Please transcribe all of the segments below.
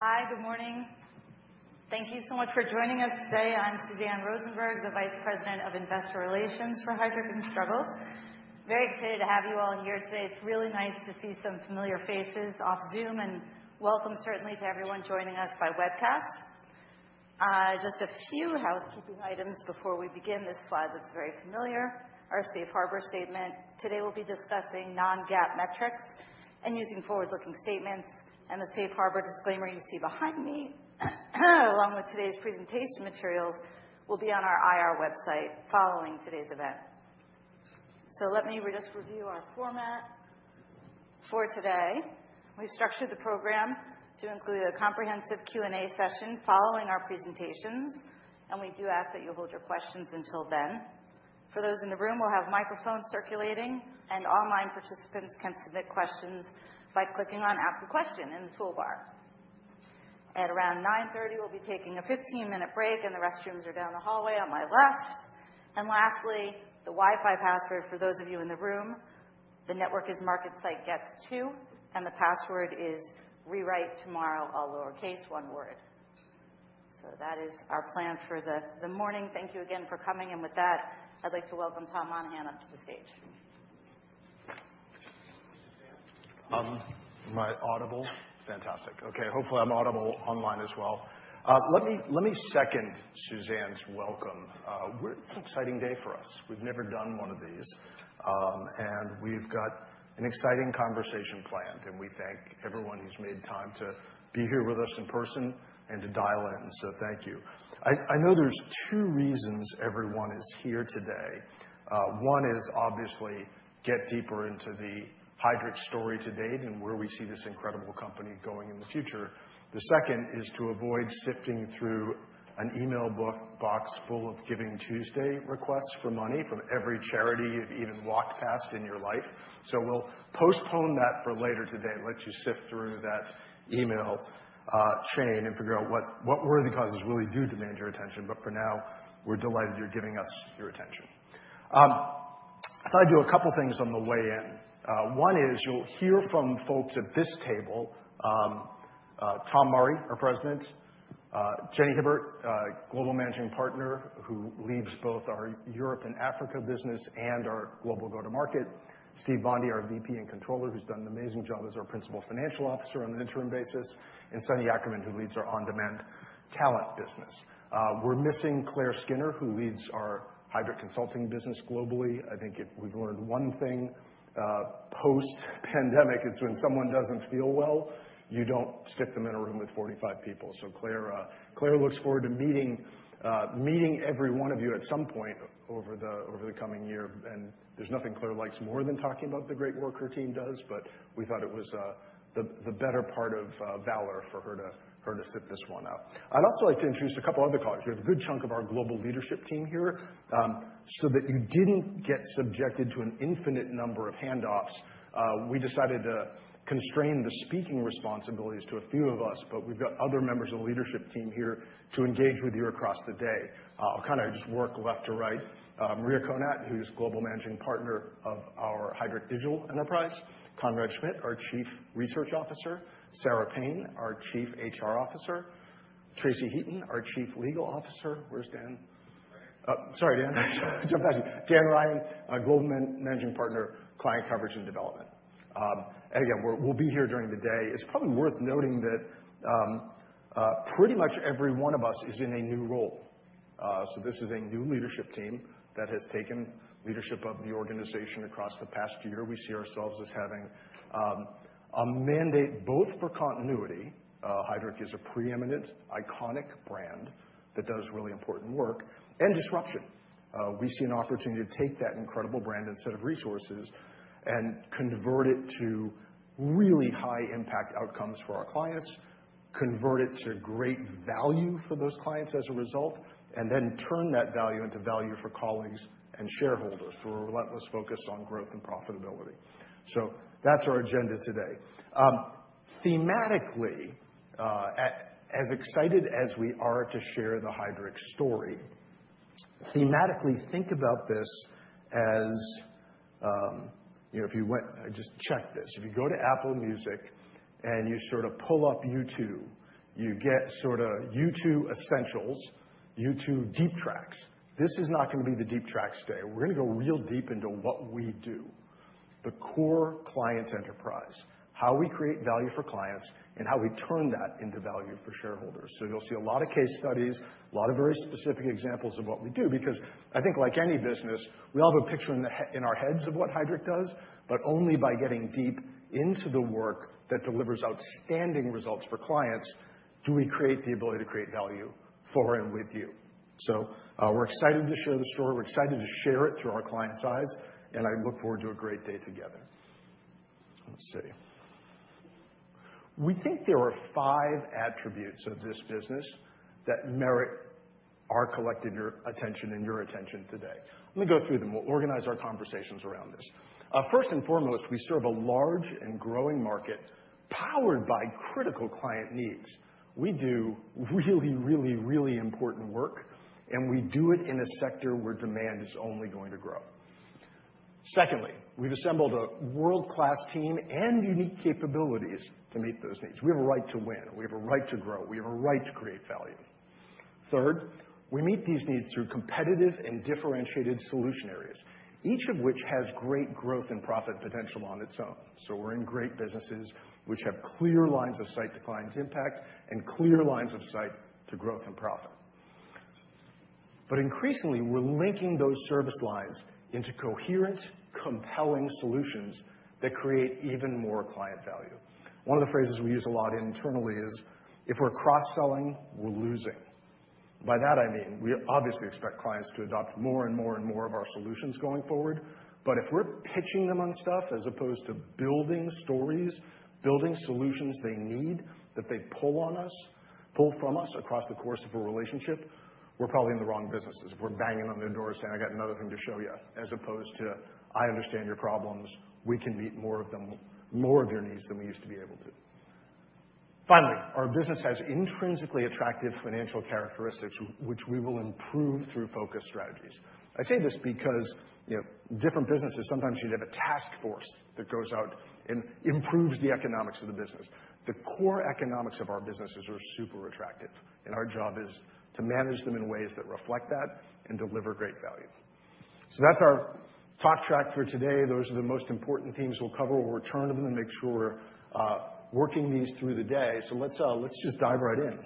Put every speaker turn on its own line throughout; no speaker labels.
Hi, good morning. Thank you so much for joining us today. I'm Suzanne Rosenberg, the Vice President of Investor Relations for Heidrick & Struggles. Very excited to have you all here today. It's really nice to see some familiar faces off Zoom, and welcome certainly to everyone joining us by webcast. Just a few housekeeping items before we begin this slide that's very familiar: our Safe Harbor statement. Today we'll be discussing non-GAAP metrics and using forward-looking statements, and the Safe Harbor disclaimer you see behind me, along with today's presentation materials, will be on our IR website following today's event. So let me just review our format for today. We've structured the program to include a comprehensive Q&A session following our presentations, and we do ask that you hold your questions until then. For those in the room, we'll have microphones circulating, and online participants can submit questions by clicking on "Ask a Question" in the toolbar. At around 9:30 A.M., we'll be taking a 15-minute break, and the restrooms are down the hallway on my left, and lastly, the Wi-Fi password for those of you in the room: the network is MarketSite-Guest-2, and the password is rewrite_tomorrow_all_lowercase_one_word, so that is our plan for the morning. Thank you again for coming, and with that, I'd like to welcome Tom Monahan up to the stage.
Am I audible? Fantastic. Okay, hopefully I'm audible online as well. Let me second Suzanne's welcome. It's an exciting day for us. We've never done one of these, and we've got an exciting conversation planned, and we thank everyone who's made time to be here with us in person and to dial in, so thank you. I know there's two reasons everyone is here today. One is obviously to get deeper into the Heidrick story to date and where we see this incredible company going in the future. The second is to avoid sifting through an email box full of Giving Tuesday requests for money from every charity you've ever walked past in your life. So we'll postpone that for later today and let you sift through that email chain and figure out what worthy causes really do demand your attention. But for now, we're delighted you're giving us your attention. I thought I'd do a couple of things on the way in. One is you'll hear from folks at this table: Tom Murray, our President, Jenni Hibbert, Global Managing Partner, who leads both our Europe and Africa business and our global go-to-market, Steve Bondi, our VP and Controller, who's done an amazing job as our Principal Financial Officer on an interim basis, and Sunny Ackerman, who leads our On-Demand Talent business. We're missing Claire Skinner, who leads our Heidrick consulting business globally. I think if we've learned one thing post-pandemic, it's when someone doesn't feel well, you don't stick them in a room with 45 people. So Claire looks forward to meeting every one of you at some point over the coming year, and there's nothing Claire likes more than talking about what the great work her team does, but we thought it was the better part of valor for her to sit this one out. I'd also like to introduce a couple of other colleagues. We have a good chunk of our global leadership team here. So that you didn't get subjected to an infinite number of handoffs, we decided to constrain the speaking responsibilities to a few of us, but we've got other members of the leadership team here to engage with you across the day. I'll kind of just work left to right: Maria Konat, who's Global Managing Partner of our Heidrick Digital Enterprise, Conrad Schmidt, our Chief Research Officer, Sarah Payne, our Chief HR Officer, Tracy Heaton, our Chief Legal Officer. Where's Dan? Sorry, Dan. Dan Ryan, Global Managing Partner, Client Coverage and Development. And again, we'll be here during the day. It's probably worth noting that pretty much every one of us is in a new role. So this is a new leadership team that has taken leadership of the organization across the past year. We see ourselves as having a mandate both for continuity, Heidrick is a preeminent, iconic brand that does really important work, and disruption. We see an opportunity to take that incredible brand and set of resources and convert it to really high-impact outcomes for our clients, convert it to great value for those clients as a result, and then turn that value into value for colleagues and shareholders through a relentless focus on growth and profitability. So that's our agenda today. Thematically, as excited as we are to share the Heidrick story, thematically think about this as, you know, if you went. I just checked this. If you go to Apple Music and you sort of pull up YouTube, you get sort of YouTube essentials, YouTube deep tracks. This is not going to be the deep tracks day. We're going to go real deep into what we do: the core client enterprise, how we create value for clients, and how we turn that into value for shareholders. So you'll see a lot of case studies, a lot of very specific examples of what we do, because I think like any business, we all have a picture in our heads of what Heidrick does, but only by getting deep into the work that delivers outstanding results for clients do we create the ability to create value for and with you. So we're excited to share the story. We're excited to share it through our clients' eyes, and I look forward to a great day together. Let's see. We think there are five attributes of this business that merit our collective attention and your attention today. Let me go through them. We'll organize our conversations around this. First and foremost, we serve a large and growing market powered by critical client needs. We do really, really, really important work, and we do it in a sector where demand is only going to grow. Secondly, we've assembled a world-class team and unique capabilities to meet those needs. We have a right to win. We have a right to grow. We have a right to create value. Third, we meet these needs through competitive and differentiated solution areas, each of which has great growth and profit potential on its own. We're in great businesses which have clear lines of sight to client impact and clear lines of sight to growth and profit, but increasingly, we're linking those service lines into coherent, compelling solutions that create even more client value. One of the phrases we use a lot internally is, "If we're cross-selling, we're losing." By that, I mean we obviously expect clients to adopt more and more and more of our solutions going forward, but if we're pitching them on stuff as opposed to building stories, building solutions they need that they pull on us, pull from us across the course of a relationship, we're probably in the wrong businesses. If we're banging on their door saying, "I got another thing to show you," as opposed to, "I understand your problems. We can meet more of them, more of your needs than we used to be able to." Finally, our business has intrinsically attractive financial characteristics, which we will improve through focus strategies. I say this because different businesses sometimes need to have a task force that goes out and improves the economics of the business. The core economics of our businesses are super attractive, and our job is to manage them in ways that reflect that and deliver great value, so that's our talk track for today. Those are the most important themes we'll cover. We'll return to them and make sure we're working these through the day, so let's just dive right in,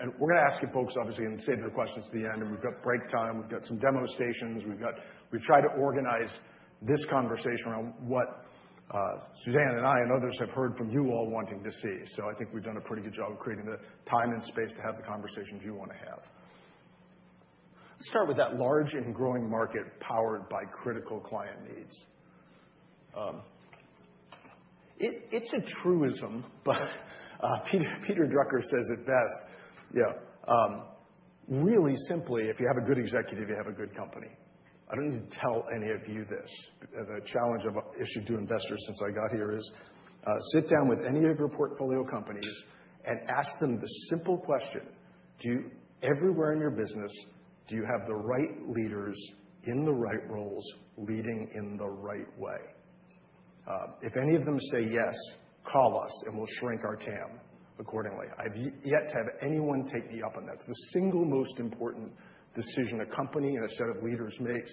and we're going to ask you folks, obviously, and save their questions to the end, and we've got break time, we've got some demo stations. We've tried to organize this conversation around what Suzanne and I and others have heard from you all wanting to see. So I think we've done a pretty good job of creating the time and space to have the conversations you want to have. Let's start with that large and growing market powered by critical client needs. It's a truism, but Peter Drucker says it best. Yeah. Really simply, if you have a good executive, you have a good company. I don't need to tell any of you this. The challenge I've issued to investors since I got here is sit down with any of your portfolio companies and ask them the simple question, "Everywhere in your business, do you have the right leaders in the right roles leading in the right way?" If any of them say yes, call us, and we'll shrink our TAM accordingly. I've yet to have anyone take me up on that. It's the single most important decision a company and a set of leaders makes: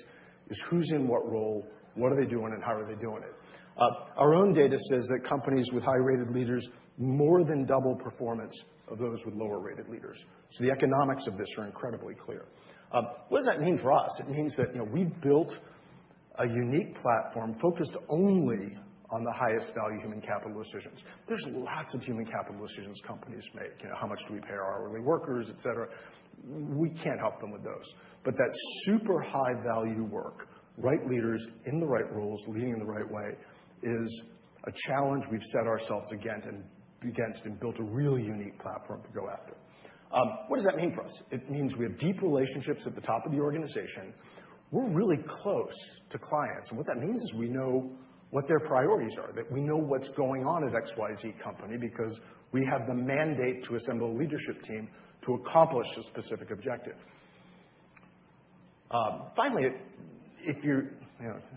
who's in what role, what are they doing, and how are they doing it. Our own data says that companies with high-rated leaders more than double performance of those with lower-rated leaders. So the economics of this are incredibly clear. What does that mean for us? It means that we've built a unique platform focused only on the highest value human capital decisions. There's lots of human capital decisions companies make, how much do we pay our hourly workers, et cetera. We can't help them with those. But that super high-value work, right leaders in the right roles, leading in the right way, is a challenge we've set ourselves against and built a really unique platform to go after. What does that mean for us? It means we have deep relationships at the top of the organization. We're really close to clients. What that means is we know what their priorities are, that we know what's going on at XYZ company because we have the mandate to assemble a leadership team to accomplish a specific objective. Finally,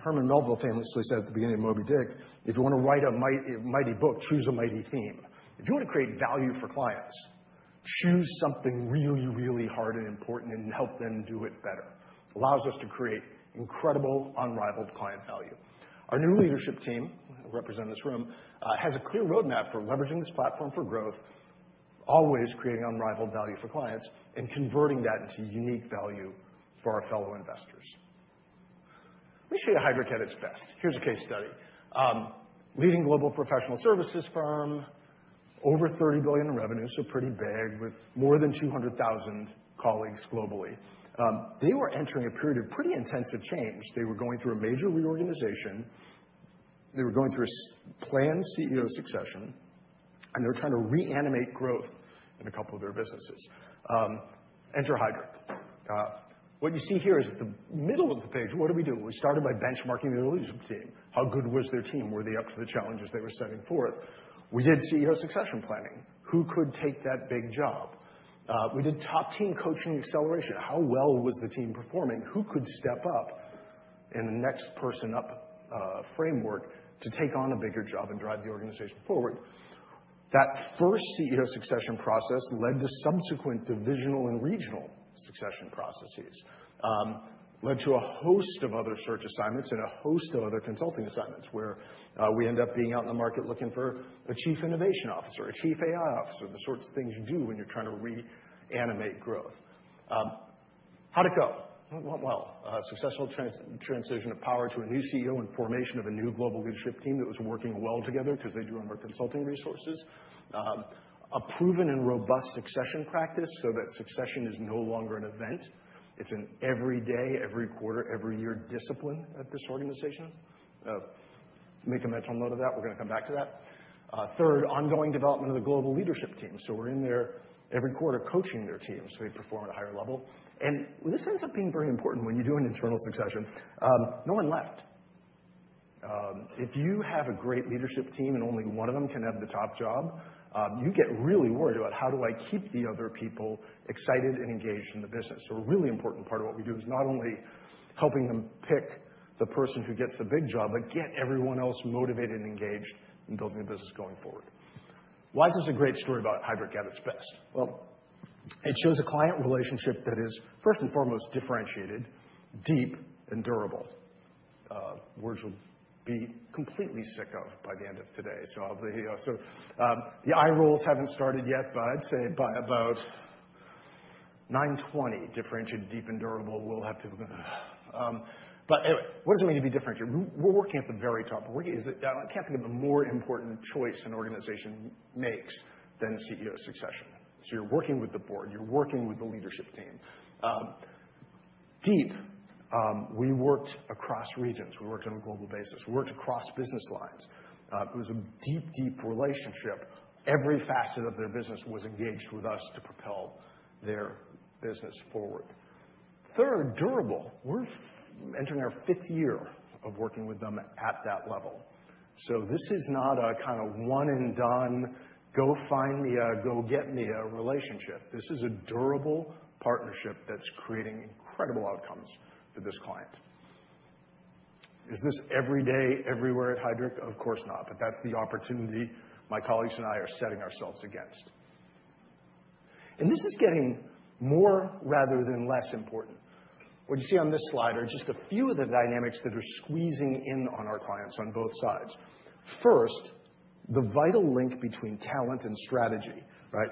Herman Melville famously said at the beginning of Moby Dick, "If you want to write a mighty book, choose a mighty theme." If you want to create value for clients, choose something really, really hard and important and help them do it better. It allows us to create incredible unrivaled client value. Our new leadership team, who represent this room, has a clear roadmap for leveraging this platform for growth, always creating unrivaled value for clients, and converting that into unique value for our fellow investors. Let me show you Heidrick at its best. Here's a case study. Leading global professional services firm, over $30 billion in revenue, so pretty big, with more than 200,000 colleagues globally. They were entering a period of pretty intensive change. They were going through a major reorganization. They were going through a planned CEO succession, and they were trying to reanimate growth in a couple of their businesses. Enter Heidrick. What you see here is at the middle of the page, what did we do? We started by benchmarking the leadership team. How good was their team? Were they up for the challenges they were setting forth? We did CEO succession planning. Who could take that big job? We did top team coaching acceleration. How well was the team performing? Who could step up in the next person up framework to take on a bigger job and drive the organization forward? That first CEO succession process led to subsequent divisional and regional succession processes, led to a host of other Search assignments and a host of other Consulting assignments where we end up being out in the market looking for a Chief Innovation Officer, a Chief AI Officer, the sorts of things you do when you're trying to reanimate growth. How'd it go? Well, successful transition of power to a new CEO and formation of a new global leadership team that was working well together because they drew on our Consulting resources. A proven and robust succession practice so that succession is no longer an event. It's an every day, every quarter, every year discipline at this organization. Make a mental note of that. We're going to come back to that. Third, ongoing development of the global leadership team. So we're in there every quarter coaching their teams so they perform at a higher level and this ends up being very important when you do an internal succession. No one left. If you have a great leadership team and only one of them can have the top job, you get really worried about how do I keep the other people excited and engaged in the business so a really important part of what we do is not only helping them pick the person who gets the big job, but get everyone else motivated and engaged in building a business going forward. Why is this a great story about Heidrick at its best? Well, it shows a client relationship that is, first and foremost, differentiated, deep, and durable. You'll be completely sick of these words by the end of today. So the eye rolls haven't started yet, but I'd say by about 9:20 A.M., differentiated, deep, and durable, we'll have people. But anyway, what does it mean to be differentiated? We're working at the very top. I can't think of a more important choice an organization makes than CEO succession. So you're working with the board. You're working with the leadership team. Deep, we worked across regions. We worked on a global basis. We worked across business lines. It was a deep, deep relationship. Every facet of their business was engaged with us to propel their business forward. Third, durable. We're entering our fifth year of working with them at that level. So this is not a kind of one-and-done, go find me, go get me relationship. This is a durable partnership that's creating incredible outcomes for this client. Is this every day, everywhere at Heidrick? Of course not, but that's the opportunity my colleagues and I are setting ourselves against. And this is getting more rather than less important. What you see on this slide are just a few of the dynamics that are squeezing in on our clients on both sides. First, the vital link between talent and strategy, right?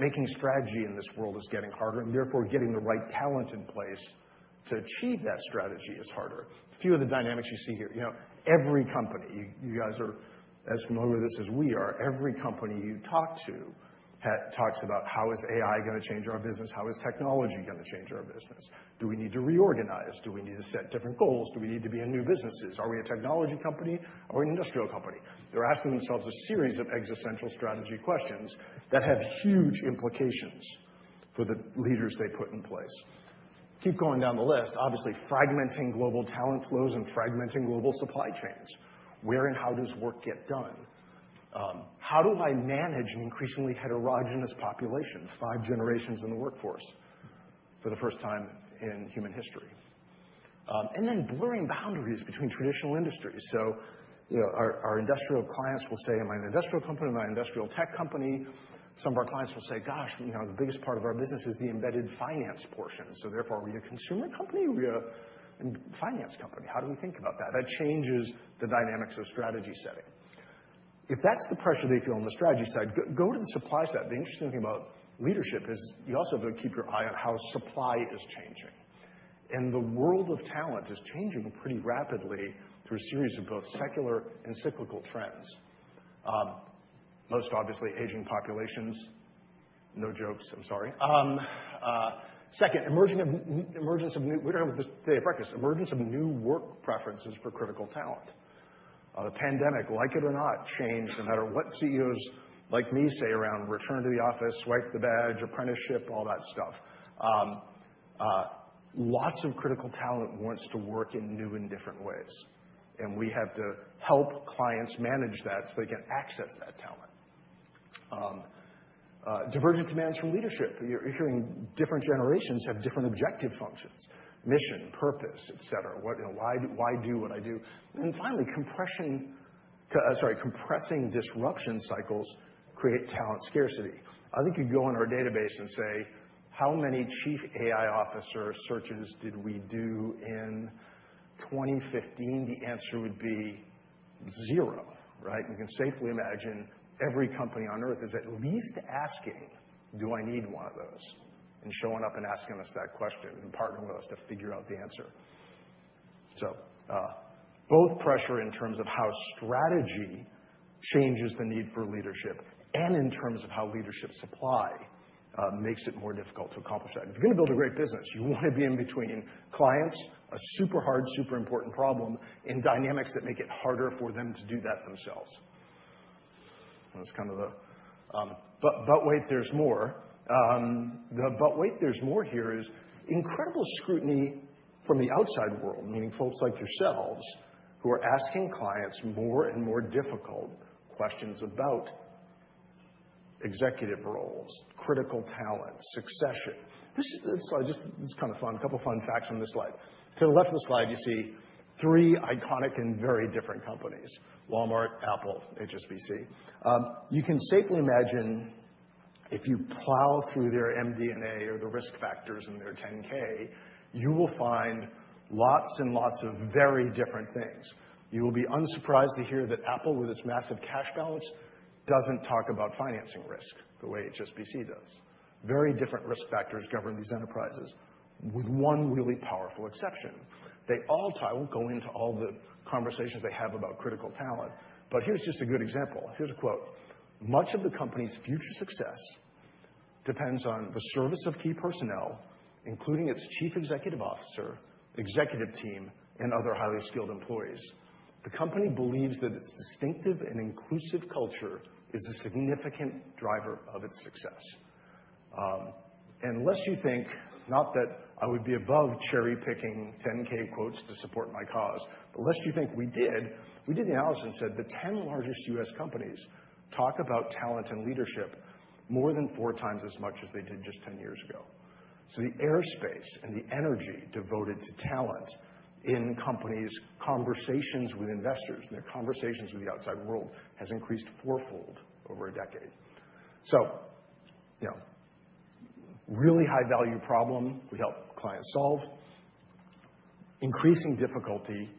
Making strategy in this world is getting harder, and therefore getting the right talent in place to achieve that strategy is harder. A few of the dynamics you see here. Every company, you guys are as familiar with this as we are. Every company you talk to talks about, "How is AI going to change our business? How is technology going to change our business? Do we need to reorganize? Do we need to set different goals? Do we need to be in new businesses? Are we a technology company? Are we an industrial company?" They're asking themselves a series of existential strategy questions that have huge implications for the leaders they put in place. Keep going down the list. Obviously, fragmenting global talent flows and fragmenting global supply chains. Where and how does work get done? How do I manage an increasingly heterogeneous population, five generations in the workforce for the first time in human history? And then blurring boundaries between traditional industries. So our industrial clients will say, "Am I an industrial company? Am I an industrial tech company?" Some of our clients will say, "Gosh, the biggest part of our business is the embedded finance portion. So therefore, are we a consumer company? Are we a finance company? How do we think about that?" That changes the dynamics of strategy setting. If that's the pressure they feel on the strategy side, go to the supply side. The interesting thing about leadership is you also have to keep your eye on how supply is changing and the world of talent is changing pretty rapidly through a series of both secular and cyclical trends. Most obviously, aging populations. No jokes. I'm sorry. Second, emergence of new work preferences for critical talent. The pandemic, like it or not, changed no matter what CEOs like me say around return to the office, swipe the badge, apprenticeship, all that stuff. Lots of critical talent wants to work in new and different ways and we have to help clients manage that so they can access that talent. Divergent demands from leadership. You're hearing different generations have different objective functions, mission, purpose, et cetera. Why do what I do and then finally, compressing disruption cycles create talent scarcity. I think you could go on our database and say, "How many Chief AI Officer searches did we do in 2015?" The answer would be zero, right? You can safely imagine every company on earth is at least asking, "Do I need one of those?" and showing up and asking us that question and partnering with us to figure out the answer, so both pressure in terms of how strategy changes the need for leadership and in terms of how leadership supply makes it more difficult to accomplish that. If you're going to build a great business, you want to be in between clients, a super hard, super important problem, and dynamics that make it harder for them to do that themselves. That's kind of the, but wait, there's more. The "but wait, there's more" here is incredible scrutiny from the outside world, meaning folks like yourselves who are asking clients more and more difficult questions about executive roles, critical talent, succession. This is kind of fun. A couple of fun facts on this slide. To the left of the slide, you see three iconic and very different companies: Walmart, Apple, HSBC. You can safely imagine if you plow through their MD&A or the risk factors in their 10-K, you will find lots and lots of very different things. You will be unsurprised to hear that Apple, with its massive cash balance, doesn't talk about financing risk the way HSBC does. Very different risk factors govern these enterprises with one really powerful exception. They all. I won't go into all the conversations they have about critical talent, but here's just a good example. Here's a quote. Much of the company's future success depends on the service of key personnel, including its Chief Executive Officer, executive team, and other highly skilled employees. The company believes that its distinctive and inclusive culture is a significant driver of its success." And lest you think, not that I would be above cherry-picking 10-K quotes to support my cause, but lest you think we did, we did the analysis and said the 10 largest U.S. companies talk about talent and leadership more than four times as much as they did just 10 years ago. So the airspace and the energy devoted to talent in companies, conversations with investors, and their conversations with the outside world has increased fourfold over a decade. So really high-value problem we help clients solve, increasing difficulty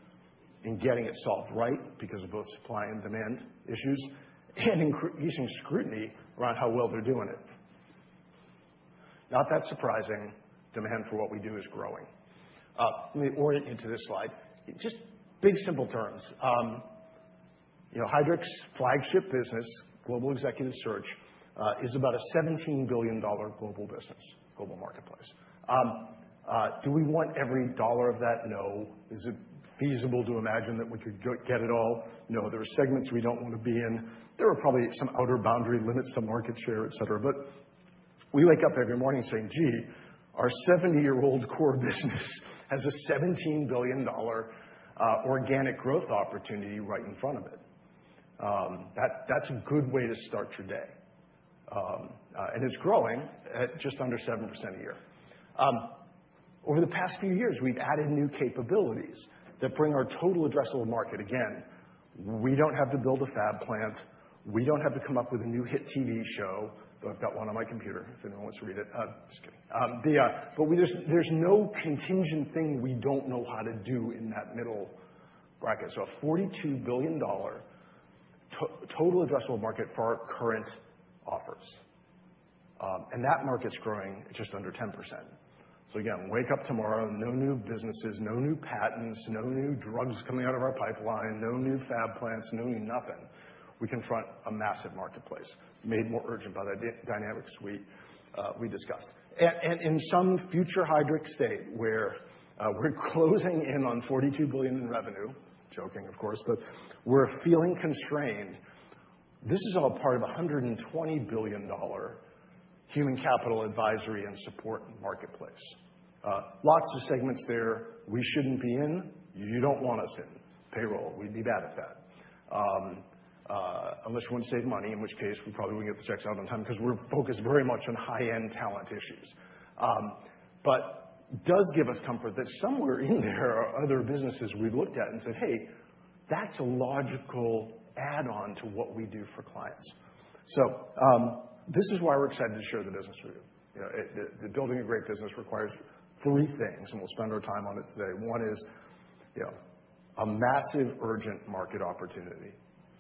in getting it solved right because of both supply and demand issues, and increasing scrutiny around how well they're doing it. Not that surprising. Demand for what we do is growing. Let me orient you to this slide. Just big, simple terms. Heidrick's flagship business, Global Executive Search, is about a $17 billion global business, global marketplace. Do we want every dollar of that? No. Is it feasible to imagine that we could get it all? No. There are segments we don't want to be in. There are probably some outer boundary limits to market share, et cetera. But we wake up every morning saying, "Gee, our 70-year-old core business has a $17 billion organic growth opportunity right in front of it." That's a good way to start your day, and it's growing at just under 7% a year. Over the past few years, we've added new capabilities that bring our total addressable market. Again, we don't have to build a fab plant. We don't have to come up with a new hit TV show, though I've got one on my computer if anyone wants to read it. Just kidding. But there's no contingent thing we don't know how to do in that middle bracket. So a $42 billion total addressable market for our current offers. And that market's growing just under 10%. So again, wake up tomorrow, no new businesses, no new patents, no new drugs coming out of our pipeline, no new fab plants, no new nothing. We confront a massive marketplace made more urgent by the dynamics we discussed. And in some future Heidrick state where we're closing in on $42 billion in revenue, joking, of course, but we're feeling constrained. This is all part of a $120 billion human capital advisory and support marketplace. Lots of segments there we shouldn't be in. You don't want us in. Payroll. We'd be bad at that. Unless you want to save money, in which case we probably wouldn't get the checks out on time because we're focused very much on high-end talent issues. But it does give us comfort that somewhere in there are other businesses we've looked at and said, "Hey, that's a logical add-on to what we do for clients." So this is why we're excited to share the business with you. Building a great business requires three things, and we'll spend our time on it today. One is a massive urgent market opportunity.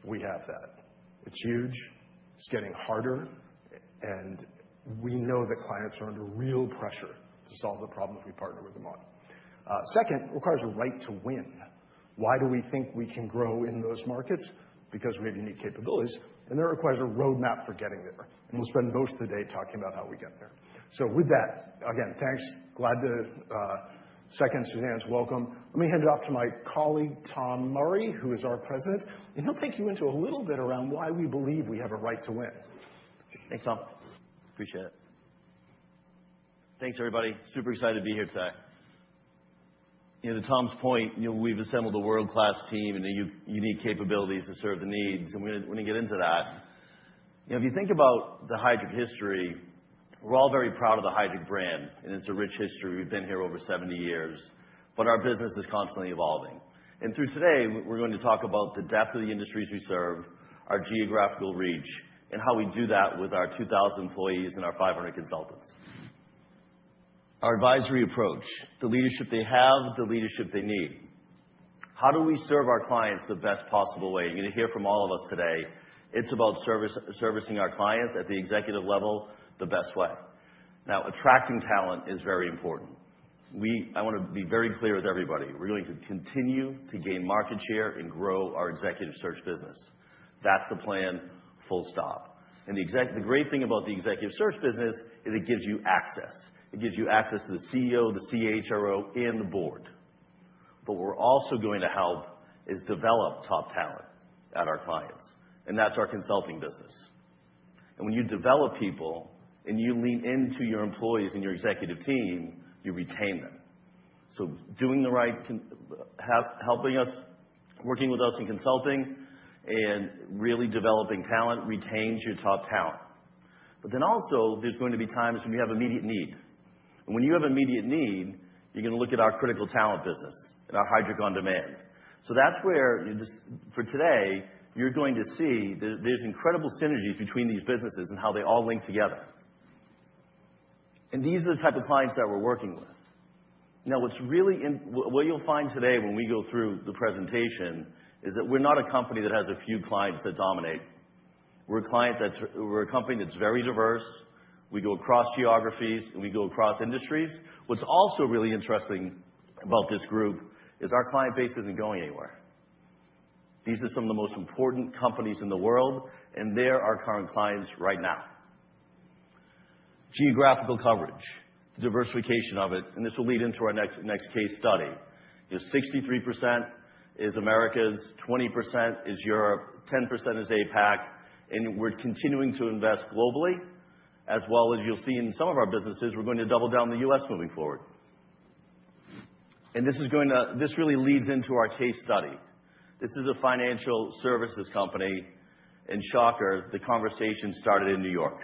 We have that. It's huge. It's getting harder, and we know that clients are under real pressure to solve the problem if we partner with them on. Second, it requires a right to win. Why do we think we can grow in those markets? Because we have unique capabilities, and that requires a roadmap for getting there. We'll spend most of the day talking about how we get there. So with that, again, thanks. Glad to second Suzanne's welcome. Let me hand it off to my colleague, Tom Murray, who is our President. He'll take you into a little bit around why we believe we have a right to win.
Thanks, Tom. Appreciate it. Thanks, everybody. Super excited to be here today. To Tom's point, we've assembled a world-class team and unique capabilities to serve the needs, and we're going to get into that. If you think about the Heidrick history, we're all very proud of the Heidrick brand. And it's a rich history. We've been here over 70 years. But our business is constantly evolving. And through today, we're going to talk about the depth of the industries we serve, our geographical reach, and how we do that with our 2,000 employees and our 500 consultants. Our advisory approach, the leadership they have, the leadership they need. How do we serve our clients the best possible way? You're going to hear from all of us today. It's about servicing our clients at the executive level the best way. Now, attracting talent is very important. I want to be very clear with everybody. We're going to continue to gain market share and grow our Executive Search business. That's the plan, full stop. The great thing about the Executive Search business is it gives you access. It gives you access to the CEO, the CHRO, and the board. But what we're also going to help is develop top talent at our clients. And that's our Consulting business. And when you develop people and you lean into your employees and your executive team, you retain them. So helping us, working with us in Consulting and really developing talent retains your top talent. But then also, there's going to be times when you have immediate need. And when you have immediate need, you're going to look at our critical talent business and our Heidrick On Demand. So that's where for today, you're going to see there's incredible synergies between these businesses and how they all link together. And these are the type of clients that we're working with. Now, what you'll find today when we go through the presentation is that we're not a company that has a few clients that dominate. We're a company that's very diverse. We go across geographies, and we go across industries. What's also really interesting about this group is our client base isn't going anywhere. These are some of the most important companies in the world, and they're our current clients right now. Geographical coverage, the diversification of it, and this will lead into our next case study. 63% is Americas, 20% is Europe, 10% is APAC, and we're continuing to invest globally, as well as you'll see in some of our businesses, we're going to double down the U.S. moving forward. This really leads into our case study. This is a financial services company. Shocker, the conversation started in New York.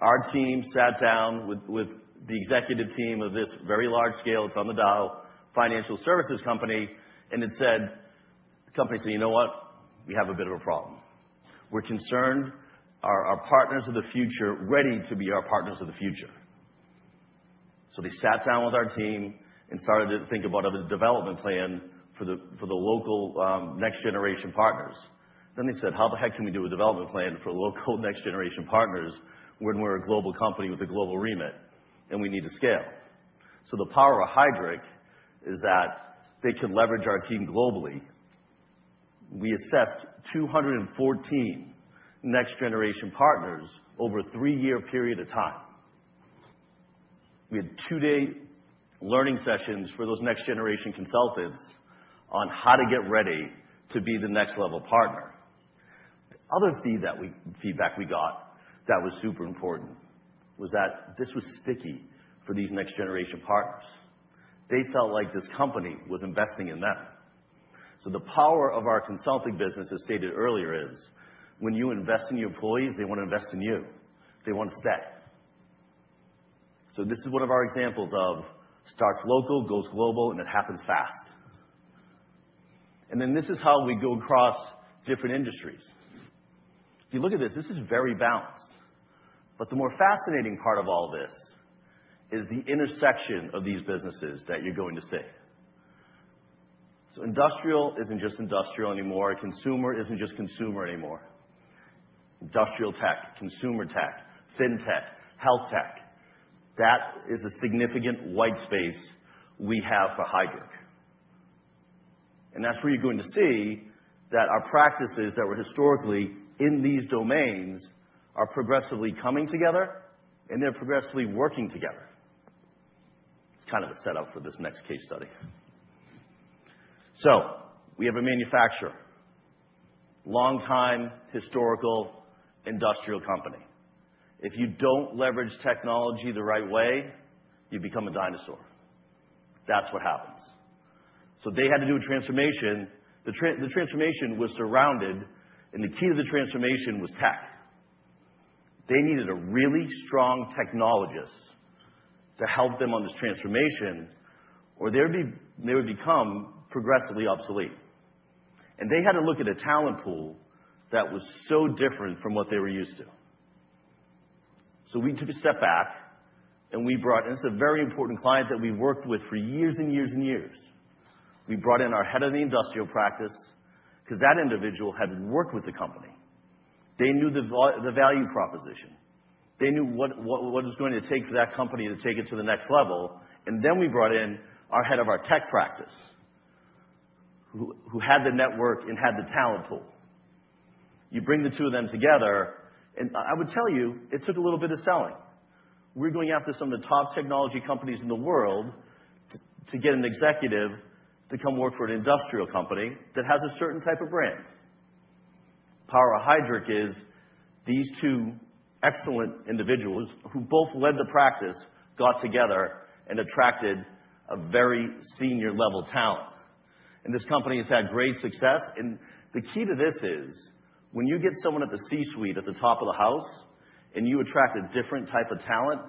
Our team sat down with the executive team of this very large-scale, it's on the Dow, financial services company, and the company said, "You know what? We have a bit of a problem. We're concerned. Are our partners of the future ready to be our partners of the future?", so they sat down with our team and started to think about a development plan for the local next-generation partners, then they said, "How the heck can we do a development plan for local next-generation partners when we're a global company with a global remit? And we need to scale.", so the power of Heidrick is that they can leverage our team globally. We assessed 214 next-generation partners over a three-year period of time. We had two-day learning sessions for those next-generation consultants on how to get ready to be the next-level partner. The other feedback we got that was super important was that this was sticky for these next-generation partners. They felt like this company was investing in them. So the power of our Consulting business, as stated earlier, is when you invest in your employees, they want to invest in you. They want to stay. So this is one of our examples of starts local, goes global, and it happens fast. And then this is how we go across different industries. If you look at this, this is very balanced. But the more fascinating part of all this is the intersection of these businesses that you're going to see. So industrial isn't just industrial anymore. Consumer isn't just consumer anymore. Industrial tech, consumer tech, fintech, health tech. That is a significant white space we have for Heidrick. That's where you're going to see that our practices that were historically in these domains are progressively coming together, and they're progressively working together. It's kind of a setup for this next case study. We have a manufacturer, long-time historical industrial company. If you don't leverage technology the right way, you become a dinosaur. That's what happens. They had to do a transformation. The transformation was surrounded, and the key to the transformation was tech. They needed a really strong technologist to help them on this transformation, or they would become progressively obsolete. They had to look at a talent pool that was so different from what they were used to. We took a step back, and we brought in a very important client that we've worked with for years and years and years. We brought in our head of the industrial practice because that individual had worked with the company. They knew the value proposition. They knew what it was going to take for that company to take it to the next level. And then we brought in our head of our tech practice who had the network and had the talent pool. You bring the two of them together, and I would tell you it took a little bit of selling. We're going after some of the top technology companies in the world to get an executive to come work for an industrial company that has a certain type of brand. The power of Heidrick is these two excellent individuals who both led the practice, got together, and attracted a very senior-level talent. And this company has had great success. And the key to this is when you get someone at the C-suite at the top of the house and you attract a different type of talent,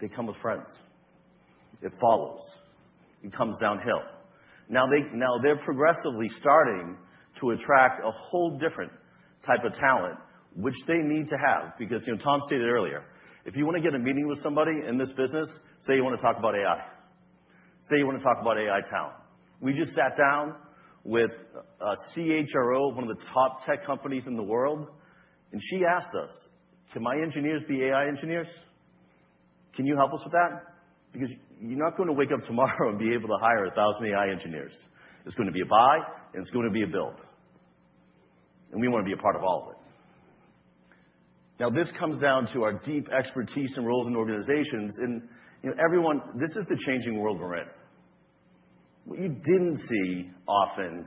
they come with friends. It follows. It comes downhill. Now, they're progressively starting to attract a whole different type of talent, which they need to have because Tom stated earlier, if you want to get a meeting with somebody in this business, say you want to talk about AI. Say you want to talk about AI talent. We just sat down with a CHRO, one of the top tech companies in the world, and she asked us, "Can my engineers be AI engineers? Can you help us with that?" Because you're not going to wake up tomorrow and be able to hire 1,000 AI engineers. It's going to be a buy, and it's going to be a build. And we want to be a part of all of it. Now, this comes down to our deep expertise and roles and organizations. And this is the changing world we're in. What you didn't see often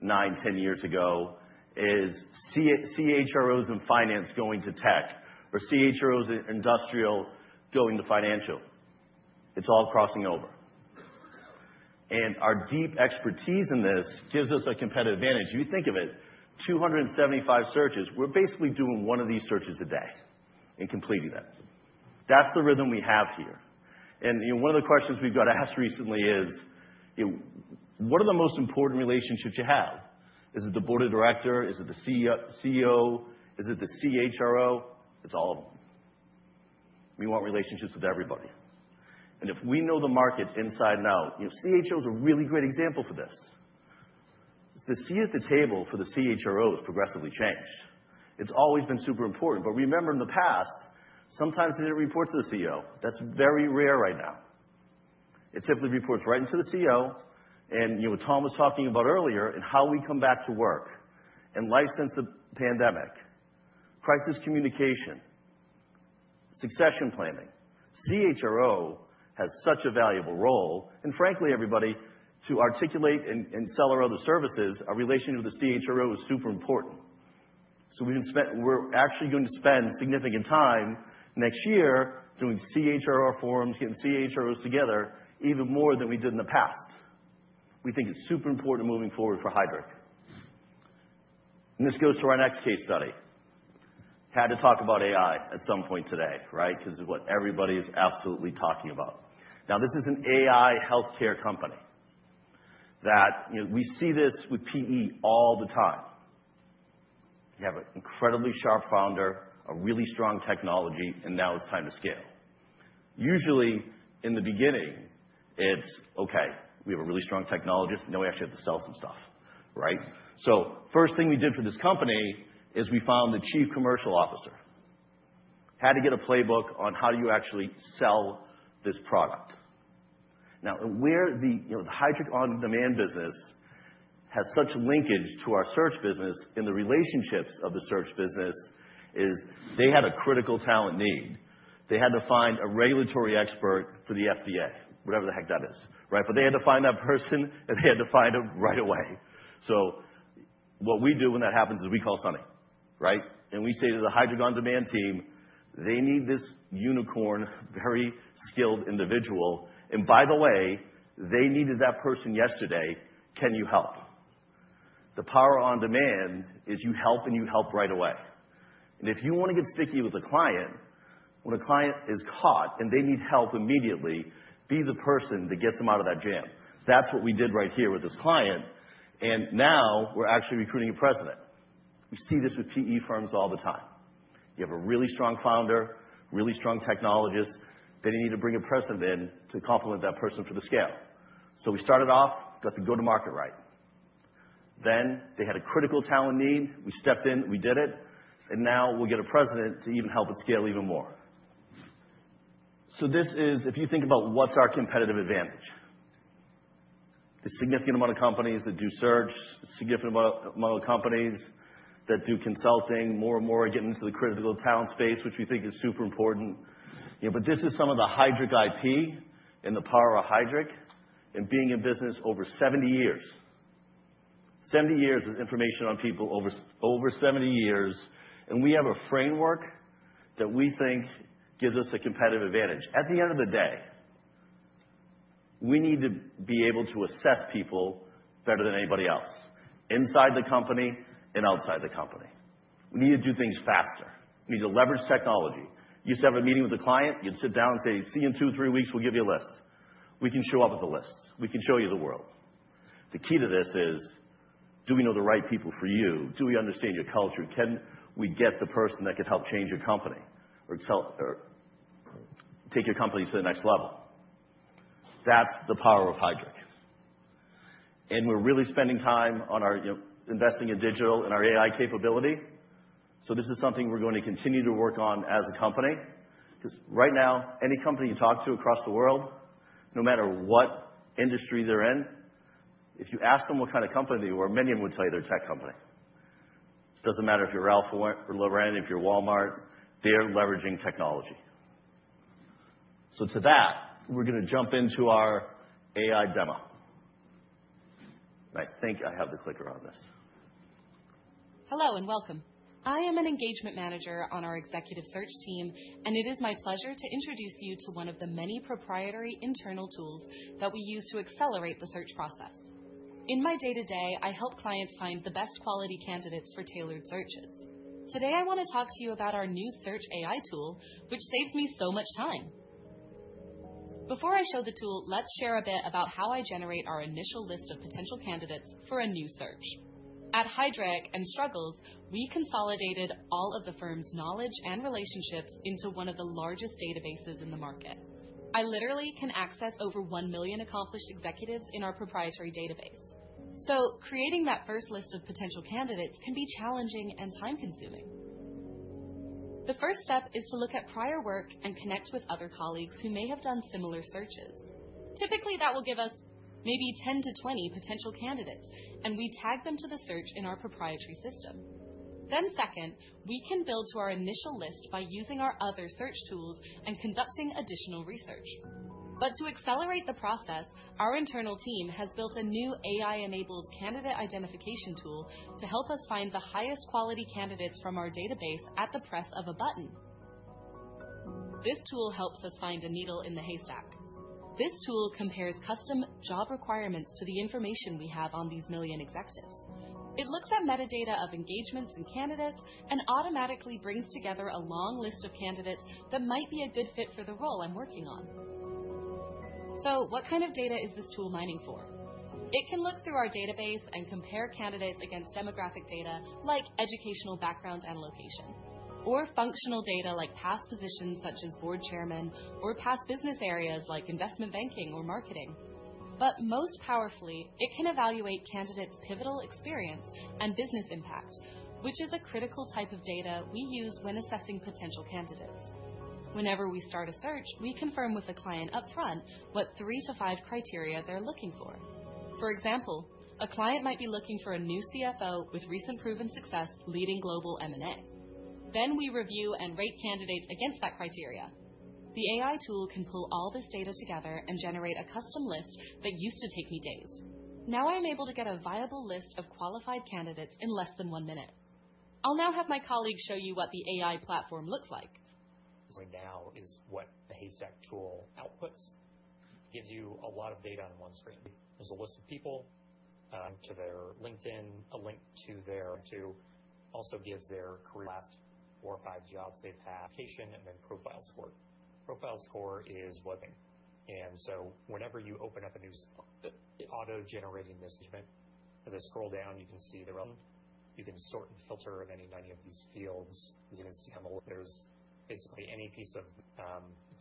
nine, 10 years ago is CHROs in finance going to tech or CHROs in industrial going to financial. It's all crossing over. And our deep expertise in this gives us a competitive advantage. You think of it, 275 searches. We're basically doing one of these searches a day and completing that. That's the rhythm we have here. And one of the questions we've got asked recently is, "What are the most important relationships you have? Is it the Board of Directors? Is it the CEO? Is it the CHRO?" It's all of them. We want relationships with everybody. If we know the market inside and out, CHROs are a really great example for this. The seat at the table for the CHROs has progressively changed. It's always been super important. But remember, in the past, sometimes it didn't report to the CEO. That's very rare right now. It typically reports right into the CEO. And what Tom was talking about earlier and how we come back to work and life since the pandemic, crisis communication, succession planning. CHRO has such a valuable role. And frankly, everybody, to articulate and sell our other services, our relationship with the CHRO is super important. So we're actually going to spend significant time next year doing CHRO forums, getting CHROs together even more than we did in the past. We think it's super important moving forward for Heidrick. And this goes to our next case study. Had to talk about AI at some point today, right, because it's what everybody is absolutely talking about. Now, this is an AI healthcare company that we see this with PE all the time. You have an incredibly sharp founder, a really strong technology, and now it's time to scale. Usually, in the beginning, it's, "Okay, we have a really strong technologist. Now we actually have to sell some stuff," right? So first thing we did for this company is we found the chief commercial officer. Had to get a playbook on how do you actually sell this product. Now, where the Heidrick on demand business has such linkage to our Search business and the relationships of the Search business is they had a critical talent need. They had to find a regulatory expert for the FDA, whatever the heck that is, right? But they had to find that person, and they had to find him right away. So what we do when that happens is we call Sunny, right? And we say to the Heidrick On Demand team, "They need this unicorn, very skilled individual. And by the way, they needed that person yesterday. Can you help?" The power on demand is you help, and you help right away. And if you want to get sticky with a client, when a client is caught and they need help immediately, be the person that gets them out of that jam. That's what we did right here with this client. And now we're actually recruiting a president. We see this with PE firms all the time. You have a really strong founder, really strong technologist. They need to bring a president in to complement that person for the scale. So we started off, got the go-to-market right. Then they had a critical talent need. We stepped in. We did it. And now we'll get a president to even help us scale even more. So this is, if you think about what's our competitive advantage, the significant amount of companies that do Search, the significant amount of companies that do Consulting, more and more are getting into the critical talent space, which we think is super important. But this is some of the Heidrick IP and the power of Heidrick and being in business over 70 years. 70 years of information on people over 70 years. And we have a framework that we think gives us a competitive advantage. At the end of the day, we need to be able to assess people better than anybody else inside the company and outside the company. We need to do things faster. We need to leverage technology. You used to have a meeting with a client. You'd sit down and say, "See you in two, three weeks. We'll give you a list." We can show up with the lists. We can show you the world. The key to this is, do we know the right people for you? Do we understand your culture? Can we get the person that could help change your company or take your company to the next level? That's the power of Heidrick. And we're really spending time on our investing in digital and our AI capability. So this is something we're going to continue to work on as a company because right now, any company you talk to across the world, no matter what industry they're in, if you ask them what kind of company they are, many of them will tell you they're a tech company. It doesn't matter if you're Alphabet or Lowe's or if you're Walmart. They're leveraging technology. So to that, we're going to jump into our AI demo. I think I have the clicker on this. Hello, and welcome. I am an engagement manager on our Executive Search team, and it is my pleasure to introduce you to one of the many proprietary internal tools that we use to accelerate the Search process. In my day-to-day, I help clients find the best quality candidates for tailored searches. Today, I want to talk to you about our new Search AI tool, which saves me so much time. Before I show the tool, let's share a bit about how I generate our initial list of potential candidates for a new Search. At Heidrick & Struggles, we consolidated all of the firm's knowledge and relationships into one of the largest databases in the market. I literally can access over one million accomplished executives in our proprietary database. So creating that first list of potential candidates can be challenging and time-consuming. The first step is to look at prior work and connect with other colleagues who may have done similar searches. Typically, that will give us maybe 10 to 20 potential candidates, and we tag them to the Search in our proprietary system. Then second, we can build to our initial list by using our other Search tools and conducting additional research. But to accelerate the process, our internal team has built a new AI-enabled candidate identification tool to help us find the highest quality candidates from our database at the press of a button. This tool helps us find a needle in the haystack. This tool compares custom job requirements to the information we have on these million executives. It looks at metadata of engagements and candidates and automatically brings together a long list of candidates that might be a good fit for the role I'm working on. So what kind of data is this tool mining for? It can look through our database and compare candidates against demographic data like educational background and location, or functional data like past positions such as board chairman or past business areas like investment banking or marketing. But most powerfully, it can evaluate candidates' pivotal experience and business impact, which is a critical type of data we use when assessing potential candidates. Whenever we start a Search, we confirm with the client upfront what three to five criteria they're looking for. For example, a client might be looking for a new CFO with recent proven success leading global M&A. Then we review and rate candidates against that criteria. The AI tool can pull all this data together and generate a custom list that used to take me days. Now I'm able to get a viable list of qualified candidates in less than one minute. I'll now have my colleague show you what the AI platform looks like. Right now is what the Haystack tool outputs. It gives you a lot of data on one screen. There's a list of people. It also gives their career last four or five jobs they've had, location, and then profile score. Profile score is weighted. And so whenever you open up a new auto-generating this engagement, as I scroll down, you can see the relevant. You can sort and filter in any of these fields. It's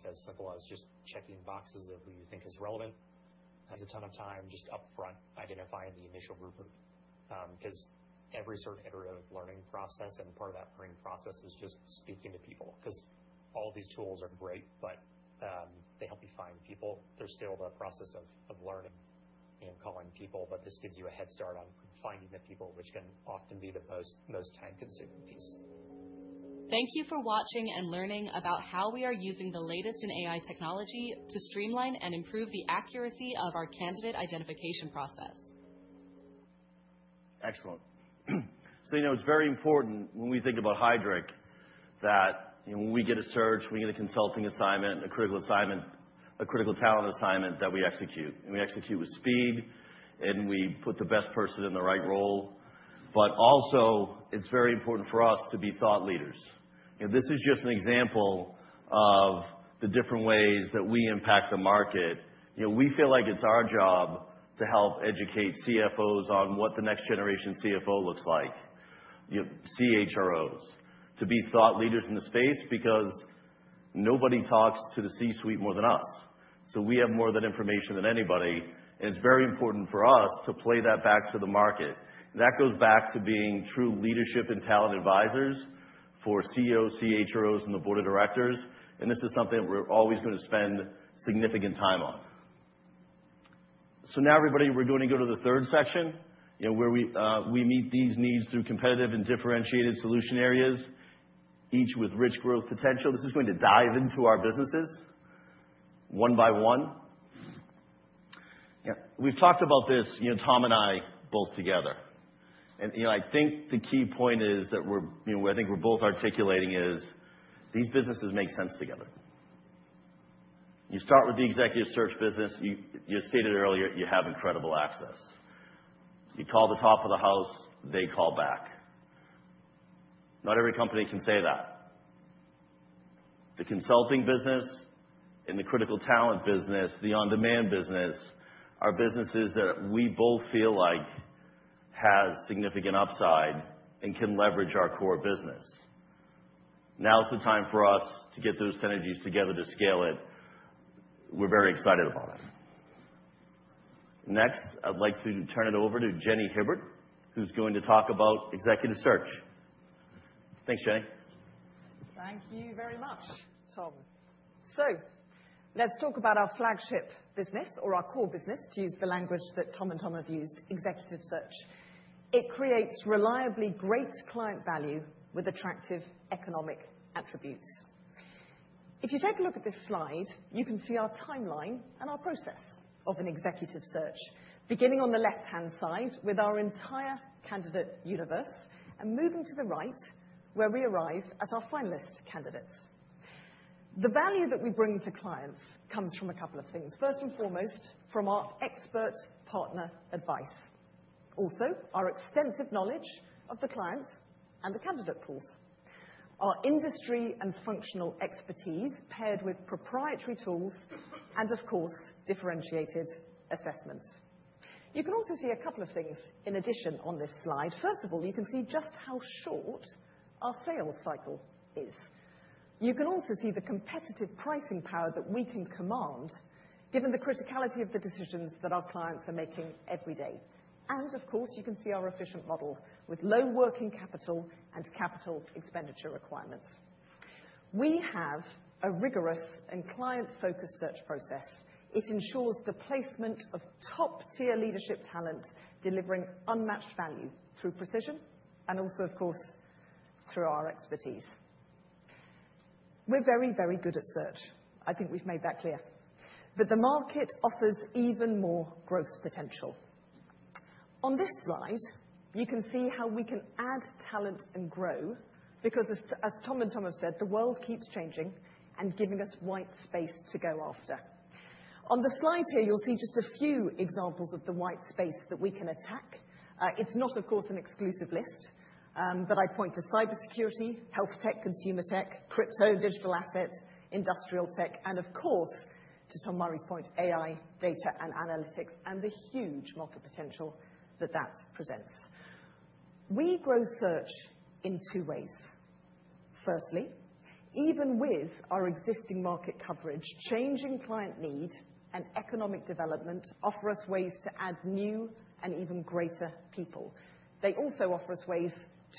as simple as just checking boxes of who you think is relevant. It takes a ton of time just upfront identifying the initial group because every Search has a periodic learning process, and part of that learning process is just speaking to people. Because all these tools are great, but they help you find people. There's still the process of learning and calling people, but this gives you a head start on finding the people, which can often be the most time-consuming piece. Thank you for watching and learning about how we are using the latest in AI technology to streamline and improve the accuracy of our candidate identification process. Excellent. So it's very important when we think about Heidrick that when we get a Search, we get a Consulting assignment, a critical talent assignment that we execute. And we execute with speed, and we put the best person in the right role. But also, it's very important for us to be thought leaders. This is just an example of the different ways that we impact the market. We feel like it's our job to help educate CFOs on what the next generation CFO looks like, CHROs, to be thought leaders in the space because nobody talks to the C-suite more than us. So we have more of that information than anybody. And it's very important for us to play that back to the market. That goes back to being true leadership and talent advisors for CEOs, CHROs, and the Board of Directors. And this is something we're always going to spend significant time on. So now, everybody, we're going to go to the third section where we meet these needs through competitive and differentiated solution areas, each with rich growth potential. This is going to dive into our businesses one by one. We've talked about this, Tom and I, both together. And I think the key point is that I think we're both articulating is these businesses make sense together. You start with the Executive Search business. You stated earlier you have incredible access. You call the top of the house, they call back. Not every company can say that. The Consulting business and the critical talent business, the On-Demand business, are businesses that we both feel like have significant upside and can leverage our core business. Now it's the time for us to get those synergies together to scale it. We're very excited about it. Next, I'd like to turn it over to Jenni Hibbert, who's going to talk about Executive Search. Thanks, Jenni.
Thank you very much, Tom. So let's talk about our flagship business or our core business, to use the language that Tom and Tom have used, Executive Search. It creates reliably great client value with attractive economic attributes. If you take a look at this slide, you can see our timeline and our process of an Executive Search, beginning on the left-hand side with our entire candidate universe and moving to the right where we arrive at our finalist candidates. The value that we bring to clients comes from a couple of things. First and foremost, from our expert partner advice. Also, our extensive knowledge of the client and the candidate pools, our industry and functional expertise paired with proprietary tools, and of course, differentiated assessments. You can also see a couple of things in addition on this slide. First of all, you can see just how short our sales cycle is. You can also see the competitive pricing power that we can command, given the criticality of the decisions that our clients are making every day, and of course, you can see our efficient model with low working capital and capital expenditure requirements. We have a rigorous and client-focused Search process. It ensures the placement of top-tier leadership talent delivering unmatched value through precision and also, of course, through our expertise. We're very, very good at Search. I think we've made that clear, but the market offers even more growth potential. On this slide, you can see how we can add talent and grow because, as Tom and Tom have said, the world keeps changing and giving us white space to go after. On the slide here, you'll see just a few examples of the white space that we can attack. It's not, of course, an exclusive list, but I point to cybersecurity, health tech, consumer tech, crypto, digital assets, industrial tech, and of course, to Tom Murray's point, AI, data, and analytics, and the huge market potential that that presents. We grow Search in two ways. Firstly, even with our existing market coverage, changing client need and economic development offer us ways to add new and even greater people. They also offer us ways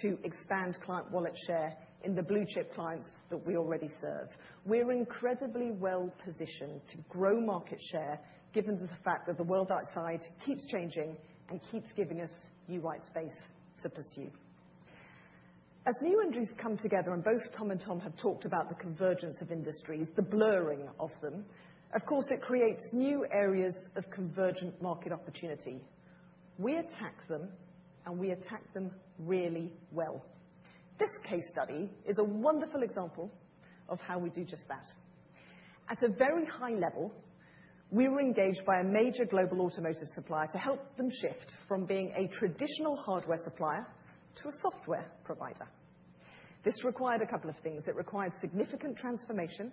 to expand client wallet share in the blue-chip clients that we already serve. We're incredibly well-positioned to grow market share given the fact that the world outside keeps changing and keeps giving us new white space to pursue. As new entries come together, and both Tom and Tom have talked about the convergence of industries, the blurring of them, of course, it creates new areas of convergent market opportunity. We attack them, and we attack them really well. This case study is a wonderful example of how we do just that. At a very high level, we were engaged by a major global automotive supplier to help them shift from being a traditional hardware supplier to a software provider. This required a couple of things. It required significant transformation,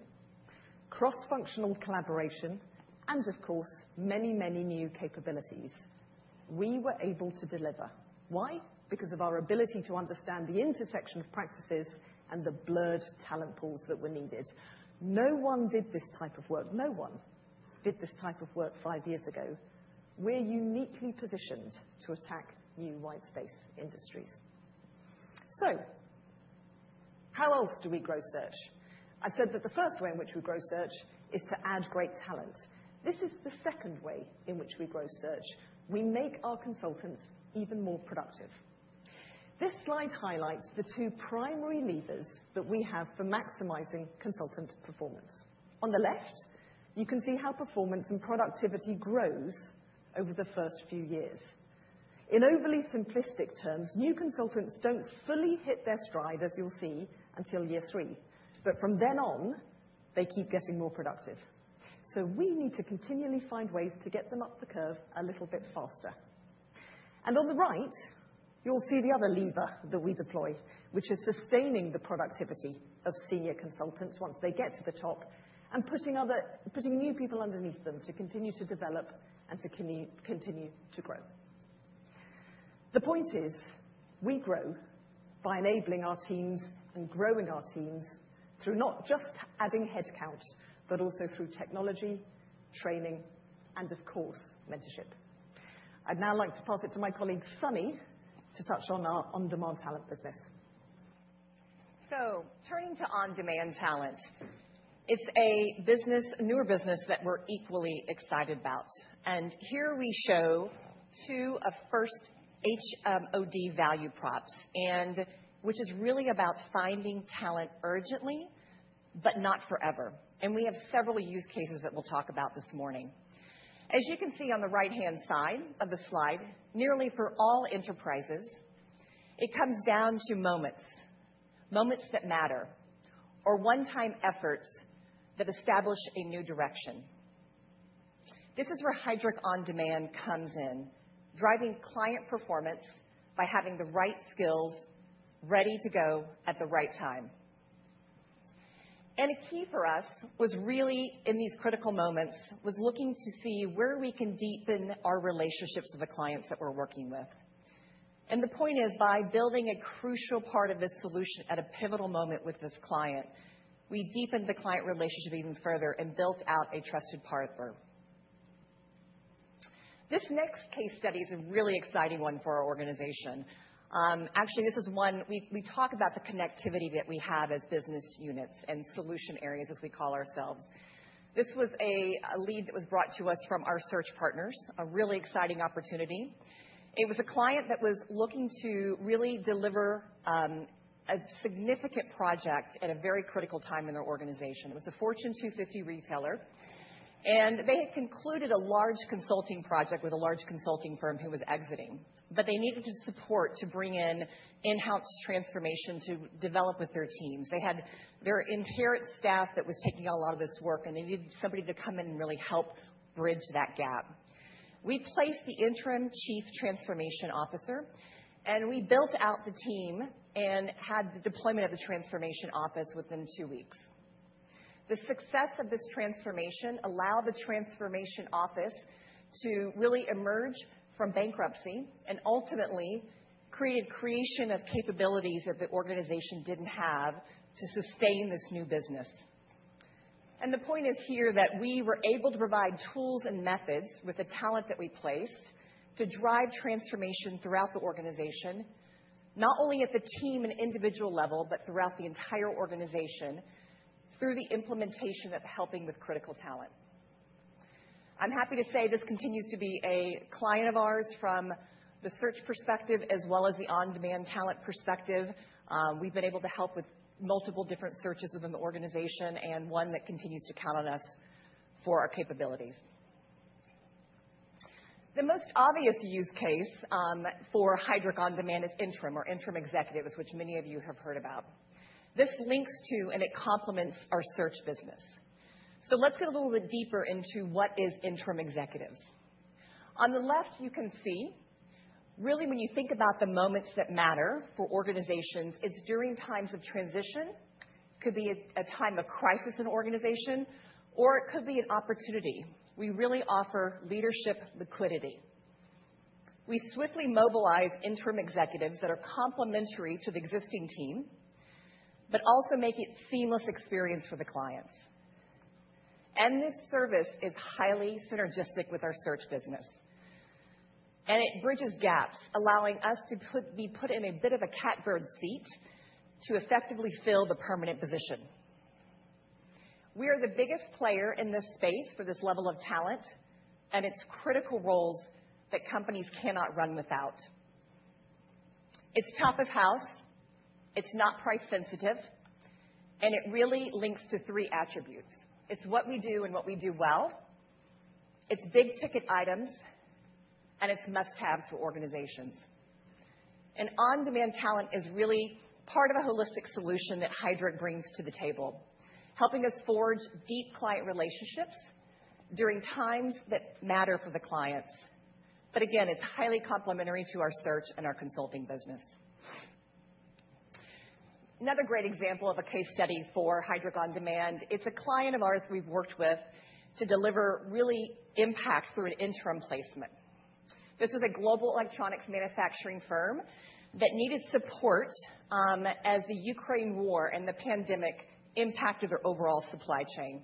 cross-functional collaboration, and of course, many, many new capabilities we were able to deliver. Why? Because of our ability to understand the intersection of practices and the blurred talent pools that were needed. No one did this type of work. No one did this type of work five years ago. We're uniquely positioned to attack new white space industries. So how else do we grow Search? I've said that the first way in which we grow Search is to add great talent. This is the second way in which we grow Search. We make our consultants even more productive. This slide highlights the two primary levers that we have for maximizing consultant performance. On the left, you can see how performance and productivity grows over the first few years. In overly simplistic terms, new consultants don't fully hit their stride, as you'll see, until year three. But from then on, they keep getting more productive. So we need to continually find ways to get them up the curve a little bit faster. On the right, you'll see the other lever that we deploy, which is sustaining the productivity of senior consultants once they get to the top and putting new people underneath them to continue to develop and to continue to grow. The point is we grow by enabling our teams and growing our teams through not just adding headcount, but also through technology, training, and of course, mentorship. I'd now like to pass it to my colleague Sunny to touch on our On-Demand Talent business. Turning to On-Demand Talent, it's a newer business that we're equally excited about. Here we show two of the first HOD value props, which is really about finding talent urgently, but not forever. We have several use cases that we'll talk about this morning. As you can see on the right-hand side of the slide, nearly for all enterprises, it comes down to moments, moments that matter, or one-time efforts that establish a new direction. This is where Heidrick On Demand comes in, driving client performance by having the right skills ready to go at the right time. And a key for us was really in these critical moments was looking to see where we can deepen our relationships with the clients that we're working with. And the point is, by building a crucial part of this solution at a pivotal moment with this client, we deepened the client relationship even further and built out a trusted partner. This next case study is a really exciting one for our organization. Actually, this is one we talk about the connectivity that we have as business units and solution areas, as we call ourselves. This was a lead that was brought to us from our Search partners, a really exciting opportunity. It was a client that was looking to really deliver a significant project at a very critical time in their organization. It was a Fortune 250 retailer, and they had concluded a large consulting project with a large consulting firm who was exiting, but they needed to support to bring in in-house transformation to develop with their teams. They had their inherent staff that was taking on a lot of this work, and they needed somebody to come in and really help bridge that gap. We placed the interim chief transformation officer, and we built out the team and had the deployment of the transformation office within two weeks. The success of this transformation allowed the transformation office to really emerge from bankruptcy and ultimately create capabilities that the organization didn't have to sustain this new business, and the point is here that we were able to provide tools and methods with the talent that we placed to drive transformation throughout the organization, not only at the team and individual level, but throughout the entire organization through the implementation of helping with critical talent. I'm happy to say this continues to be a client of ours from the Search perspective as well as the On-Demand Talent perspective. We've been able to help with multiple different searches within the organization and one that continues to count on us for our capabilities. The most obvious use case for Heidrick On Demand is interim executives, which many of you have heard about. This links to and it complements our Search business, so let's get a little bit deeper into what is interim executives. On the left, you can see really when you think about the moments that matter for organizations, it's during times of transition. It could be a time of crisis in an organization, or it could be an opportunity. We really offer leadership liquidity. We swiftly mobilize interim executives that are complementary to the existing team, but also make it a seamless experience for the clients, and this service is highly synergistic with our Search business, and it bridges gaps, allowing us to be put in a bit of a catbird seat to effectively fill the permanent position. We are the biggest player in this space for this level of talent and its critical roles that companies cannot run without. It's top of house. It's not price-sensitive. And it really links to three attributes. It's what we do and what we do well. It's big-ticket items, and it's must-haves for organizations. And On-Demand Talent is really part of a holistic solution that Heidrick brings to the table, helping us forge deep client relationships during times that matter for the clients. But again, it's highly complementary to our Search and our Consulting business. Another great example of a case study for Heidrick On Demand is a client of ours we've worked with to deliver real impact through an interim placement. This was a global electronics manufacturing firm that needed support as the Ukraine war and the pandemic impacted their overall supply chain.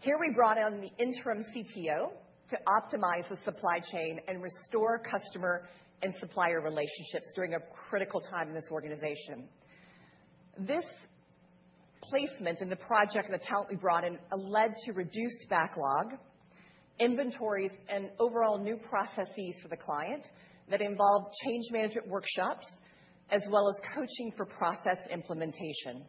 Here we brought in the interim CTO to optimize the supply chain and restore customer and supplier relationships during a critical time in this organization. This placement and the project and the talent we brought in led to reduced backlog, inventories, and overall new processes for the client that involved change management workshops as well as coaching for process implementation.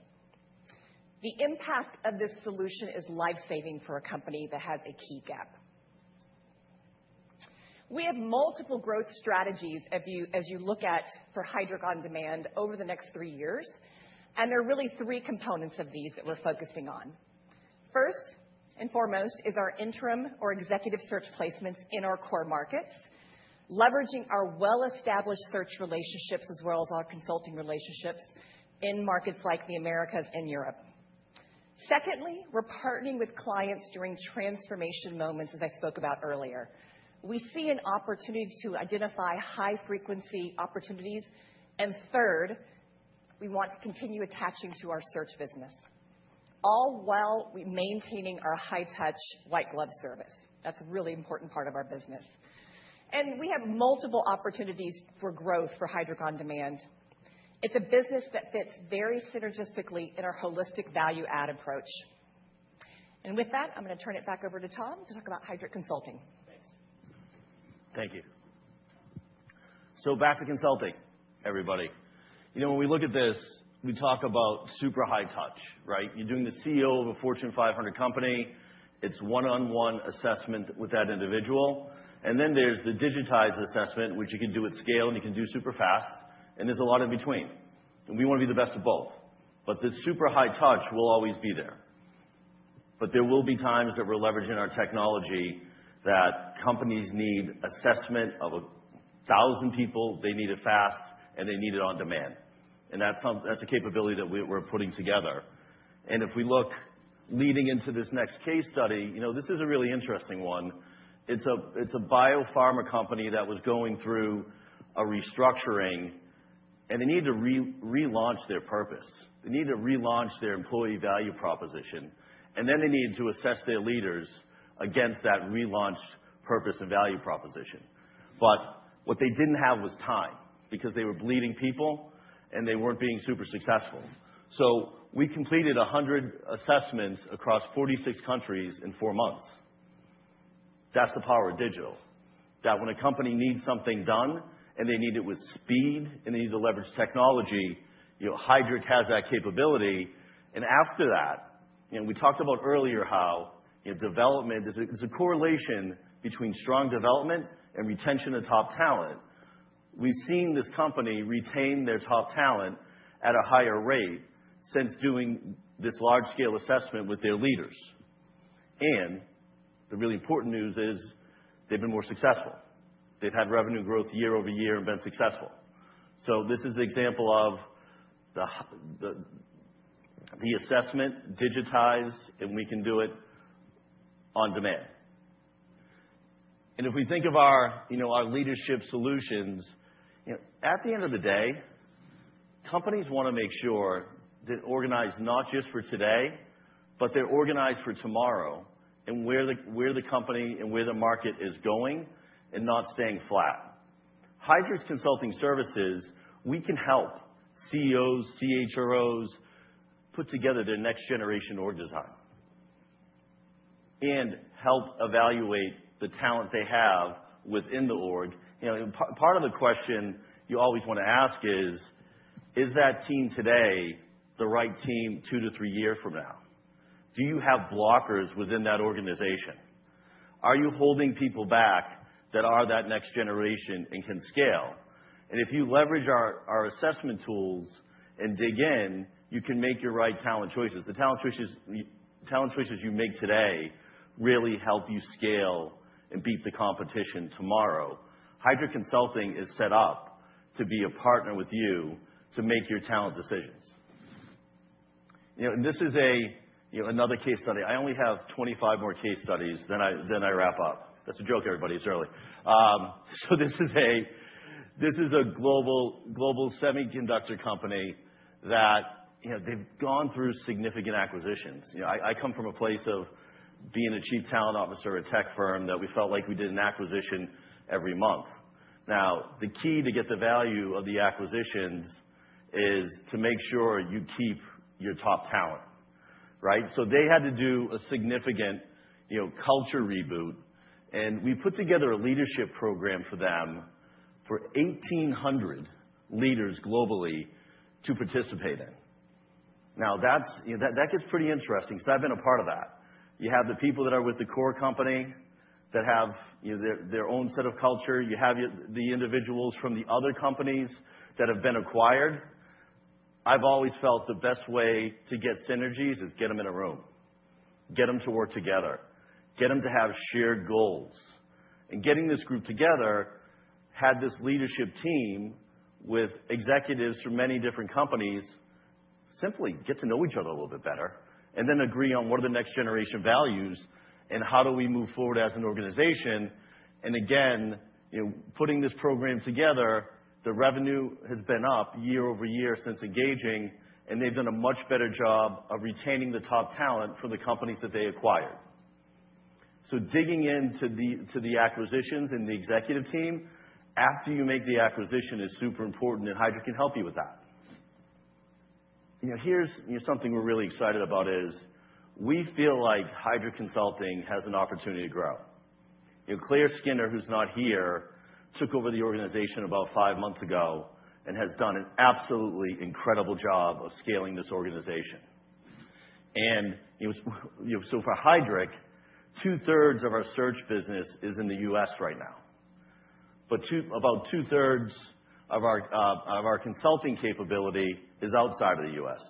The impact of this solution is lifesaving for a company that has a key gap. We have multiple growth strategies as you look at for Heidrick On Demand over the next three years, and there are really three components of these that we're focusing on. First and foremost is our interim or Executive Search placements in our core markets, leveraging our well-established Search relationships as well as our Consulting relationships in markets like the Americas and Europe. Secondly, we're partnering with clients during transformation moments, as I spoke about earlier. We see an opportunity to identify high-frequency opportunities. And third, we want to continue attaching to our Search business, all while maintaining our high-touch white-glove service. That's a really important part of our business. And we have multiple opportunities for growth for Heidrick On Demand. It's a business that fits very synergistically in our holistic value-add approach. And with that, I'm going to turn it back over to Tom to talk about Heidrick consulting. Thanks.
Thank you, so back to Consulting, everybody. When we look at this, we talk about super high touch, right? You're doing the CEO of a Fortune 500 company. It's one-on-one assessment with that individual, and then there's the digitized assessment, which you can do at scale, and you can do super fast, and there's a lot in between. And we want to be the best of both, but the super high touch will always be there, but there will be times that we're leveraging our technology that companies need assessment of a thousand people. They need it fast, and they need it on demand, and that's a capability that we're putting together, and if we look leading into this next case study, this is a really interesting one. It's a biopharma company that was going through a restructuring, and they need to relaunch their purpose. They need to relaunch their employee value proposition, and then they need to assess their leaders against that relaunched purpose and value proposition, but what they didn't have was time because they were bleeding people, and they weren't being super successful, so we completed 100 assessments across 46 countries in four months. That's the power of digital, that when a company needs something done and they need it with speed and they need to leverage technology, Heidrick has that capability, and after that, we talked about earlier how development is a correlation between strong development and retention of top talent. We've seen this company retain their top talent at a higher rate since doing this large-scale assessment with their leaders, and the really important news is they've been more successful. They've had revenue growth year-over-year and been successful. This is an example of the assessment digitized, and we can do it on demand. If we think of our leadership solutions, at the end of the day, companies want to make sure they're organized not just for today, but they're organized for tomorrow and where the company and where the market is going and not staying flat. Heidrick consulting, we can help CEOs, CHROs put together their next-generation org design and help evaluate the talent they have within the org. Part of the question you always want to ask is, is that team today the right team two to three years from now? Do you have blockers within that organization? Are you holding people back that are that next generation and can scale? If you leverage our assessment tools and dig in, you can make your right talent choices. The talent choices you make today really help you scale and beat the competition tomorrow. Heidrick consulting is set up to be a partner with you to make your talent decisions. This is another case study. I only have 25 more case studies before I wrap up. That's a joke, everybody. It's early. This is a global semiconductor company that they've gone through significant acquisitions. I come from a place of being a chief talent officer at a tech firm that we felt like we did an acquisition every month. Now, the key to get the value of the acquisitions is to make sure you keep your top talent, right? They had to do a significant culture reboot. We put together a leadership program for them for 1,800 leaders globally to participate in. Now, that gets pretty interesting because I've been a part of that. You have the people that are with the core company that have their own set of culture. You have the individuals from the other companies that have been acquired. I've always felt the best way to get synergies is get them in a room, get them to work together, get them to have shared goals. And getting this group together had this leadership team with executives from many different companies simply get to know each other a little bit better and then agree on what are the next-generation values and how do we move forward as an organization. And again, putting this program together, the revenue has been up year-over-year since engaging, and they've done a much better job of retaining the top talent for the companies that they acquired. Digging into the acquisitions and the executive team after you make the acquisition is super important, and Heidrick can help you with that. Here's something we're really excited about, is we feel like Heidrick consulting has an opportunity to grow. Claire Skinner, who's not here, took over the organization about five months ago and has done an absolutely incredible job of scaling this organization. And so for Heidrick, two-thirds of our Search business is in the U.S. right now. But about 2/3 of our Consulting capability is outside of the U.S.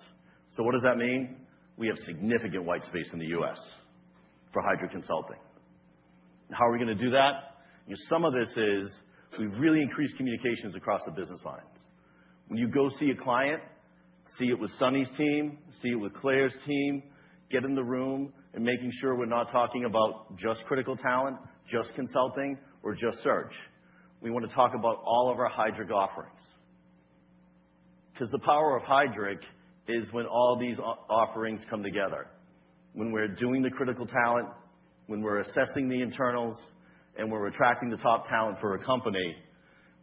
So what does that mean? We have significant white space in the U.S. for Heidrick consulting. How are we going to do that? Some of this is we've really increased communications across the business lines. When you go see a client, see it with Sunny's team, see it with Claire's team, get in the room and making sure we're not talking about just critical talent, just Consulting, or just Search. We want to talk about all of our Heidrick offerings. Because the power of Heidrick is when all these offerings come together. When we're doing the critical talent, when we're assessing the internals, and we're attracting the top talent for a company,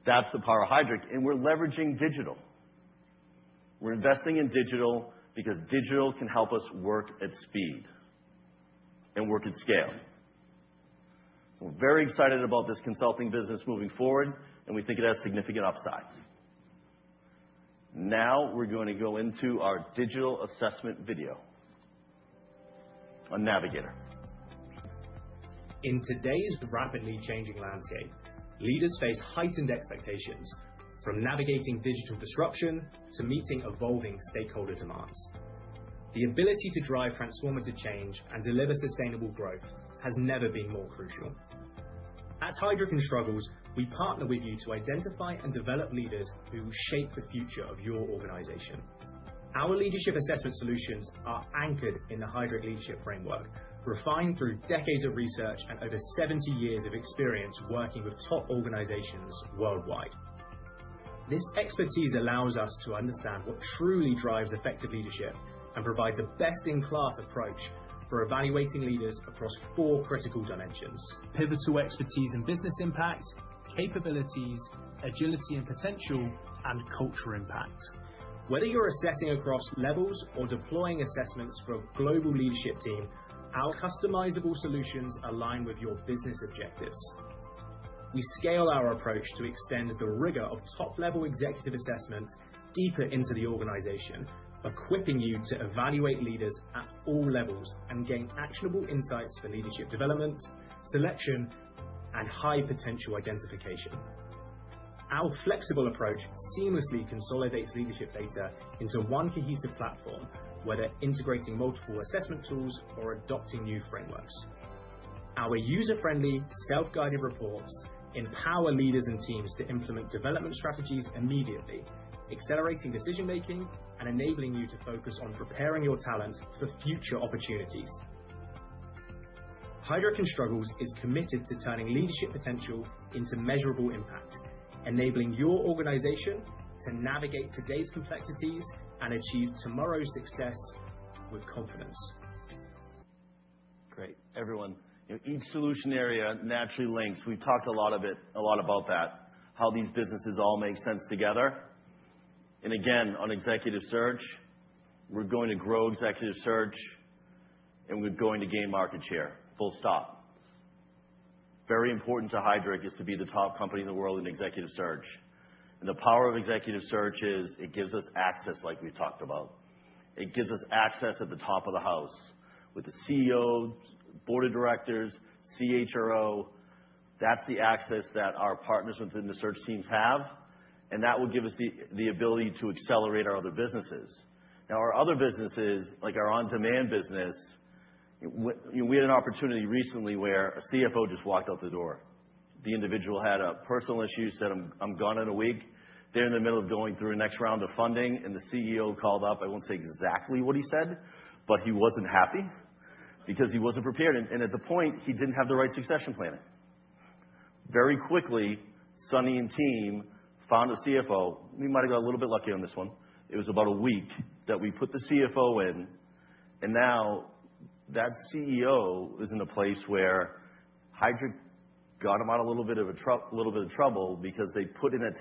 that's the power of Heidrick. And we're leveraging digital. We're investing in digital because digital can help us work at speed and work at scale. We're very excited about this Consulting business moving forward, and we think it has significant upside. Now we're going to go into our digital assessment video on Navigator. In today's rapidly changing landscape, leaders face heightened expectations from navigating digital disruption to meeting evolving stakeholder demands. The ability to drive transformative change and deliver sustainable growth has never been more crucial. At Heidrick & Struggles, we partner with you to identify and develop leaders who will shape the future of your organization. Our leadership assessment solutions are anchored in the Heidrick Leadership Framework, refined through decades of research and over 70 years of experience working with top organizations worldwide. This expertise allows us to understand what truly drives effective leadership and provides a best-in-class approach for evaluating leaders across four critical dimensions: Pivotal Expertise and Business Impact, Capabilities, Agility, and Potential, and Culture Impact. Whether you're assessing across levels or deploying assessments for a global leadership team, our customizable solutions align with your business objectives. We scale our approach to extend the rigor of top-level executive assessments deeper into the organization, equipping you to evaluate leaders at all levels and gain actionable insights for leadership development, selection, and high-potential identification. Our flexible approach seamlessly consolidates leadership data into one cohesive platform, whether integrating multiple assessment tools or adopting new frameworks. Our user-friendly, self-guided reports empower leaders and teams to implement development strategies immediately, accelerating decision-making and enabling you to focus on preparing your talent for future opportunities. Heidrick & Struggles is committed to turning leadership potential into measurable impact, enabling your organization to navigate today's complexities and achieve tomorrow's success with confidence. Great. Everyone, each solution area naturally links. We've talked a lot about that, how these businesses all make sense together. And again, on Executive Search, we're going to grow Executive Search, and we're going to gain market share. Full stop. Very important to Heidrick is to be the top company in the world in Executive Search. And the power of Executive Search is it gives us access like we've talked about. It gives us access at the top of the house with the CEO, Board of Directors, CHRO. That's the access that our partners within the Search teams have. And that will give us the ability to accelerate our other businesses. Now, our other businesses, like our On-Demand business, we had an opportunity recently where a CFO just walked out the door. The individual had a personal issue and said, "I'm gone in a week." They're in the middle of going through a next round of funding, and the CEO called up. I won't say exactly what he said, but he wasn't happy because he wasn't prepared. At the point, he didn't have the right succession planning. Very quickly, Sunny and team found a CFO. We might have got a little bit lucky on this one. It was about a week that we put the CFO in. Now that CEO is in a place where Heidrick got him out a little bit of trouble because they put in a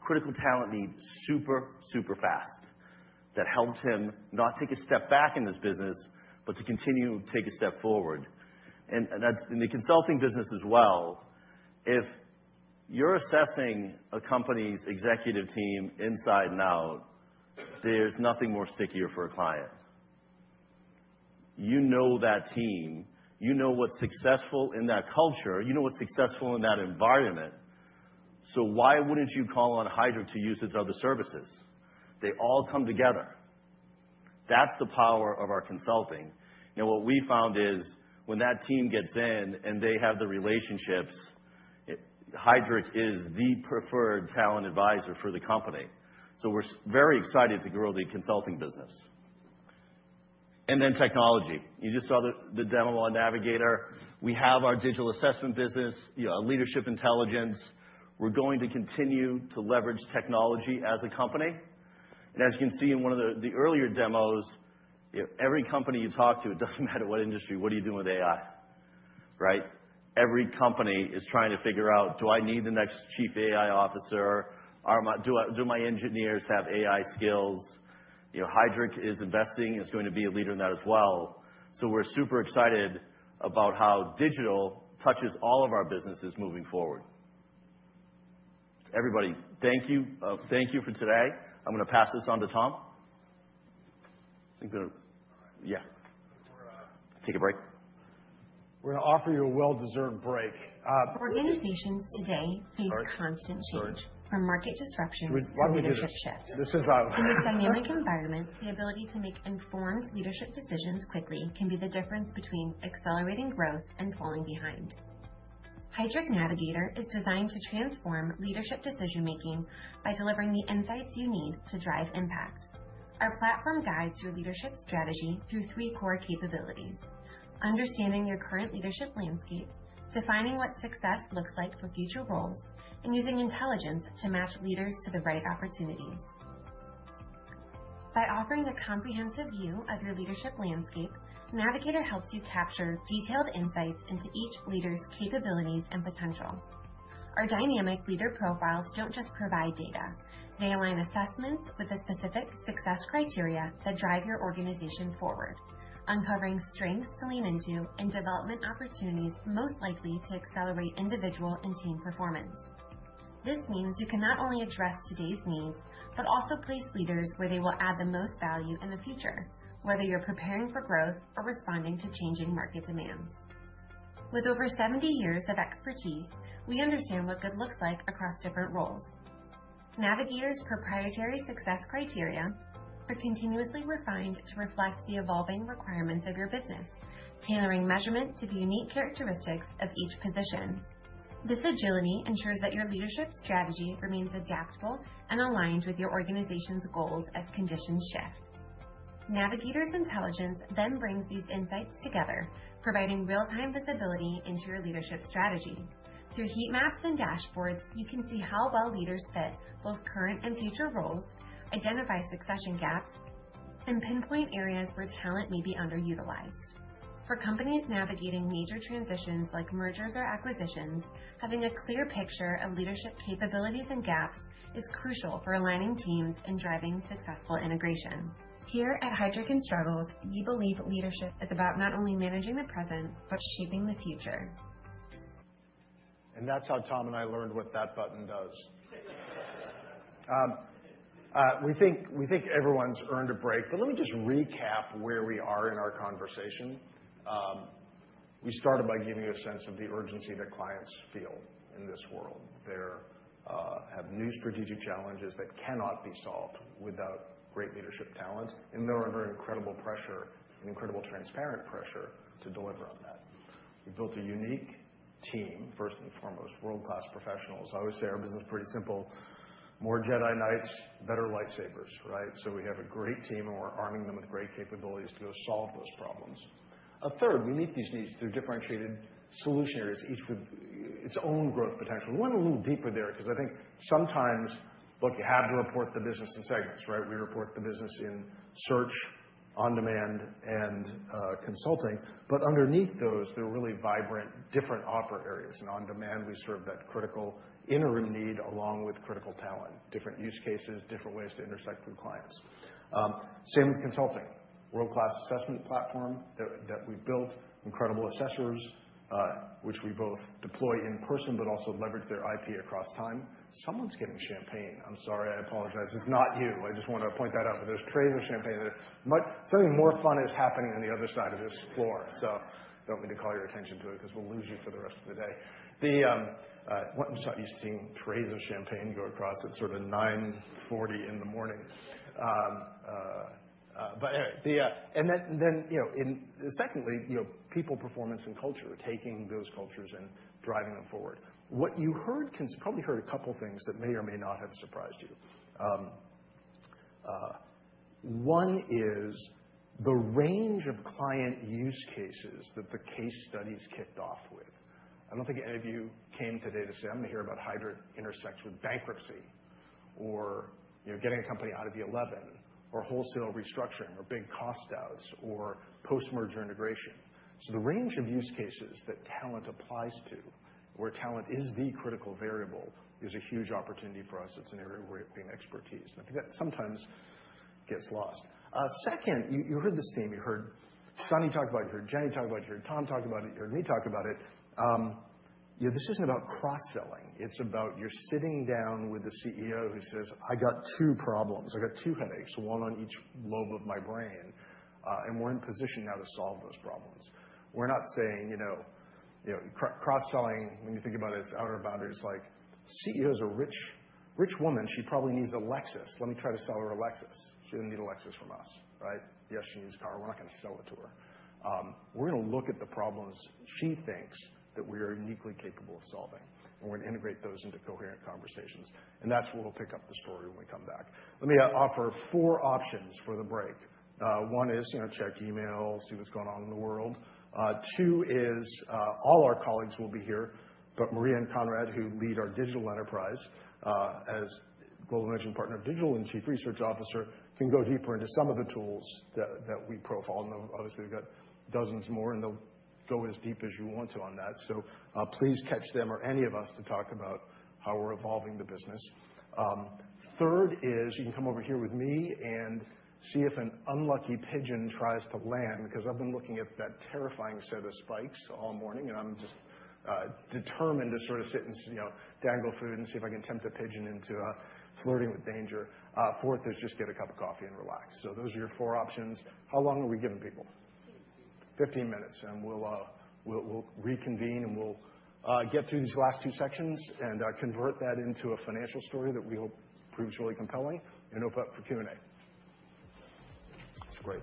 critical talent need super, super fast that helped him not take a step back in this business, but to continue to take a step forward. In the Consulting business as well, if you're assessing a company's executive team inside and out, there's nothing more stickier for a client. You know that team. You know what's successful in that culture. You know what's successful in that environment. So why wouldn't you call on Heidrick to use its other services? They all come together. That's the power of our Consulting. Now, what we found is when that team gets in and they have the relationships, Heidrick is the preferred talent advisor for the company. So we're very excited to grow the Consulting business. And then technology. You just saw the demo on Navigator. We have our digital assessment business, Leadership Intelligence. We're going to continue to leverage technology as a company. And as you can see in one of the earlier demos, every company you talk to, it doesn't matter what industry, what are you doing with AI, right? Every company is trying to figure out, "Do I need the next chief AI officer? Do my engineers have AI skills?" Heidrick is investing. It's going to be a leader in that as well. So we're super excited about how digital touches all of our businesses moving forward. Everybody, thank you. Thank you for today. I'm going to pass this on to Tom. Yeah. Take a break.
We're going to offer you a well-deserved break. Organizations today face constant change from market disruptions to leadership shifts. In this dynamic environment, the ability to make informed leadership decisions quickly can be the difference between accelerating growth and falling behind. Heidrick Navigator is designed to transform leadership decision-making by delivering the insights you need to drive impact. Our platform guides your leadership strategy through three core capabilities: understanding your current leadership landscape, defining what success looks like for future roles, and using intelligence to match leaders to the right opportunities. By offering a comprehensive view of your leadership landscape, Navigator helps you capture detailed insights into each leader's capabilities and potential. Our dynamic leader profiles don't just provide data. They align assessments with the specific success criteria that drive your organization forward, uncovering strengths to lean into and development opportunities most likely to accelerate individual and team performance. This means you can not only address today's needs, but also place leaders where they will add the most value in the future, whether you're preparing for growth or responding to changing market demands. With over 70 years of expertise, we understand what good looks like across different roles. Navigator's proprietary success criteria are continuously refined to reflect the evolving requirements of your business, tailoring measurement to the unique characteristics of each position. This agility ensures that your leadership strategy remains adaptable and aligned with your organization's goals as conditions shift. Navigator's intelligence then brings these insights together, providing real-time visibility into your leadership strategy. Through heat maps and dashboards, you can see how well leaders fit both current and future roles, identify succession gaps, and pinpoint areas where talent may be underutilized. For companies navigating major transitions like mergers or acquisitions, having a clear picture of leadership capabilities and gaps is crucial for aligning teams and driving successful integration. Here at Heidrick & Struggles, we believe leadership is about not only managing the present, but shaping the future. That's how Tom and I learned what that button does. We think everyone's earned a break, but let me just recap where we are in our conversation. We started by giving you a sense of the urgency that clients feel in this world. They have new strategic challenges that cannot be solved without great leadership talent, and they're under incredible pressure, incredible transparent pressure to deliver on that. We built a unique team, first and foremost, world-class professionals. I always say our business is pretty simple. More Jedi Knights, better lightsabers, right? So we have a great team, and we're arming them with great capabilities to go solve those problems. A third, we meet these needs through differentiated solution areas, each with its own growth potential. We went a little deeper there because I think sometimes, look, you have to report the business in segments, right? We report the business in Search, On-Demand, and Consulting. Underneath those, there are really vibrant, different offer areas. On-Demand, we serve that critical interim need along with critical talent, different use cases, different ways to intersect with clients. Same with Consulting. World-class assessment platform that we've built, incredible assessors, which we both deploy in person, but also leverage their IP across time. Someone's getting champagne. I'm sorry, I apologize. It's not you. I just want to point that out. But there's trays of champagne there. Something more fun is happening on the other side of this floor. Don't need to call your attention to it because we'll lose you for the rest of the day. I'm sorry, you're seeing trays of champagne go across at sort of 9:40 A.M. Anyway, and then secondly, people, performance, and culture are taking those cultures and driving them forward. What you heard, you probably heard a couple of things that may or may not have surprised you. One is the range of client use cases that the case studies kicked off with. I don't think any of you came today to say, "I'm going to hear about Heidrick intersects with bankruptcy, or getting a company out of the 11, or wholesale restructuring, or big cost outs, or post-merger integration." So the range of use cases that talent applies to, where talent is the critical variable, is a huge opportunity for us. It's an area where it became expertise. And I think that sometimes gets lost. Second, you heard this theme. You heard Sunny talk about it. You heard Jenni talk about it. You heard Tom talk about it. You heard me talk about it. This isn't about cross-selling. It's about you're sitting down with the CEO who says, "I got two problems. I got two headaches, one on each lobe of my brain, and we're in position now to solve those problems." We're not saying cross-selling, when you think about it, it's out of our boundaries. CEO is a rich woman. She probably needs a Lexus. Let me try to sell her a Lexus. She doesn't need a Lexus from us, right? Yes, she needs a car. We're not going to sell it to her. We're going to look at the problems she thinks that we are uniquely capable of solving, and we're going to integrate those into coherent conversations. And that's where we'll pick up the story when we come back. Let me offer four options for the break. One is check email, see what's going on in the world. Two is all our colleagues will be here, but Maria and Conrad, who lead our digital enterprise as Global Managing Partner, Digital and Chief Research Officer, can go deeper into some of the tools that we profile, and obviously, we've got dozens more, and they'll go as deep as you want to on that, so please catch them or any of us to talk about how we're evolving the business. Third is you can come over here with me and see if an unlucky pigeon tries to land because I've been looking at that terrifying set of spikes all morning, and I'm just determined to sort of sit and dangle food and see if I can tempt a pigeon into flirting with danger. Fourth is just get a cup of coffee and relax. So those are your four options. How long are we giving people? 15 minutes, and we'll reconvene, and we'll get through these last two sections and convert that into a financial story that we hope proves really compelling and open up for Q&A. That's great.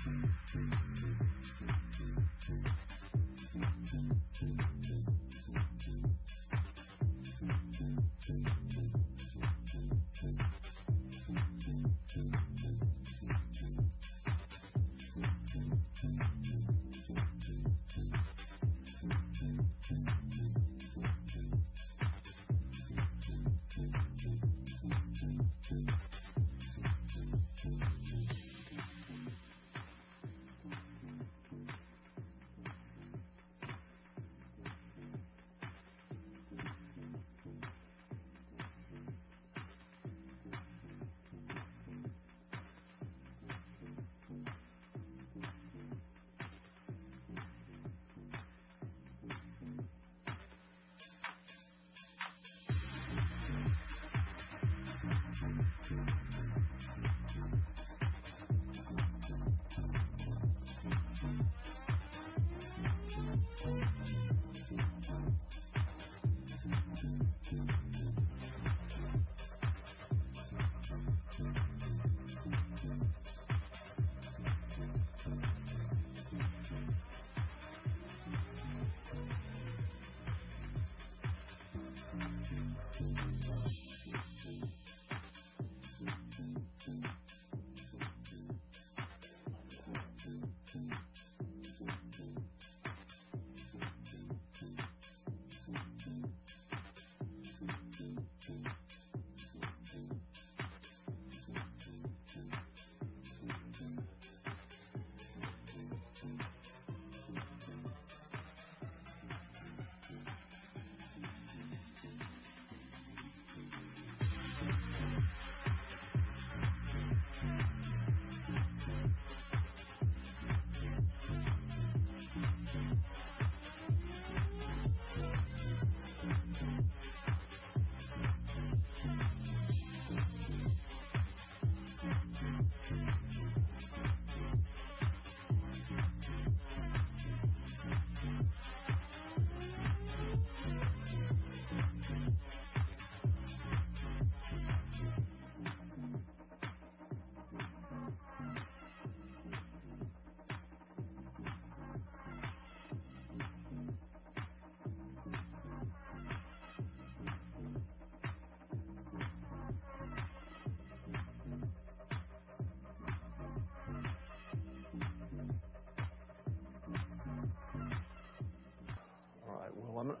As the night gets cold, feel the time. Slow. Don't watch time to waste. Isn't life my fate? Breaking through to you.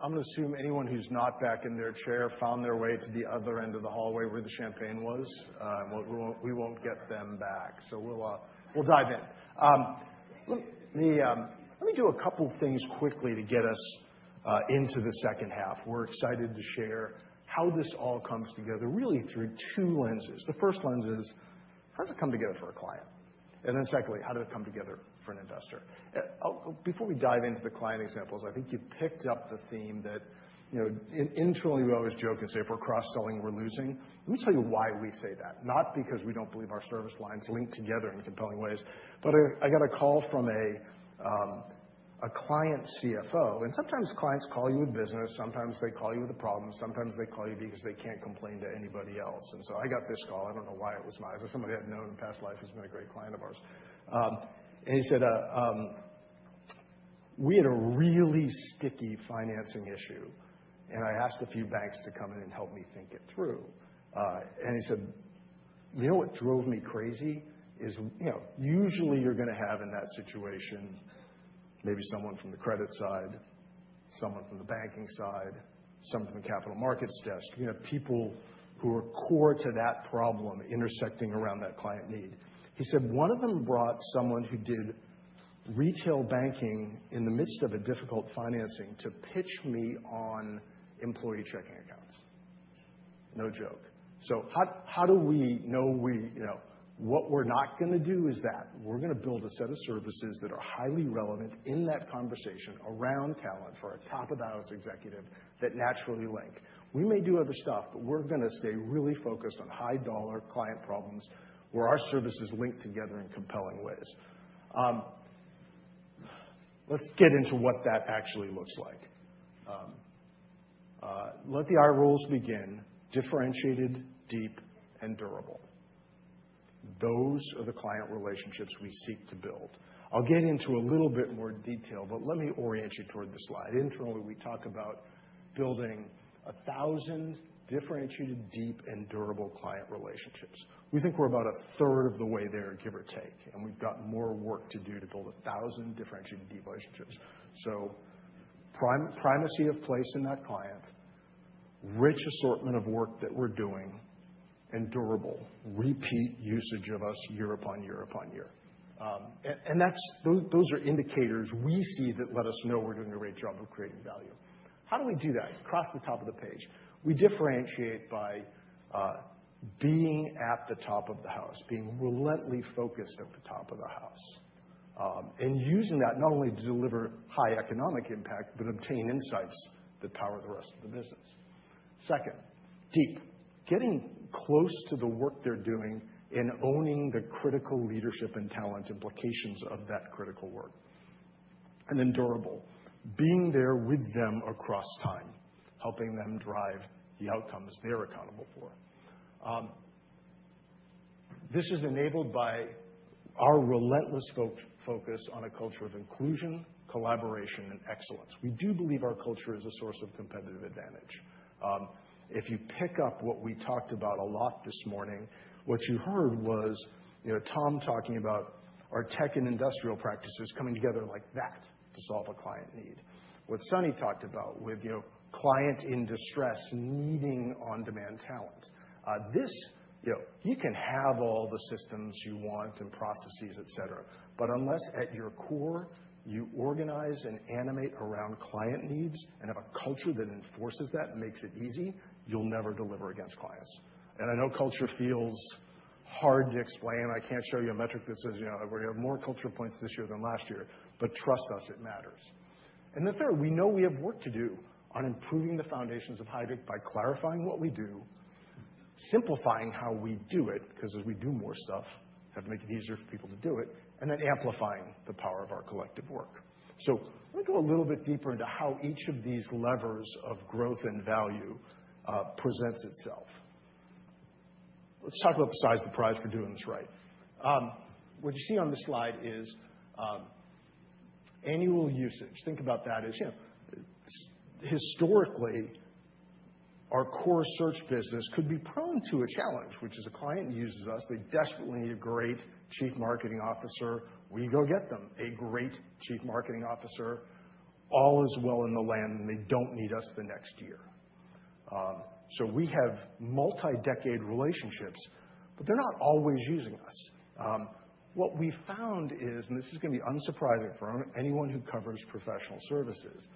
To you. To you. To you. To you. To you. To you. To you. Show me. Don't watch time to waste. Isn't life my fate? Breaking through to you. To you. To you. To you. To you. To you. To you. To you. To all right, well, I'm going to assume anyone who's not back in their chair found their way to the other end of the hallway where the champagne was. We won't get them back, so we'll dive in. Let me do a couple of things quickly to get us into the second half. We're excited to share how this all comes together, really, through two lenses. The first lens is, how does it come together for a client? And then secondly, how does it come together for an investor? Before we dive into the client examples, I think you picked up the theme that, internally, we always joke and say, if we're cross-selling, we're losing. Let me tell you why we say that. Not because we don't believe our service lines link together in compelling ways. But I got a call from a client CFO. And sometimes clients call you with business. Sometimes they call you with a problem. Sometimes they call you because they can't complain to anybody else. And so I got this call. I don't know why it was mine. It's somebody I had known in past life. He's been a great client of ours. And he said, "We had a really sticky financing issue. And I asked a few banks to come in and help me think it through." And he said, "You know what drove me crazy is usually you're going to have in that situation maybe someone from the credit side, someone from the banking side, someone from the capital markets desk, people who are core to that problem intersecting around that client need." He said, "One of them brought someone who did retail banking in the midst of a difficult financing to pitch me on employee checking accounts." No joke. So how do we know what we're not going to do is that. We're going to build a set of services that are highly relevant in that conversation around talent for a top-of-house executive that naturally link. We may do other stuff, but we're going to stay really focused on high-dollar client problems where our services link together in compelling ways. Let's get into what that actually looks like. Let the D rules begin: differentiated, deep, and durable. Those are the client relationships we seek to build. I'll get into a little bit more detail, but let me orient you toward the slide. Internally, we talk about building 1,000 differentiated, deep, and durable client relationships. We think we're about a third of the way there, give or take. And we've got more work to do to build 1,000 differentiated, deep relationships. So, primacy of place in that client, rich assortment of work that we're doing, and durable, repeat usage of us year upon year upon year. And those are indicators we see that let us know we're doing a great job of creating value. How do we do that? Across the top of the page. We differentiate by being at the top of the house, being relentlessly focused at the top of the house, and using that not only to deliver high economic impact but obtain insights that power the rest of the business. Second, deep. Getting close to the work they're doing and owning the critical leadership and talent implications of that critical work. And then durable. Being there with them across time, helping them drive the outcomes they're accountable for. This is enabled by our relentless focus on a culture of inclusion, collaboration, and excellence. We do believe our culture is a source of competitive advantage. If you pick up what we talked about a lot this morning, what you heard was Tom talking about our tech and industrial practices coming together like that to solve a client need. What Sunny talked about with client in distress needing On-Demand Talent. You can have all the systems you want and processes, etc., but unless at your core you organize and animate around client needs and have a culture that enforces that and makes it easy, you'll never deliver against clients. And I know culture feels hard to explain. I can't show you a metric that says we have more culture points this year than last year. But trust us, it matters. And then third, we know we have work to do on improving the foundations of Heidrick by clarifying what we do, simplifying how we do it because as we do more stuff, we have to make it easier for people to do it, and then amplifying the power of our collective work. So let me go a little bit deeper into how each of these levers of growth and value presents itself. Let's talk about the size of the prize for doing this right. What you see on the slide is annual usage. Think about that as historically, our core Search business could be prone to a challenge, which is a client uses us. They desperately need a great chief marketing officer. We go get them, a great chief marketing officer. All is well in the land, and they don't need us the next year. We have multi-decade relationships, but they're not always using us. What we found is, and this is going to be unsurprising for anyone who covers professional services,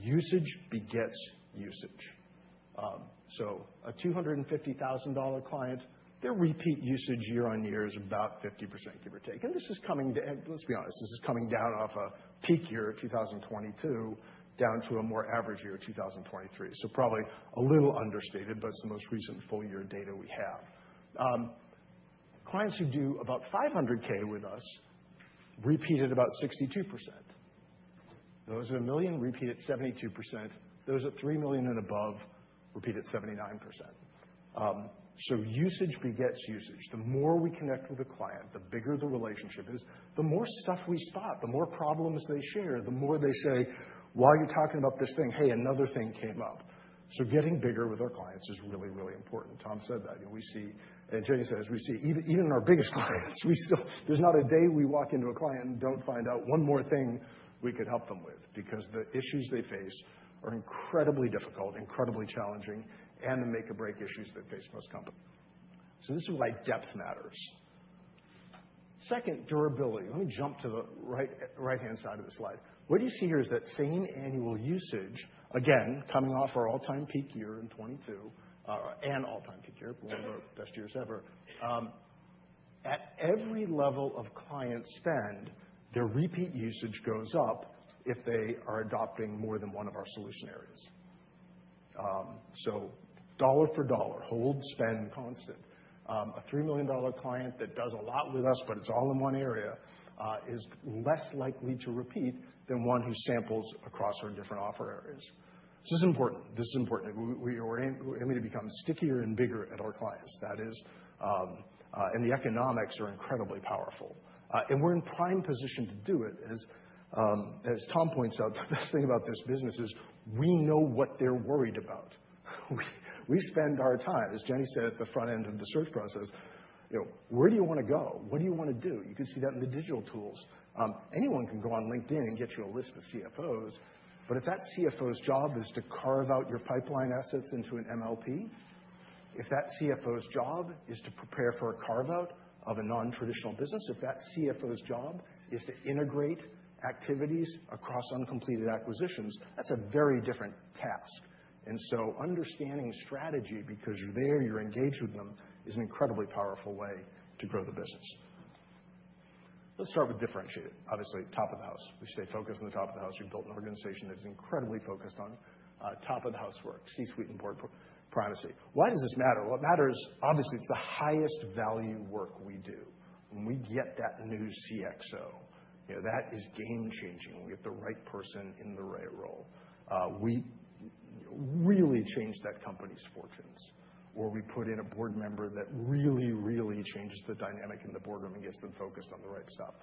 usage begets usage. A $250,000 client, their repeat usage year-on-year is about 50%, give or take. This is coming, let's be honest, this is coming down off a peak year of 2022 down to a more average year of 2023. Probably a little understated, but it's the most recent full-year data we have. Clients who do about $500,000 with us repeat at about 62%. Those [doing] $1 million repeat at 72%. Those at $3 million and above repeat at 79%. Usage begets usage. The more we connect with a client, the bigger the relationship is, the more stuff we spot, the more problems they share, the more they say, "While you're talking about this thing, hey, another thing came up." So getting bigger with our clients is really, really important. Tom said that, and Jenni said, as we see, even in our biggest clients, there's not a day we walk into a client and don't find out one more thing we could help them with because the issues they face are incredibly difficult, incredibly challenging, and the make-or-break issues that face most companies. So this is why depth matters. Second, durability. Let me jump to the right-hand side of the slide. What you see here is that same annual usage, again, coming off our all-time peak year in 2022 and all-time peak year, one of our best years ever. At every level of client spend, their repeat usage goes up if they are adopting more than one of our solution areas. So dollar for dollar, holding spend constant. A $3 million client that does a lot with us, but it's all in one area, is less likely to repeat than one who samples across our different offer areas. This is important. This is important. We're aiming to become stickier and bigger at our clients. That is, and the economics are incredibly powerful. And we're in prime position to do it. As Tom points out, the best thing about this business is we know what they're worried about. We spend our time, as Jenni said at the front end of the Search process, "Where do you want to go? What do you want to do?" You can see that in the digital tools. Anyone can go on LinkedIn and get you a list of CFOs. But if that CFO's job is to carve out your pipeline assets into an MLP, if that CFO's job is to prepare for a carve-out of a non-traditional business, if that CFO's job is to integrate activities across uncompleted acquisitions, that's a very different task, and so understanding strategy because you're there, you're engaged with them, is an incredibly powerful way to grow the business. Let's start with differentiated. Obviously, top of the house. We stay focused on the top of the house. We've built an organization that is incredibly focused on top-of-the-house work, C-suite and board primacy. Why does this matter? What matters, obviously, it's the highest value work we do. When we get that new CXO, that is game-changing. We get the right person in the right role. We really change that company's fortunes where we put in a board member that really, really changes the dynamic in the boardroom and gets them focused on the right stuff.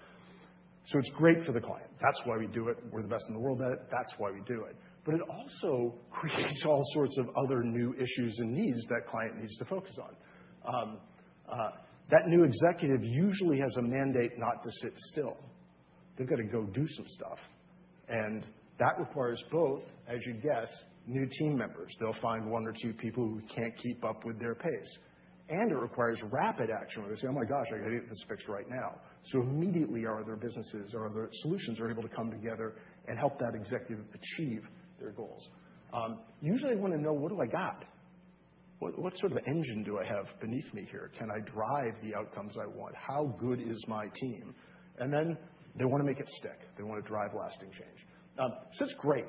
So it's great for the client. That's why we do it. We're the best in the world at it. That's why we do it. But it also creates all sorts of other new issues and needs that client needs to focus on. That new executive usually has a mandate not to sit still. They've got to go do some stuff. And that requires both, as you'd guess, new team members. They'll find one or two people who can't keep up with their pace. And it requires rapid action where they say, "Oh my gosh, I got to get this fixed right now." So immediately, our other businesses or other solutions are able to come together and help that executive achieve their goals. Usually, they want to know, "What do I got? What sort of engine do I have beneath me here? Can I drive the outcomes I want? How good is my team?" And then they want to make it stick. They want to drive lasting change. So it's great.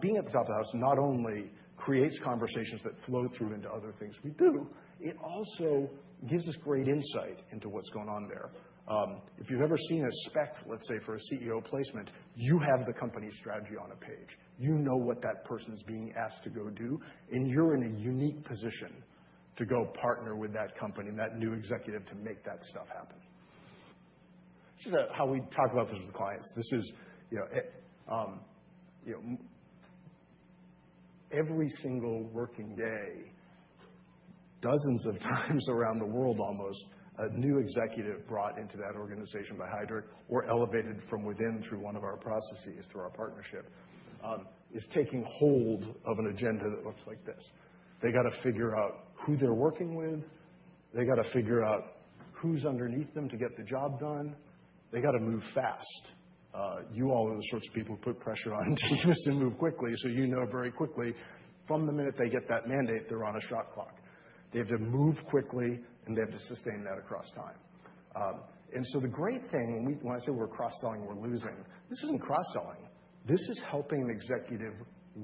Being at the top of the house not only creates conversations that flow through into other things we do, it also gives us great insight into what's going on there. If you've ever seen a spec, let's say, for a CEO placement, you have the company strategy on a page. You know what that person is being asked to go do. And you're in a unique position to go partner with that company and that new executive to make that stuff happen. This is how we talk about this with clients. This is every single working day, dozens of times around the world almost, a new executive brought into that organization by Heidrick or elevated from within through one of our processes, through our partnership, is taking hold of an agenda that looks like this. They got to figure out who they're working with. They got to figure out who's underneath them to get the job done. They got to move fast. You all are the sorts of people who put pressure on teams to move quickly. So you know very quickly, from the minute they get that mandate, they're on a shot clock. They have to move quickly, and they have to sustain that across time. The great thing, when I say we're cross-selling, we're doing. This isn't cross-selling. This is helping an executive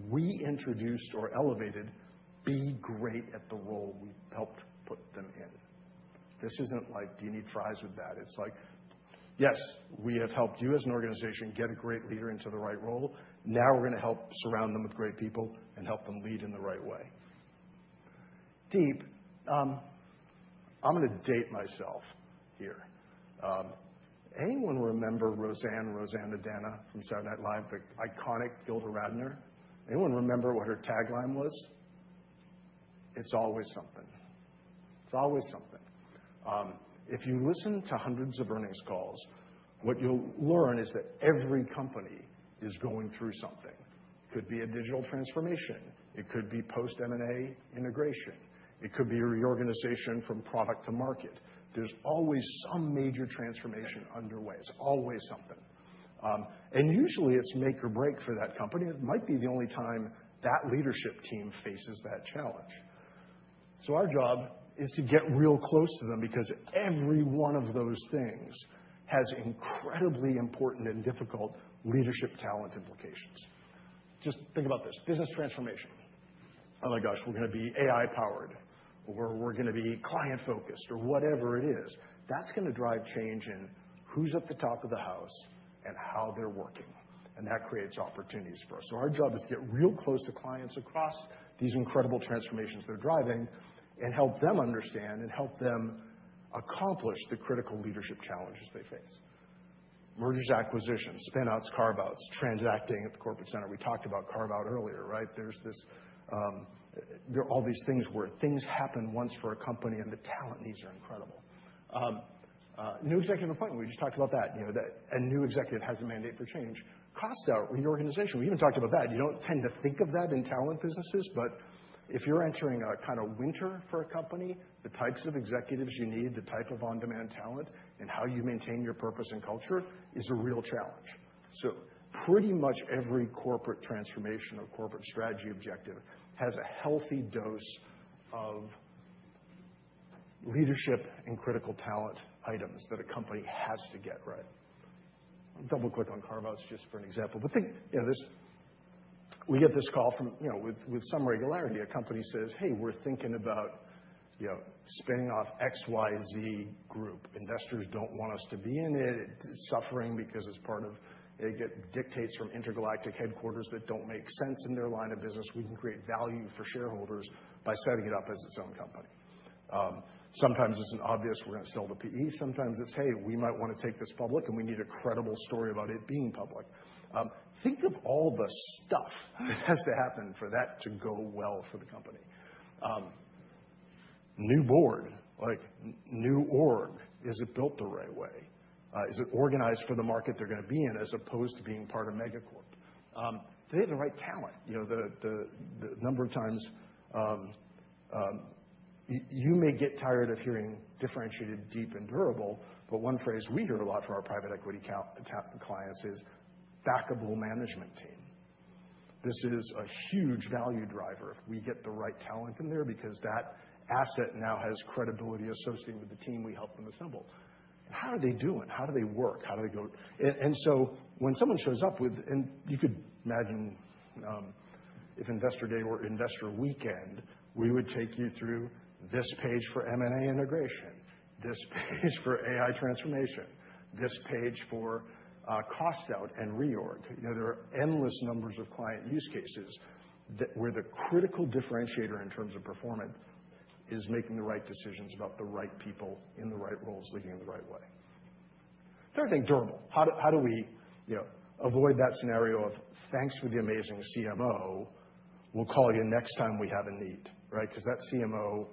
we introduced or elevated be great at the role we helped put them in. This isn't like, "Do you need fries with that?" It's like, "Yes, we have helped you as an organization get a great leader into the right role. Now we're going to help surround them with great people and help them lead in the right way." Deep. I'm going to date myself here. Anyone remember Roseanne Roseannadanna from Saturday Night Live, the iconic Gilda Radner? Anyone remember what her tagline was? "It's always something." It's always something. If you listen to hundreds of earnings calls, what you'll learn is that every company is going through something. It could be a digital transformation. It could be post-M&A integration. It could be a reorganization from product to market. There's always some major transformation underway. It's always something. And usually, it's make or break for that company. It might be the only time that leadership team faces that challenge. So our job is to get real close to them because every one of those things has incredibly important and difficult leadership talent implications. Just think about this: business transformation. Oh my gosh, we're going to be AI-powered, or we're going to be client-focused, or whatever it is. That's going to drive change in who's at the top of the house and how they're working. And that creates opportunities for us. So our job is to get real close to clients across these incredible transformations they're driving and help them understand and help them accomplish the critical leadership challenges they face. Mergers, acquisitions, spinouts, carve-outs, transacting at the corporate center. We talked about carve-out earlier, right? There's all these things where things happen once for a company, and the talent needs are incredible. New executive appointment, we just talked about that. A new executive has a mandate for change. Cost out, reorganization. We even talked about that. You don't tend to think of that in talent businesses, but if you're entering a kind of winter for a company, the types of executives you need, the type of On-Demand Talent, and how you maintain your purpose and culture is a real challenge. So pretty much every corporate transformation or corporate strategy objective has a healthy dose of leadership and critical talent items that a company has to get right. I'll double-click on carve-outs just for an example. But think, we get this call with some regularity. A company says, "Hey, we're thinking about spinning off XYZ group. Investors don't want us to be in it. It's suffering because it's part of it dictates from intergalactic headquarters that don't make sense in their line of business. We can create value for shareholders by setting it up as its own company." Sometimes it's an obvious we're going to sell to PE. Sometimes it's, "Hey, we might want to take this public, and we need a credible story about it being public." Think of all the stuff that has to happen for that to go well for the company. New board, new org, is it built the right way? Is it organized for the market they're going to be in as opposed to being part of Megacorp? They have the right talent. The number of times you may get tired of hearing differentiated, deep, and durable, but one phrase we hear a lot from our private equity clients is backable management team. This is a huge value driver if we get the right talent in there because that asset now has credibility associated with the team we help them assemble. How are they doing? How do they work? How do they go? And so when someone shows up with, and you could imagine if investor day or investor weekend, we would take you through this page for M&A integration, this page for AI transformation, this page for cost out and reorg. There are endless numbers of client use cases where the critical differentiator in terms of performance is making the right decisions about the right people in the right roles leading in the right way. Third thing, durable. How do we avoid that scenario of, "Thanks for the amazing CMO. We'll call you next time we have a need," right? Because that CMO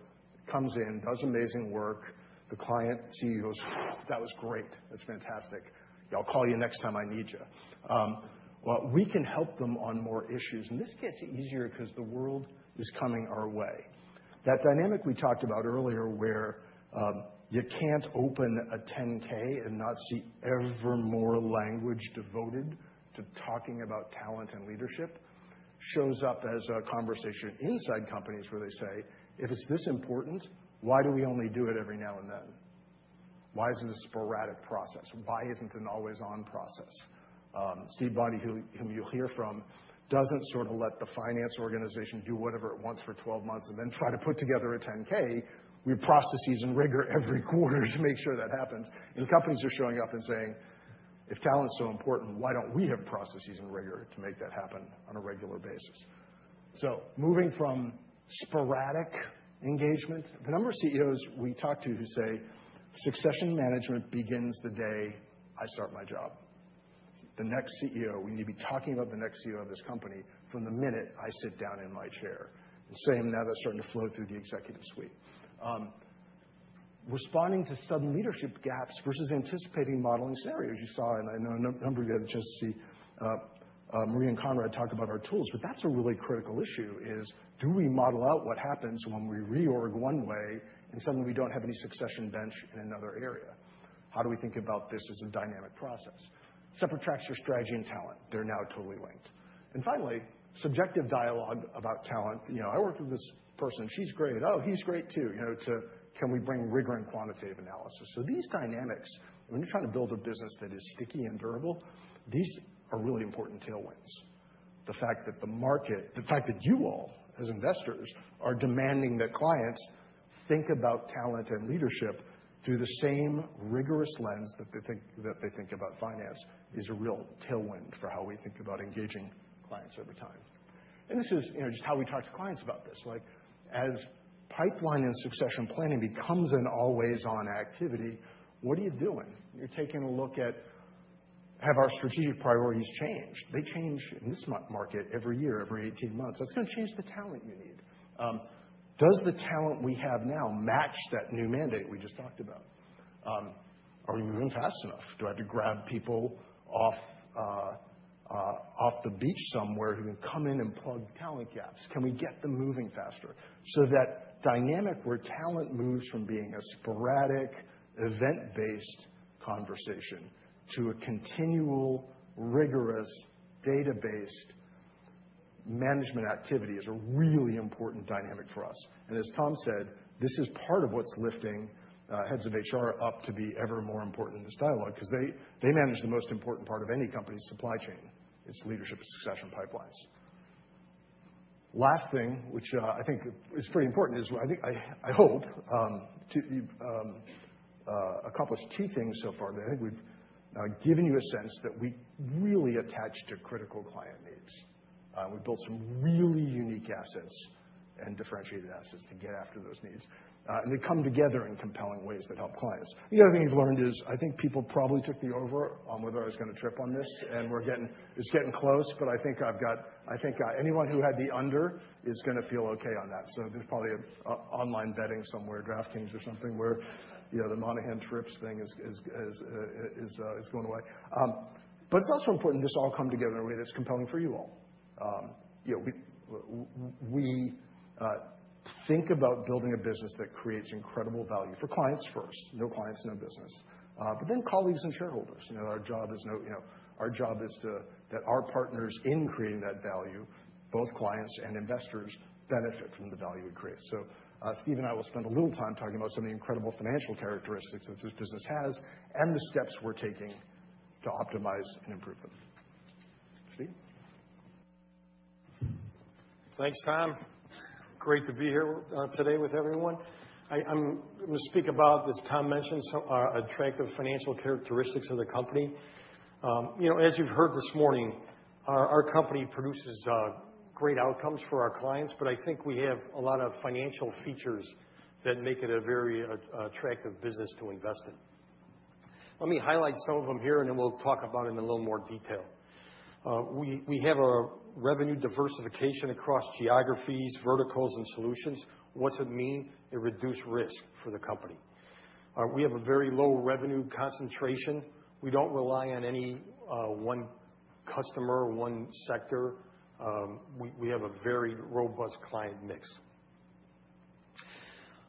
comes in, does amazing work. The client CEO goes, "That was great. That's fantastic. I'll call you next time I need you." We can help them on more issues. This gets easier because the world is coming our way. That dynamic we talked about earlier where you can't open a 10-K and not see ever more language devoted to talking about talent and leadership shows up as a conversation inside companies where they say, "If it's this important, why do we only do it every now and then? Why isn't it a sporadic process? Why isn't it an always-on process?" Steve Bondi, whom you'll hear from, doesn't sort of let the finance organization do whatever it wants for 12 months and then try to put together a 10-K. We have processes and rigor every quarter to make sure that happens. Companies are showing up and saying, "If talent's so important, why don't we have processes and rigor to make that happen on a regular basis?" So moving from sporadic engagement, the number of CEOs we talk to who say, "Succession management begins the day I start my job." The next CEO, we need to be talking about the next CEO of this company from the minute I sit down in my chair. And same now that's starting to flow through the executive suite. Responding to sudden leadership gaps versus anticipating modeling scenarios. You saw, and I know a number of you had a chance to see Maria and Conrad talk about our tools. But that's a really critical issue is, do we model out what happens when we reorg one way and suddenly we don't have any succession bench in another area? How do we think about this as a dynamic process? Separate tracks for strategy and talent. They're now totally linked. And finally, subjective dialogue about talent. I work with this person. She's great. Oh, he's great too. Can we bring rigor and quantitative analysis? So these dynamics, when you're trying to build a business that is sticky and durable, these are really important tailwinds. The fact that the market, the fact that you all as investors are demanding that clients think about talent and leadership through the same rigorous lens that they think about finance is a real tailwind for how we think about engaging clients over time. And this is just how we talk to clients about this. As pipeline and succession planning becomes an always-on activity, what are you doing? You're taking a look at, have our strategic priorities changed? They change in this market every year, every 18 months. That's going to change the talent you need. Does the talent we have now match that new mandate we just talked about? Are we moving fast enough? Do I have to grab people off the beach somewhere who can come in and plug talent gaps? Can we get them moving faster? So that dynamic where talent moves from being a sporadic, event-based conversation to a continual, rigorous, data-based management activity is a really important dynamic for us. And as Tom said, this is part of what's lifting heads of HR up to be ever more important in this dialogue because they manage the most important part of any company's supply chain. It's leadership and succession pipelines. Last thing, which I think is pretty important, is I hope to accomplish two things so far. I think we've given you a sense that we really attach to critical client needs. We've built some really unique assets and differentiated assets to get after those needs. And they come together in compelling ways that help clients. The other thing we've learned is I think people probably took the over on whether I was going to trip on this. And it's getting close, but I think anyone who had the under is going to feel okay on that. So there's probably an online betting somewhere, DraftKings or something, where the Monahan trips thing is going away. But it's also important that this all comes together in a way that's compelling for you all. We think about building a business that creates incredible value for clients first. No clients, no business. But then colleagues and shareholders. Our job is to ensure that our partners, in creating that value, both clients and investors, benefit from the value we create. So Steve and I will spend a little time talking about some of the incredible financial characteristics that this business has and the steps we're taking to optimize and improve them. Steve?
Thanks, Tom. Great to be here today with everyone. I'm going to speak about, as Tom mentioned, our attractive financial characteristics of the company. As you've heard this morning, our company produces great outcomes for our clients, but I think we have a lot of financial features that make it a very attractive business to invest in. Let me highlight some of them here, and then we'll talk about it in a little more detail. We have a revenue diversification across geographies, verticals, and solutions. What does it mean? It reduces risk for the company. We have a very low revenue concentration. We don't rely on any one customer or one sector. We have a very robust client mix.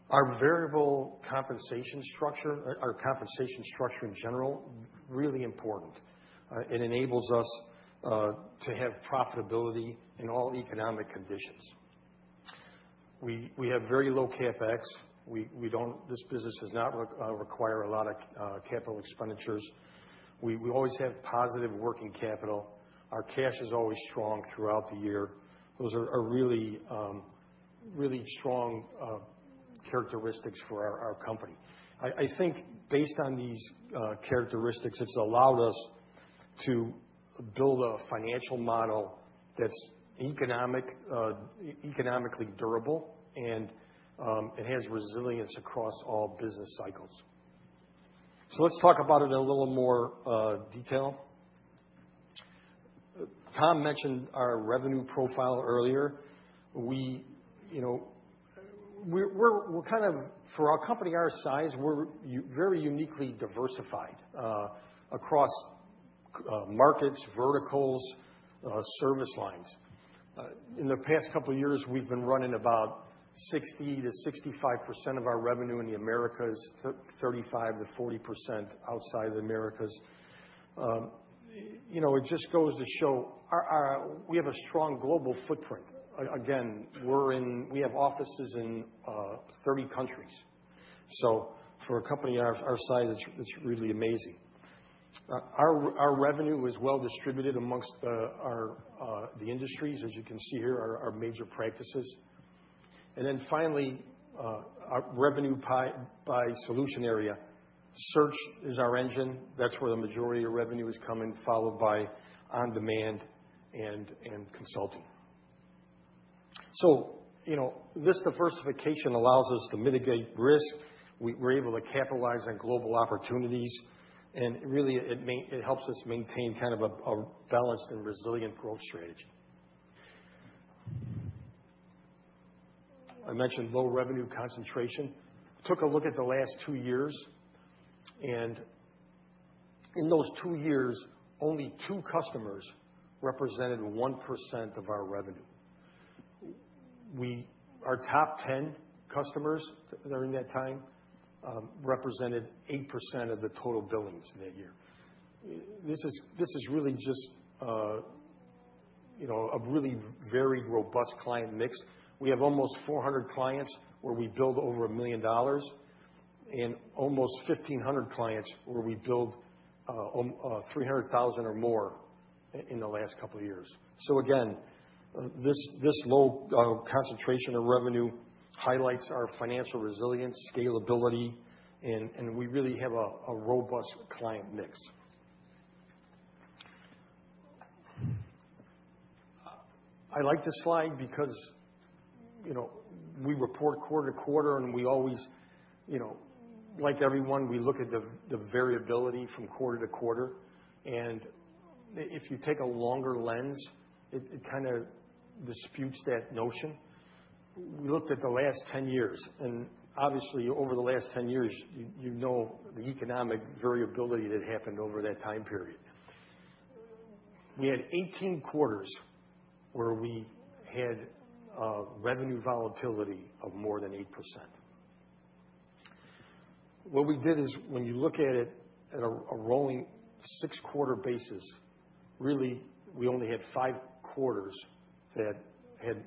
Our variable compensation structure, our compensation structure in general, is really important. It enables us to have profitability in all economic conditions. We have very low CapEx. This business does not require a lot of capital expenditures. We always have positive working capital. Our cash is always strong throughout the year. Those are really strong characteristics for our company. I think based on these characteristics, it's allowed us to build a financial model that's economically durable, and it has resilience across all business cycles. Tom mentioned our revenue profile earlier. For a company our size, we're very uniquely diversified across markets, verticals, service lines. In the past couple of years, we've been running about 60%-65% of our revenue in the Americas, 35%-40% outside of the Americas. It just goes to show we have a strong global footprint. Again, we have offices in 30 countries. So for a company our size, it's really amazing. Our revenue is well distributed among the industries, as you can see here: our major practices. Then finally, our revenue by solution area. Search is our engine. That's where the majority of revenue is coming, followed by On-Demand and Consulting. So this diversification allows us to mitigate risk. We're able to capitalize on global opportunities. And really, it helps us maintain kind of a balanced and resilient growth strategy. I mentioned low revenue concentration. We took a look at the last two years. In those two years, only two customers represented 1% of our revenue. Our top 10 customers during that time represented 8% of the total billings that year. This is really just a really very robust client mix. We have almost 400 clients where we bill over $1 million and almost 1,500 clients where we bill $300,000 or more in the last couple of years. So again, this low concentration of revenue highlights our financial resilience, scalability, and we really have a robust client mix. I like this slide because we report quarter to quarter, and we always, like everyone, we look at the variability from quarter to quarter, and if you take a longer lens, it kind of disputes that notion. We looked at the last 10 years, and obviously, over the last 10 years, you know the economic variability that happened over that time period. We had 18 quarters where we had revenue volatility of more than 8%. What we did is, when you look at it at a rolling six-quarter basis, really, we only had five quarters that had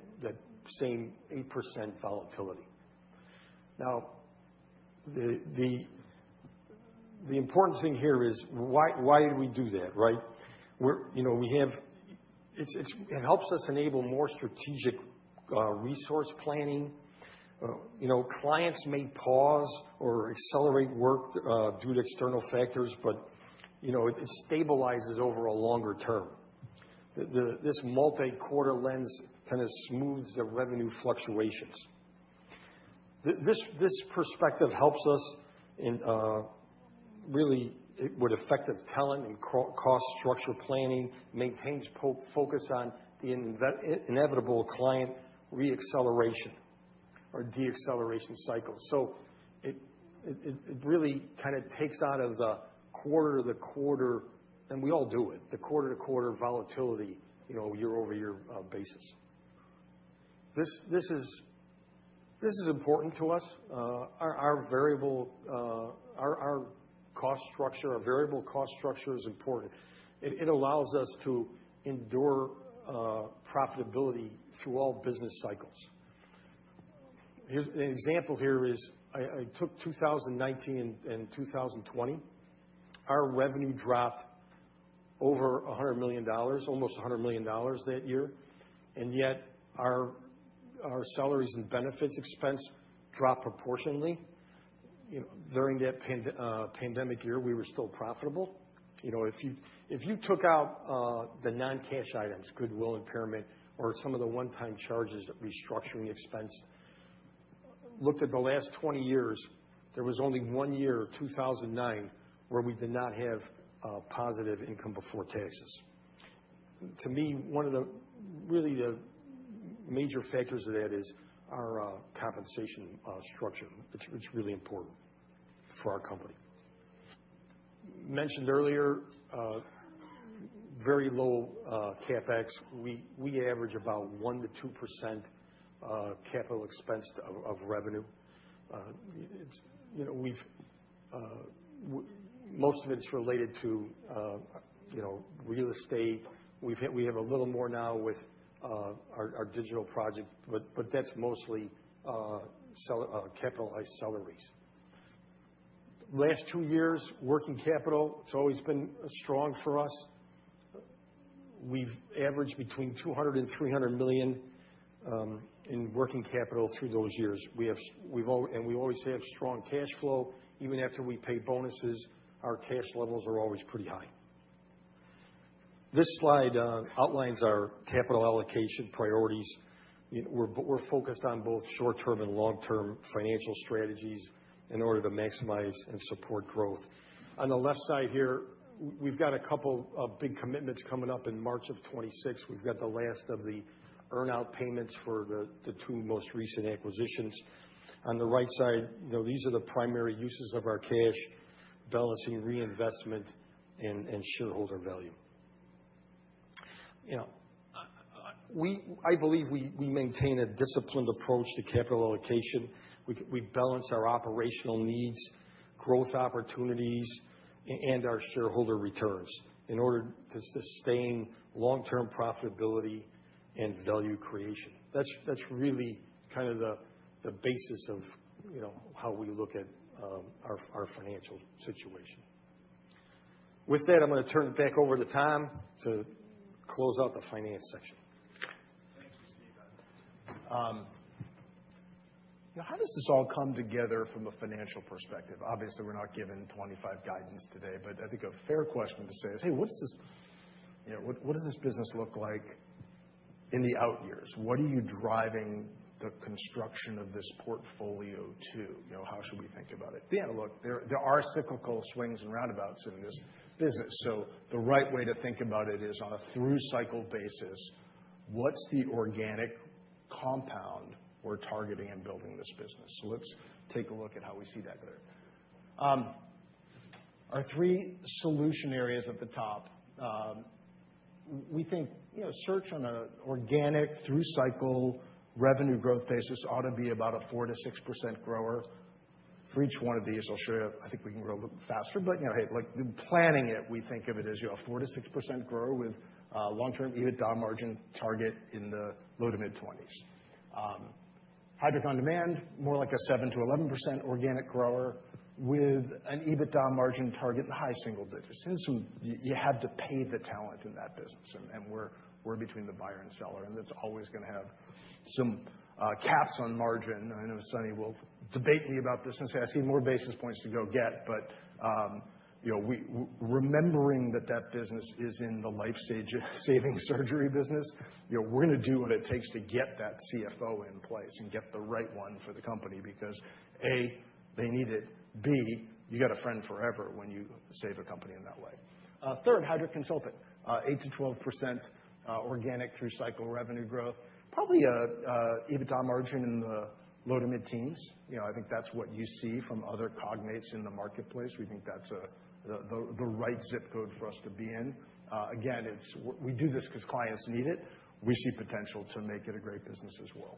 that same 8% volatility. Now, the important thing here is, why did we do that, right? It helps us enable more strategic resource planning. Clients may pause or accelerate work due to external factors, but it stabilizes over a longer term. This multi-quarter lens kind of smooths the revenue fluctuations. This perspective helps us really with effective talent and cost structure planning, maintains focus on the inevitable client re-acceleration or de-acceleration cycle. So it really kind of takes out of the quarter to quarter, and we all do it, the quarter to quarter volatility year-over-year basis. This is important to us. Our cost structure, our variable cost structure is important. It allows us to endure profitability through all business cycles. An example here is, I took 2019 and 2020. Our revenue dropped over $100 million, almost $100 million that year. And yet, our salaries and benefits expense dropped proportionally. During that pandemic year, we were still profitable. If you took out the non-cash items, goodwill impairment, or some of the one-time charges, restructuring expense, looked at the last 20 years, there was only one year, 2009, where we did not have positive income before taxes. To me, one of the really major factors of that is our compensation structure. It's really important for our company. Mentioned earlier, very low CapEx. We average about 1%-2% capital expense of revenue. Most of it is related to real estate. We have a little more now with our digital project, but that's mostly capitalized salaries. Last two years, working capital, it's always been strong for us. We've averaged between $200 million and $300 million in working capital through those years. And we always have strong cash flow. Even after we pay bonuses, our cash levels are always pretty high. This slide outlines our capital allocation priorities. We're focused on both short-term and long-term financial strategies in order to maximize and support growth. On the left side here, we've got a couple of big commitments coming up in March of 2026. We've got the last of the earn-out payments for the two most recent acquisitions. On the right side, these are the primary uses of our cash: balancing reinvestment and shareholder value. I believe we maintain a disciplined approach to capital allocation. We balance our operational needs, growth opportunities, and our shareholder returns in order to sustain long-term profitability and value creation. That's really kind of the basis of how we look at our financial situation. With that, I'm going to turn it back over to Tom to close out the finance section.
Thank you, Steve. How does this all come together from a financial perspective? Obviously, we're not giving 2025 guidance today, but I think a fair question to say is, "Hey, what does this business look like in the out years? What are you driving the construction of this portfolio to? How should we think about it?" Yeah, look, there are cyclical swings and roundabouts in this business. So the right way to think about it is on a through-cycle basis, what's the organic compounding we're targeting in building this business? So let's take a look at how we see that there. Our three solution areas at the top, we think Search on an organic through-cycle revenue growth basis ought to be about a 4%-6% grower. For each one of these, I'll show you. I think we can grow a little faster. But hey, planning it, we think of it as a 4%-6% grower with a long-term EBITDA margin target in the low to mid-20s. Heidrick On Demand, more like a 7%-11% organic grower with an EBITDA margin target in the high single digits. You have to pay the talent in that business. And we're between the buyer and seller. And that's always going to have some caps on margin. I know Sunny will debate me about this and say, "I see more basis points to go get." But remembering that that business is in the life saving surgery business, we're going to do what it takes to get that CFO in place and get the right one for the company because, A, they need it. B, you got a friend forever when you save a company in that way. Third, Heidrick consulting, 8%-12% organic through-cycle revenue growth. Probably an EBITDA margin in the low- to mid-teens. I think that's what you see from other consultants in the marketplace. We think that's the right zip code for us to be in. Again, we do this because clients need it. We see potential to make it a great business as well.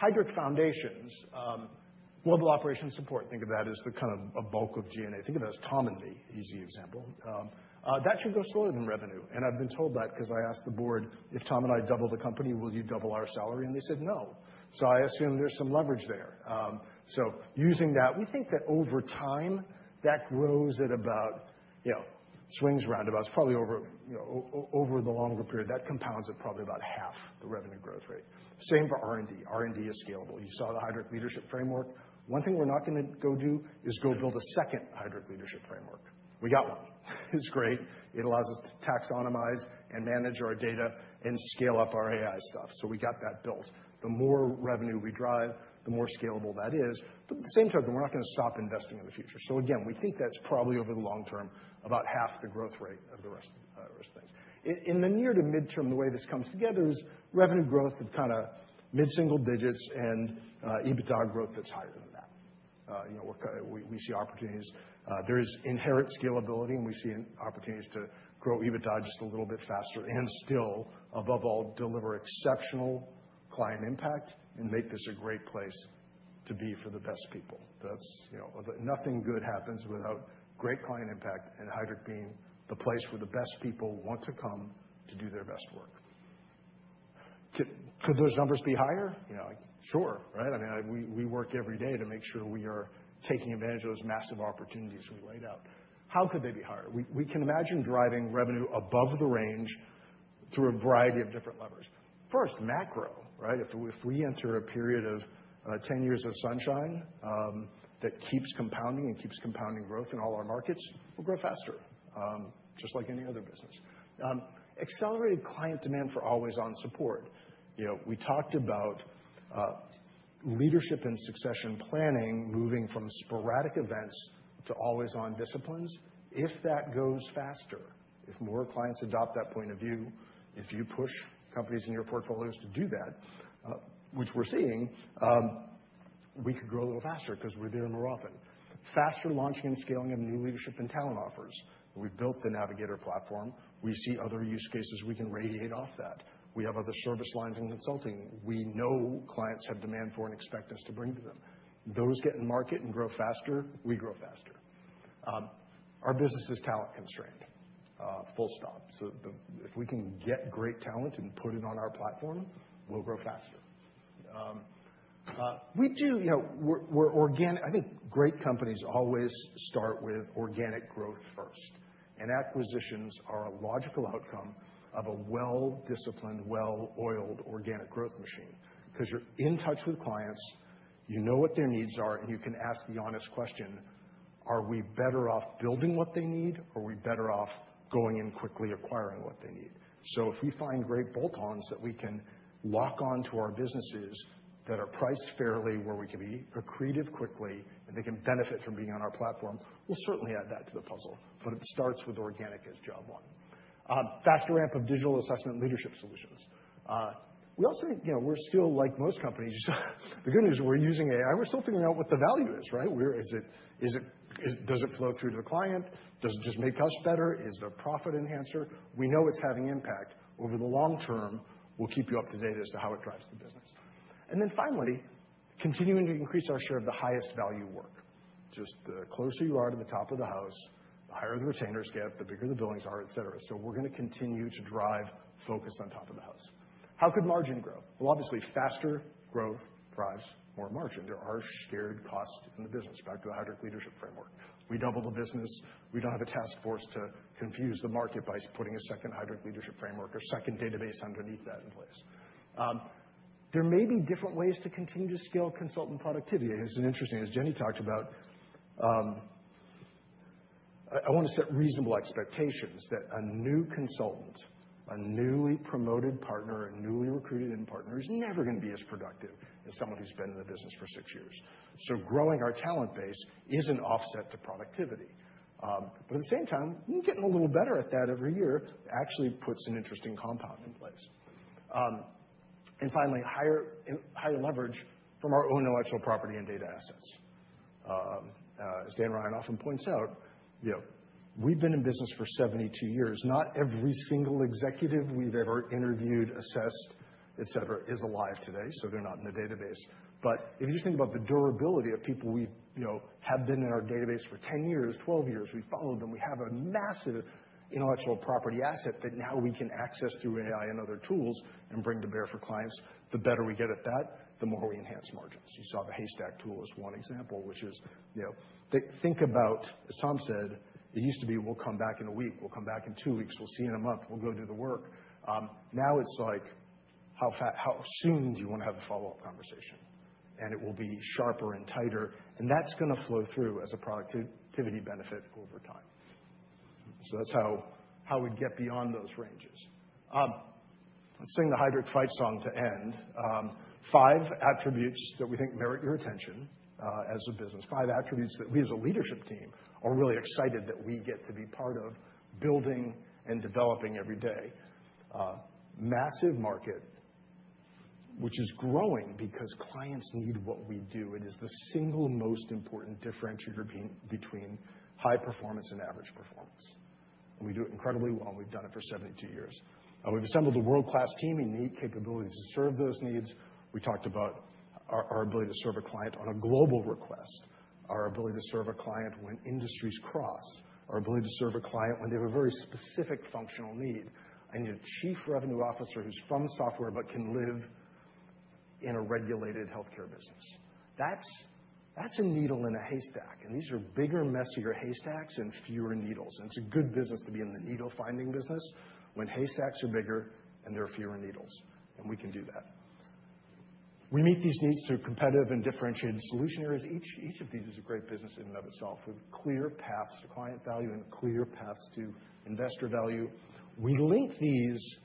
Corporate functions, global operations support, think of that as kind of a bulk of G&A. Think of it as Tom and me, easy example. That should go slower than revenue, and I've been told that because I asked the board, "If Tom and I double the company, will you double our salary?" And they said, "No," so I assume there's some leverage there, so using that, we think that over time, that grows at about swings, roundabouts, probably over the longer period. That compounds at probably about half the revenue growth rate. Same for R&D. R&D is scalable. You saw the Heidrick Leadership Framework. One thing we're not going to go do is go build a second Heidrick Leadership Framework. We got one. It's great. It allows us to taxonomize and manage our data and scale up our AI stuff. So we got that built. The more revenue we drive, the more scalable that is. But at the same time, we're not going to stop investing in the future. So again, we think that's probably over the long term, about half the growth rate of the rest of things. In the near to midterm, the way this comes together is revenue growth of kind of mid-single digits and EBITDA growth that's higher than that. We see opportunities. There is inherent scalability, and we see opportunities to grow EBITDA just a little bit faster and still, above all, deliver exceptional client impact and make this a great place to be for the best people. Nothing good happens without great client impact and Heidrick being the place where the best people want to come to do their best work. Could those numbers be higher? Sure, right? I mean, we work every day to make sure we are taking advantage of those massive opportunities we laid out. How could they be higher? We can imagine driving revenue above the range through a variety of different levers. First, macro, right? If we enter a period of 10 years of sunshine that keeps compounding and keeps compounding growth in all our markets, we'll grow faster, just like any other business. Accelerated client demand for always-on support. We talked about leadership and succession planning moving from sporadic events to always-on disciplines. If that goes faster, if more clients adopt that point of view, if you push companies in your portfolios to do that, which we're seeing, we could grow a little faster because we're there more often. Faster launching and scaling of new leadership and talent offers. We built the Navigator platform. We see other use cases. We can radiate off that. We have other service lines and Consulting. We know clients have demand for and expect us to bring to them. Those get in market and grow faster. We grow faster. Our business is talent constrained. Full stop. So if we can get great talent and put it on our platform, we'll grow faster. We do, I think great companies always start with organic growth first. And acquisitions are a logical outcome of a well-disciplined, well-oiled organic growth machine because you're in touch with clients, you know what their needs are, and you can ask the honest question, "Are we better off building what they need, or are we better off going in quickly acquiring what they need?" So if we find great bolt-ons that we can lock onto our businesses that are priced fairly, where we can be accretive quickly, and they can benefit from being on our platform, we'll certainly add that to the puzzle. But it starts with organic as job one. Faster ramp of digital assessment leadership solutions. We also think we're still, like most companies, the good news is we're using AI. We're still figuring out what the value is, right? Does it flow through to the client? Does it just make us better? Is it a profit enhancer? We know it's having impact over the long term. We'll keep you up to date as to how it drives the business. And then finally, continuing to increase our share of the highest value work. Just the closer you are to the top of the house, the higher the retainers get, the bigger the billings are, etc. So we're going to continue to drive focus on top of the house. How could margin grow? Well, obviously, faster growth drives more margin. There are shared costs in the business. Back to the Heidrick Leadership Framework. We double the business. We don't have a task force to confuse the market by putting a second Heidrick Leadership Framework or second database underneath that in place. There may be different ways to continue to scale consultant productivity. It's interesting, as Jenni talked about. I want to set reasonable expectations that a new consultant, a newly promoted partner, a newly recruited partner is never going to be as productive as someone who's been in the business for six years. So growing our talent base is an offset to productivity. But at the same time, getting a little better at that every year actually puts an interesting compound in place. And finally, higher leverage from our own intellectual property and data assets. As Dan Ryan often points out, we've been in business for 72 years. Not every single executive we've ever interviewed, assessed, etc., is alive today, so they're not in the database. But if you just think about the durability of people we have been in our database for 10 years, 12 years, we've followed them. We have a massive intellectual property asset that now we can access through AI and other tools and bring to bear for clients. The better we get at that, the more we enhance margins. You saw the Haystack tool as one example, which is think about, as Tom said, it used to be, "We'll come back in a week. We'll come back in two weeks. We'll see you in a month. We'll go do the work." Now it's like, "How soon do you want to have a follow-up conversation?" And it will be sharper and tighter. And that's going to flow through as a productivity benefit over time. So that's how we get beyond those ranges. Let's sing the Heidrick fight song to end. Five attributes that we think merit your attention as a business. Five attributes that we, as a leadership team, are really excited that we get to be part of building and developing every day. Massive market, which is growing because clients need what we do. It is the single most important differentiator between high performance and average performance, and we do it incredibly well. We've done it for 72 years. We've assembled a world-class team and neat capabilities to serve those needs. We talked about our ability to serve a client on a global request, our ability to serve a client when industries cross, our ability to serve a client when they have a very specific functional need. I need a Chief Revenue Officer who's from software but can live in a regulated healthcare business. That's a needle in a haystack, and these are bigger, messier haystacks and fewer needles. And it's a good business to be in the needle-finding business when haystacks are bigger and there are fewer needles. And we can do that. We meet these needs through competitive and differentiated solution areas. Each of these is a great business in and of itself with clear paths to client value and clear paths to investor value. We link these.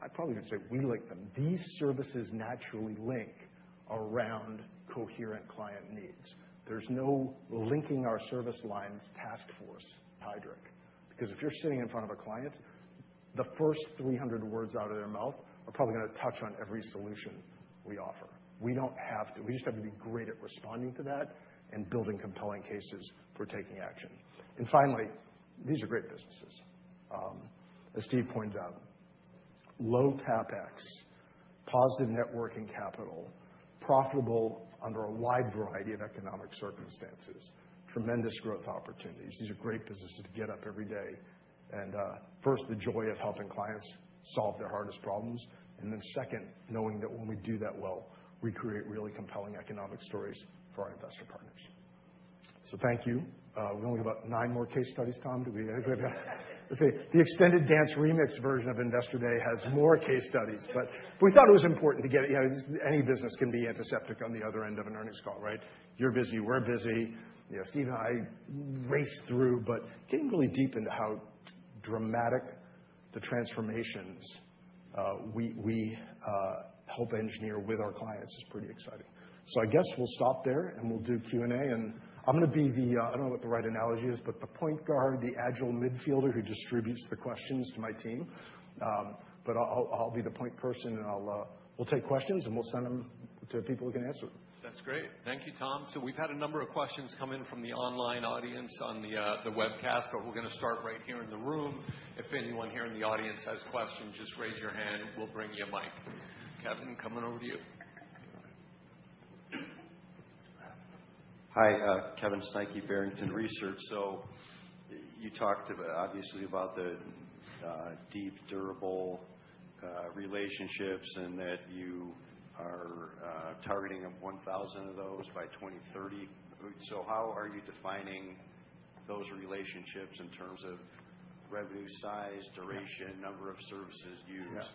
I probably would say we link them. These services naturally link around coherent client needs. There's no linking our service lines. That's for Heidrick because if you're sitting in front of a client, the first 300 words out of their mouth are probably going to touch on every solution we offer. We don't have to. We just have to be great at responding to that and building compelling cases for taking action. And finally, these are great businesses. As Steve pointed out, low CapEx, positive net working capital, profitable under a wide variety of economic circumstances, tremendous growth opportunities. These are great businesses to get up every day and first, the joy of helping clients solve their hardest problems. And then second, knowing that when we do that well, we create really compelling economic stories for our investor partners. So thank you. We only have about nine more case studies, Tom. Do we have the extended dance remix version of Investor Day? Has more case studies. But we thought it was important to get it. Any business can be antiseptic on the other end of an earnings call, right? You're busy. We're busy. Steve and I raced through, but getting really deep into how dramatic the transformations we help engineer with our clients is pretty exciting. So I guess we'll stop there and we'll do Q&A. And I'm going to be the. I don't know what the right analogy is, but the point guard, the agile midfielder who distributes the questions to my team. But I'll be the point person and we'll take questions and we'll send them to people who can answer them. That's great. Thank you, Tom. So we've had a number of questions come in from the online audience on the webcast, but we're going to start right here in the room. If anyone here in the audience has questions, just raise your hand. We'll bring you a mic. Kevin, coming over to you.
Hi, Kevin Steinke, Barrington Research. So you talked obviously about the deep, durable relationships and that you are targeting 1,000 of those by 2030. So how are you defining those relationships in terms of revenue size, duration, number of services used?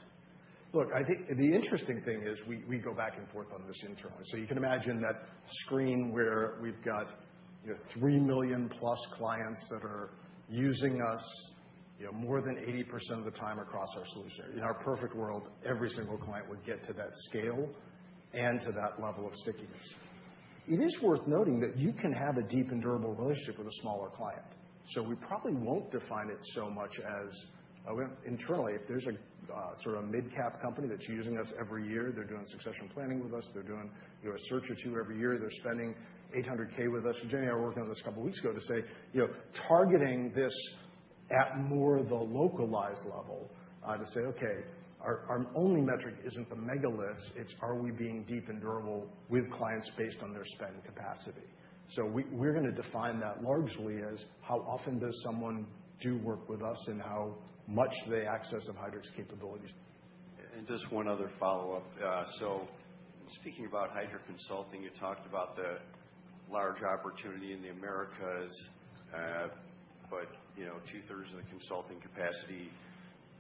Look, I think the interesting thing is we go back and forth on this internally. So you can imagine that screen where we've got 3 million+ clients that are using us more than 80% of the time across our solution. In our perfect world, every single client would get to that scale and to that level of stickiness. It is worth noting that you can have a deep and durable relationship with a smaller client. So we probably won't define it so much as internally. If there's a sort of mid-cap company that's using us every year, they're doing succession planning with us. They're doing a search or two every year. They're spending $800K with us. Jenni and I were working on this a couple of weeks ago to say targeting this at more the localized level to say, "Okay, our only metric isn't the mega list. It's "are we being deep and durable with clients based on their spend capacity?" So we're going to define that largely as how often does someone do work with us and how much they access of Heidrick's capabilities.
And just one other follow-up. So speaking about Heidrick consulting, you talked about the large opportunity in the Americas, but two-thirds of the Consulting capacity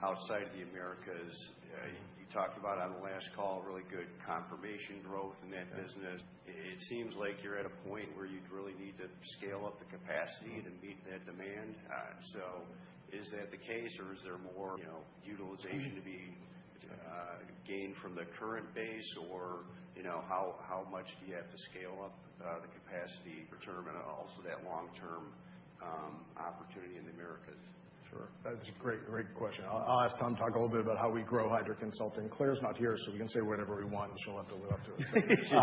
outside of the Americas. You talked about on the last call, really good confirmation growth in that business. It seems like you're at a point where you'd really need to scale up the capacity to meet that demand. So is that the case, or is there more utilization to be gained from the current base, or how much do you have to scale up the capacity? Tom, and also that long-term opportunity in the Americas?
Sure. That's a great question. I'll ask Tom to talk a little bit about how we grow Heidrick consulting. Claire's not here, so we can say whatever we want, and she'll have to live up to it.
She'll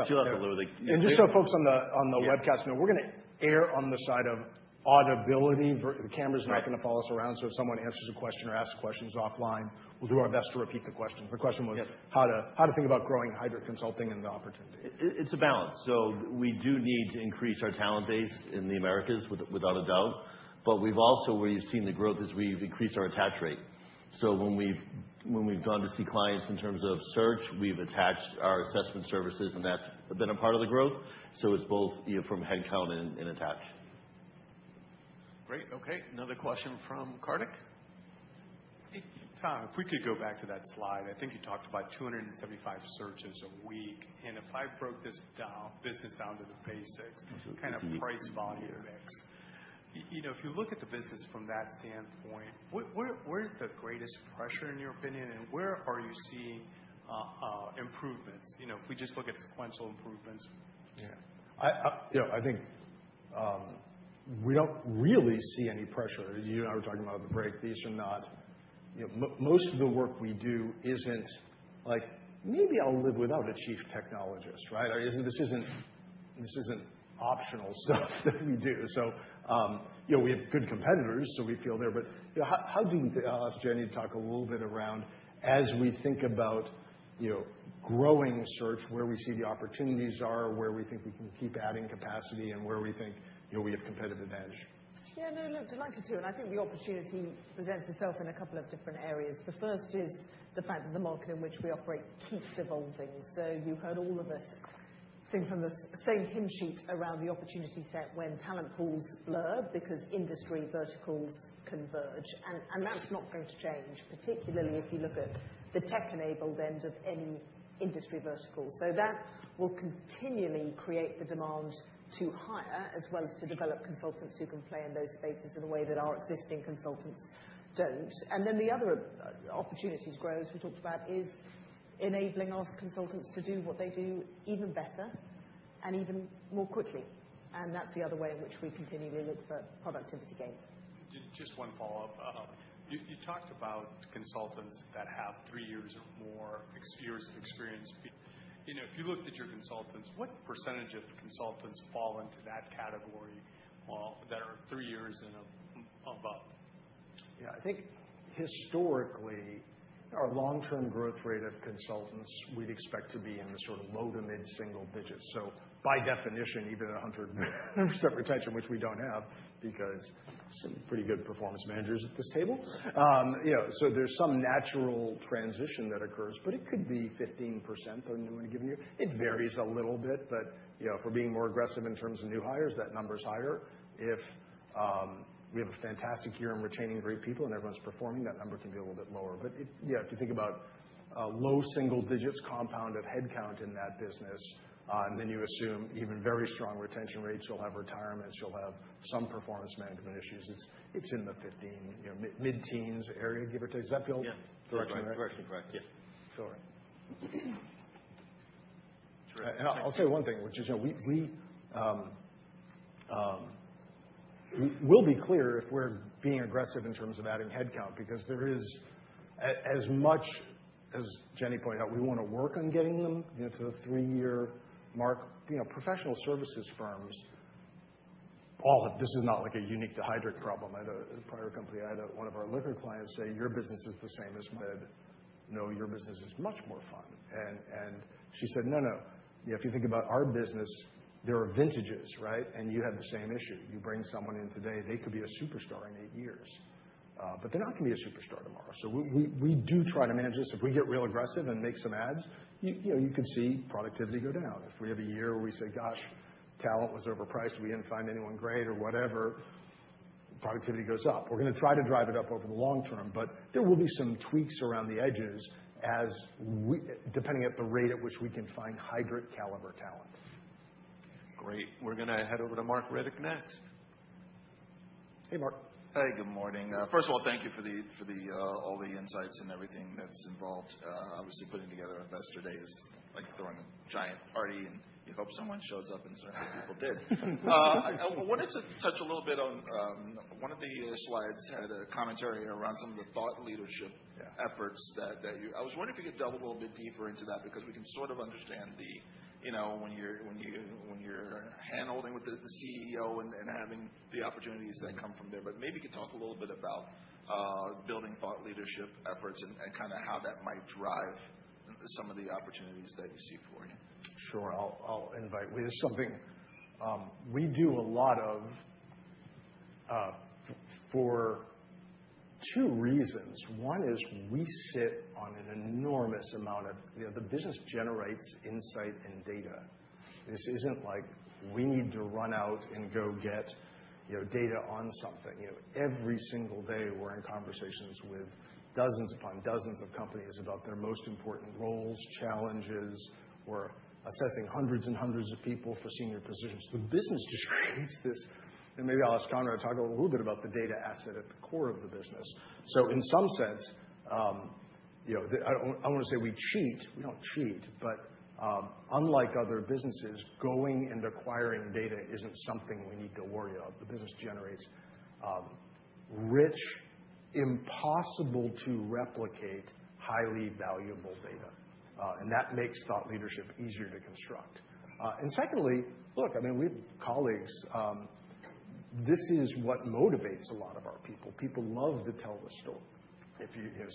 have to live with it And just so folks on the webcast know, we're going to err on the side of audibility. The camera's not going to follow us around. So if someone answers a question or asks questions offline, we'll do our best to repeat the question. The question was how to think about growing Heidrick consulting and the opportunity. It's a balance, so we do need to increase our talent base in the Americas, without a doubt. But we've also, where you've seen the growth, is we've increased our attach rate. So when we've gone to see clients in terms of Search, we've attached our assessment services, and that's been a part of the growth. It's both from headcount and attach. Great. Okay. Another question from Kartik. Tom, if we could go back to that slide, I think you talked about 275 searches a week. And if I broke this business down to the basics, kind of price volume mix, if you look at the business from that standpoint, where's the greatest pressure, in your opinion, and where are you seeing improvements? If we just look at sequential improvements.
Yeah. I think we don't really see any pressure. You and I were talking about the breakthroughs. Most of the work we do isn't like, "Maybe I'll live without a chief technologist," right? This isn't optional stuff that we do. So we have good competitors, so we feel there. But how do you think Jenni talk a little bit around as we think about growing Search, where we see the opportunities are, where we think we can keep adding capacity, and where we think we have competitive advantage?
Yeah, no, delighted to. And I think the opportunity presents itself in a couple of different areas. The first is the fact that the market in which we operate keeps evolving. So you heard all of us sing from the same hymn sheet around the opportunity set when talent pools blur because industry verticals converge. And that's not going to change, particularly if you look at the tech-enabled end of any industry vertical. So that will continually create the demand to hire as well as to develop consultants who can play in those spaces in a way that our existing consultants don't. And then the other opportunities grow, as we talked about, is enabling our consultants to do what they do even better and even more quickly. And that's the other way in which we continually look for productivity gains. Just one follow-up. You talked about consultants that have three years or more years of experience. If you looked at your consultants, what percentage of consultants fall into that category that are three years and above?
Yeah, I think historically, our long-term growth rate of consultants, we'd expect to be in the sort of low- to mid-single digits. So by definition, even 100% retention, which we don't have because some pretty good performance managers at this table. So there's some natural transition that occurs, but it could be 15% on a given year. It varies a little bit, but for being more aggressive in terms of new hires, that number is higher. If we have a fantastic year and we're training great people and everyone's performing, that number can be a little bit lower. But if you think about low single digits compound of headcount in that business, and then you assume even very strong retention rates, you'll have retirements, you'll have some performance management issues. It's in the 15, mid-teens area, give or take. Does that feel directionally right? Directionally correct, yeah. Feel right.
And I'll say one thing, which is we'll be clear if we're being aggressive in terms of adding headcount because there is, as much as Jenni pointed out, we want to work on getting them to the three-year mark. Professional services firms, this is not like a unique to Heidrick problem. At a prior company, I had one of our liquor clients say, "Your business is the same as." I said, "No, your business is much more fun." And she said, "No, no. If you think about our business, there are vintages, right? And you have the same issue. You bring someone in today, they could be a superstar in eight years, but they're not going to be a superstar tomorrow." So we do try to manage this. If we get real aggressive and make some adds, you can see productivity go down. If we have a year where we say, "Gosh, talent was overpriced. We didn't find anyone great or whatever," productivity goes up. We're going to try to drive it up over the long term, but there will be some tweaks around the edges depending on the rate at which we can find high-caliber talent. Great. We're going to head over to Marc Riddick next. Hey, Mark. Hey, good morning. First of all, thank you for all the insights and everything that's involved. Obviously, putting together Investor Day is like throwing a giant party, and you hope someone shows up, and certainly people did. I wanted to touch a little bit on one of the slides had a commentary around some of the thought leadership efforts that you. I was wondering if you could delve a little bit deeper into that because we can sort of understand when you're hand-holding with the CEO and having the opportunities that come from there. But maybe you could talk a little bit about building thought leadership efforts and kind of how that might drive some of the opportunities that you see for you. Sure. I'll invite. There's something we do a lot of for two reasons. One is, we sit on an enormous amount of the business generates insight and data. This isn't like we need to run out and go get data on something. Every single day, we're in conversations with dozens upon dozens of companies about their most important roles, challenges. We're assessing hundreds and hundreds of people for senior positions. The business just creates this. Maybe I'll ask Conrad to talk a little bit about the data asset at the core of the business. In some sense, I don't want to say we cheat. We don't cheat. Unlike other businesses, going and acquiring data isn't something we need to worry about. The business generates rich, impossible-to-replicate, highly valuable data. That makes thought leadership easier to construct. Secondly, look, I mean, we have colleagues. This is what motivates a lot of our people. People love to tell the story.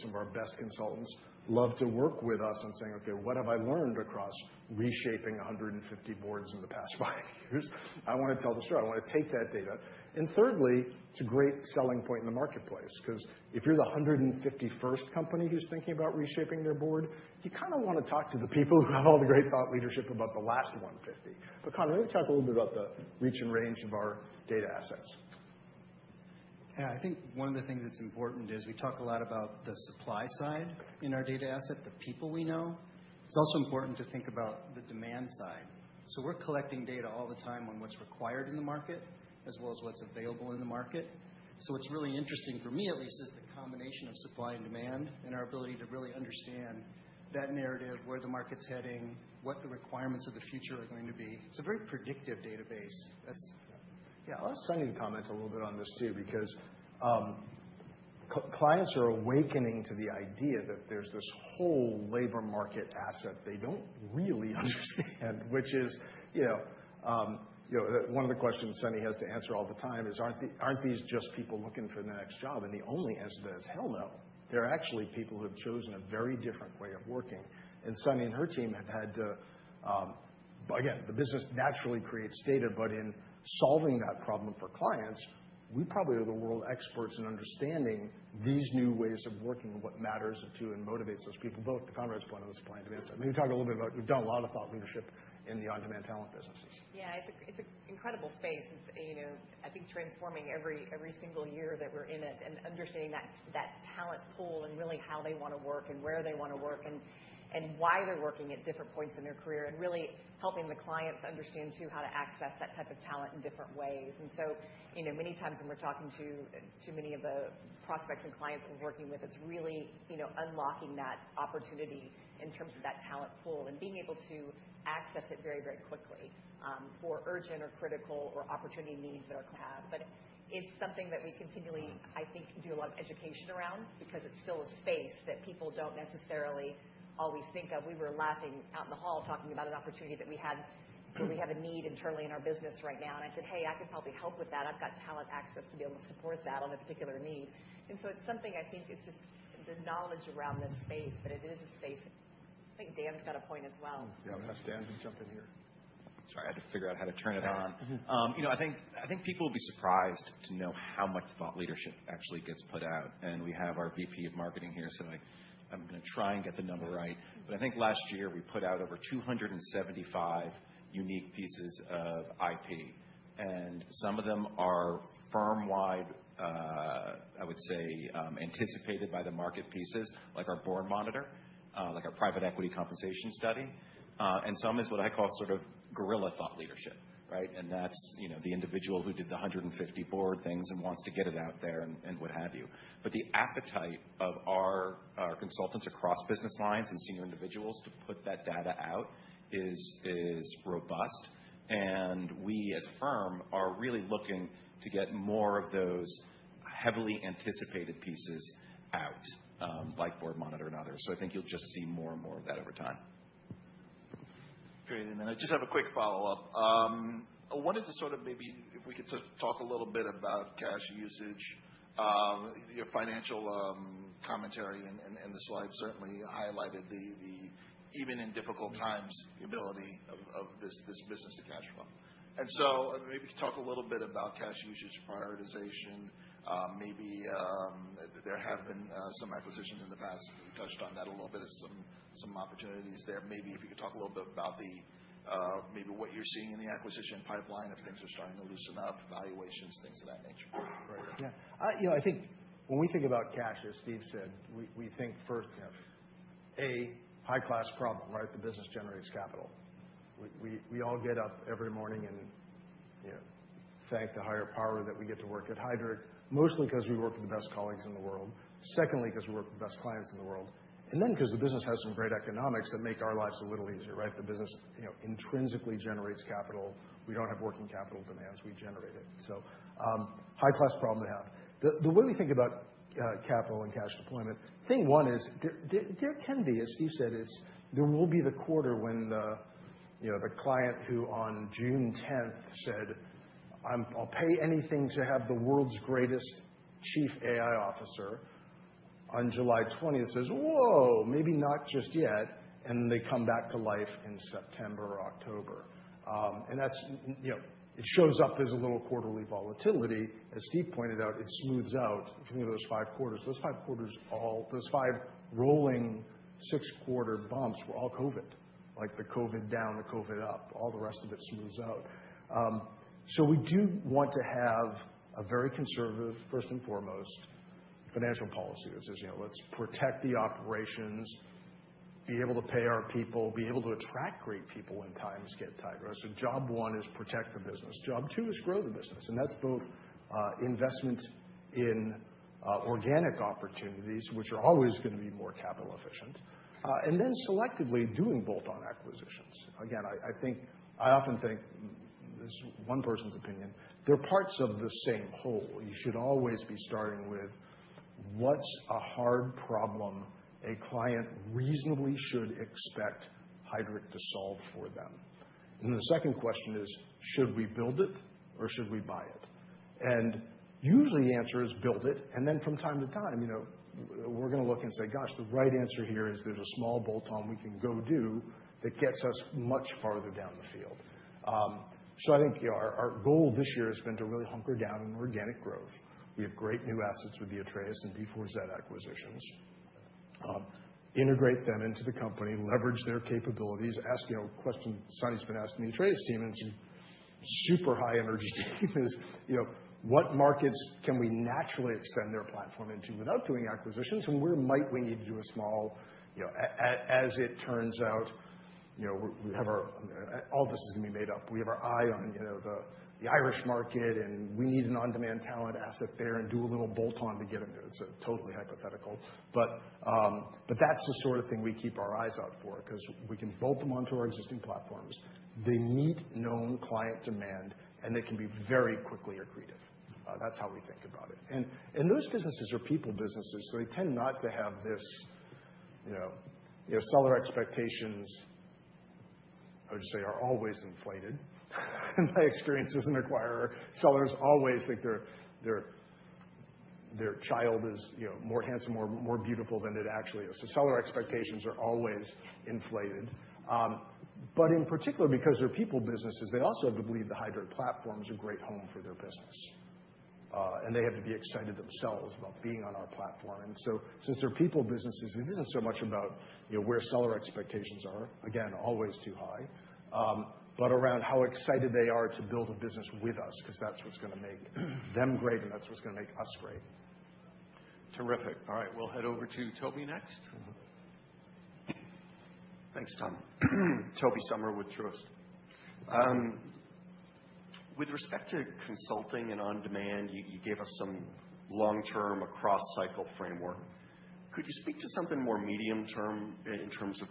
Some of our best consultants love to work with us, saying, "Okay, what have I learned across reshaping 150 boards in the past five years? I want to tell the story. I want to take that data," and thirdly, it's a great selling point in the marketplace because if you're the 151st company who's thinking about reshaping their board, you kind of want to talk to the people who have all the great thought leadership about the last 150. But Conrad, maybe talk a little bit about the reach and range of our data assets.
Yeah, I think one of the things that's important is we talk a lot about the supply side in our data asset, the people we know. It's also important to think about the demand side. So we're collecting data all the time on what's required in the market as well as what's available in the market. So what's really interesting for me, at least, is the combination of supply and demand and our ability to really understand that narrative, where the market's heading, what the requirements of the future are going to be. It's a very predictive database.
Yeah, I'll ask Sunny to comment a little bit on this too because clients are awakening to the idea that there's this whole labor market asset they don't really understand, which is one of the questions Sunny has to answer all the time is, "Aren't these just people looking for the next job?" And the only answer to that is, "Hell no." They're actually people who have chosen a very different way of working. And Sunny and her team have had to, again, the business naturally creates data, but in solving that problem for clients, we probably are the world experts in understanding these new ways of working and what matters to and motivates those people, both [on] Conrad's point on the supply and demand side. Maybe talk a little bit about we've done a lot of thought leadership in the On-Demand Talent businesses.
Yeah, it's an incredible space. I think transforming every single year that we're in it and understanding that talent pool and really how they want to work and where they want to work and why they're working at different points in their career and really helping the clients understand too how to access that type of talent in different ways. And so many times when we're talking to many of the prospects and clients that we're working with, it's really unlocking that opportunity in terms of that talent pool and being able to access it very, very quickly for urgent or critical or opportunity needs that our clients have. But it's something that we continually, I think, do a lot of education around because it's still a space that people don't necessarily always think of. We were laughing out in the hall talking about an opportunity that we had where we have a need internally in our business right now. And I said, "Hey, I can probably help with that. I've got talent access to be able to support that on a particular need." And so it's something I think is just the knowledge around this space, but it is a space. I think Dan's got a point as well.
Yeah, we'll have Dan jump in here.
Sorry, I had to figure out how to turn it on. I think people will be surprised to know how much thought leadership actually gets put out. And we have our VP of Marketing here, so I'm going to try and get the number right. But I think last year we put out over 275 unique pieces of IP. And some of them are firm-wide, I would say, anticipated by the market pieces, like our Board Monitor, like our private equity compensation study. And some is what I call sort of guerrilla thought leadership, right? And that's the individual who did the 150 board things and wants to get it out there and what have you. But the appetite of our consultants across business lines and senior individuals to put that data out is robust. And we, as a firm, are really looking to get more of those heavily anticipated pieces out, like Board Monitor and others. So I think you'll just see more and more of that over time. Great. And then I just have a quick follow-up. I wanted to sort of maybe if we could talk a little bit about cash usage, your financial commentary, and the slides certainly highlighted the, even in difficult times, the ability of this business to cash flow. And so maybe talk a little bit about cash usage prioritization. Maybe there have been some acquisitions in the past. You touched on that a little bit as some opportunities there. Maybe if you could talk a little bit about maybe what you're seeing in the acquisition pipeline if things are starting to loosen up, valuations, things of that nature.
Right. Yeah. I think when we think about cash, as Steve said, we think first, a high-class problem, right? The business generates capital. We all get up every morning and thank the higher power that we get to work at Heidrick, mostly because we work with the best colleagues in the world. Secondly, because we work with the best clients in the world. And then because the business has some great economics that make our lives a little easier, right? The business intrinsically generates capital. We don't have working capital demands. We generate it. So high-class problem to have. The way we think about capital and cash deployment, I think one is there can be, as Steve said, there will be the quarter when the client who on June 10th said, "I'll pay anything to have the world's greatest chief AI officer on July 20th," says, "Whoa, maybe not just yet," and they come back to life in September or October, and it shows up as a little quarterly volatility. As Steve pointed out, it smooths out. If you think of those five quarters, those five rolling six-quarter bumps were all COVID, like the COVID down, the COVID up. All the rest of it smooths out, so we do want to have a very conservative, first and foremost, financial policy. Let's protect the operations, be able to pay our people, be able to attract great people when times get tight. Job one is protect the business. Job two is grow the business. And that's both investment in organic opportunities, which are always going to be more capital efficient, and then selectively doing bolt-on acquisitions. Again, I often think this is one person's opinion. They're parts of the same whole. You should always be starting with what's a hard problem a client reasonably should expect Heidrick to solve for them. And the second question is, should we build it or should we buy it? And usually the answer is build it. And then from time to time, we're going to look and say, "Gosh, the right answer here is there's a small bolt-on we can go do that gets us much farther down the field." I think our goal this year has been to really hunker down in organic growth. We have great new assets with the Atreus and B4Z acquisitions. Integrate them into the company, leverage their capabilities, ask questions Sunny's been asking the Atreus team in some super high-energy statements. What markets can we naturally extend their platform into without doing acquisitions? Where might we need to do a small, as it turns out, we have our—all of this is going to be made up. We have our eye on the Irish market, and we need an On-Demand Talent asset there and do a little bolt-on to get into it. It's totally hypothetical. That's the sort of thing we keep our eyes out for because we can bolt them onto our existing platforms. They meet known client demand, and they can be very quickly accretive. That's how we think about it. Those businesses are people businesses, so they tend not to have this seller expectations. I would just say are always inflated. In my experience as an acquirer, sellers always think their child is more handsome or more beautiful than it actually is. So seller expectations are always inflated. But in particular, because they're people businesses, they also have to believe the Heidrick platform is a great home for their business. And they have to be excited themselves about being on our platform. And so since they're people businesses, it isn't so much about where seller expectations are, again, always too high, but around how excited they are to build a business with us because that's what's going to make them great, and that's what's going to make us great. Terrific. All right. We'll head over to Tobey next. Thanks, Tom. Tobey Sommer with Truist. With respect to Consulting and On-Demand, you gave us some long-term across-cycle framework. Could you speak to something more medium-term in terms of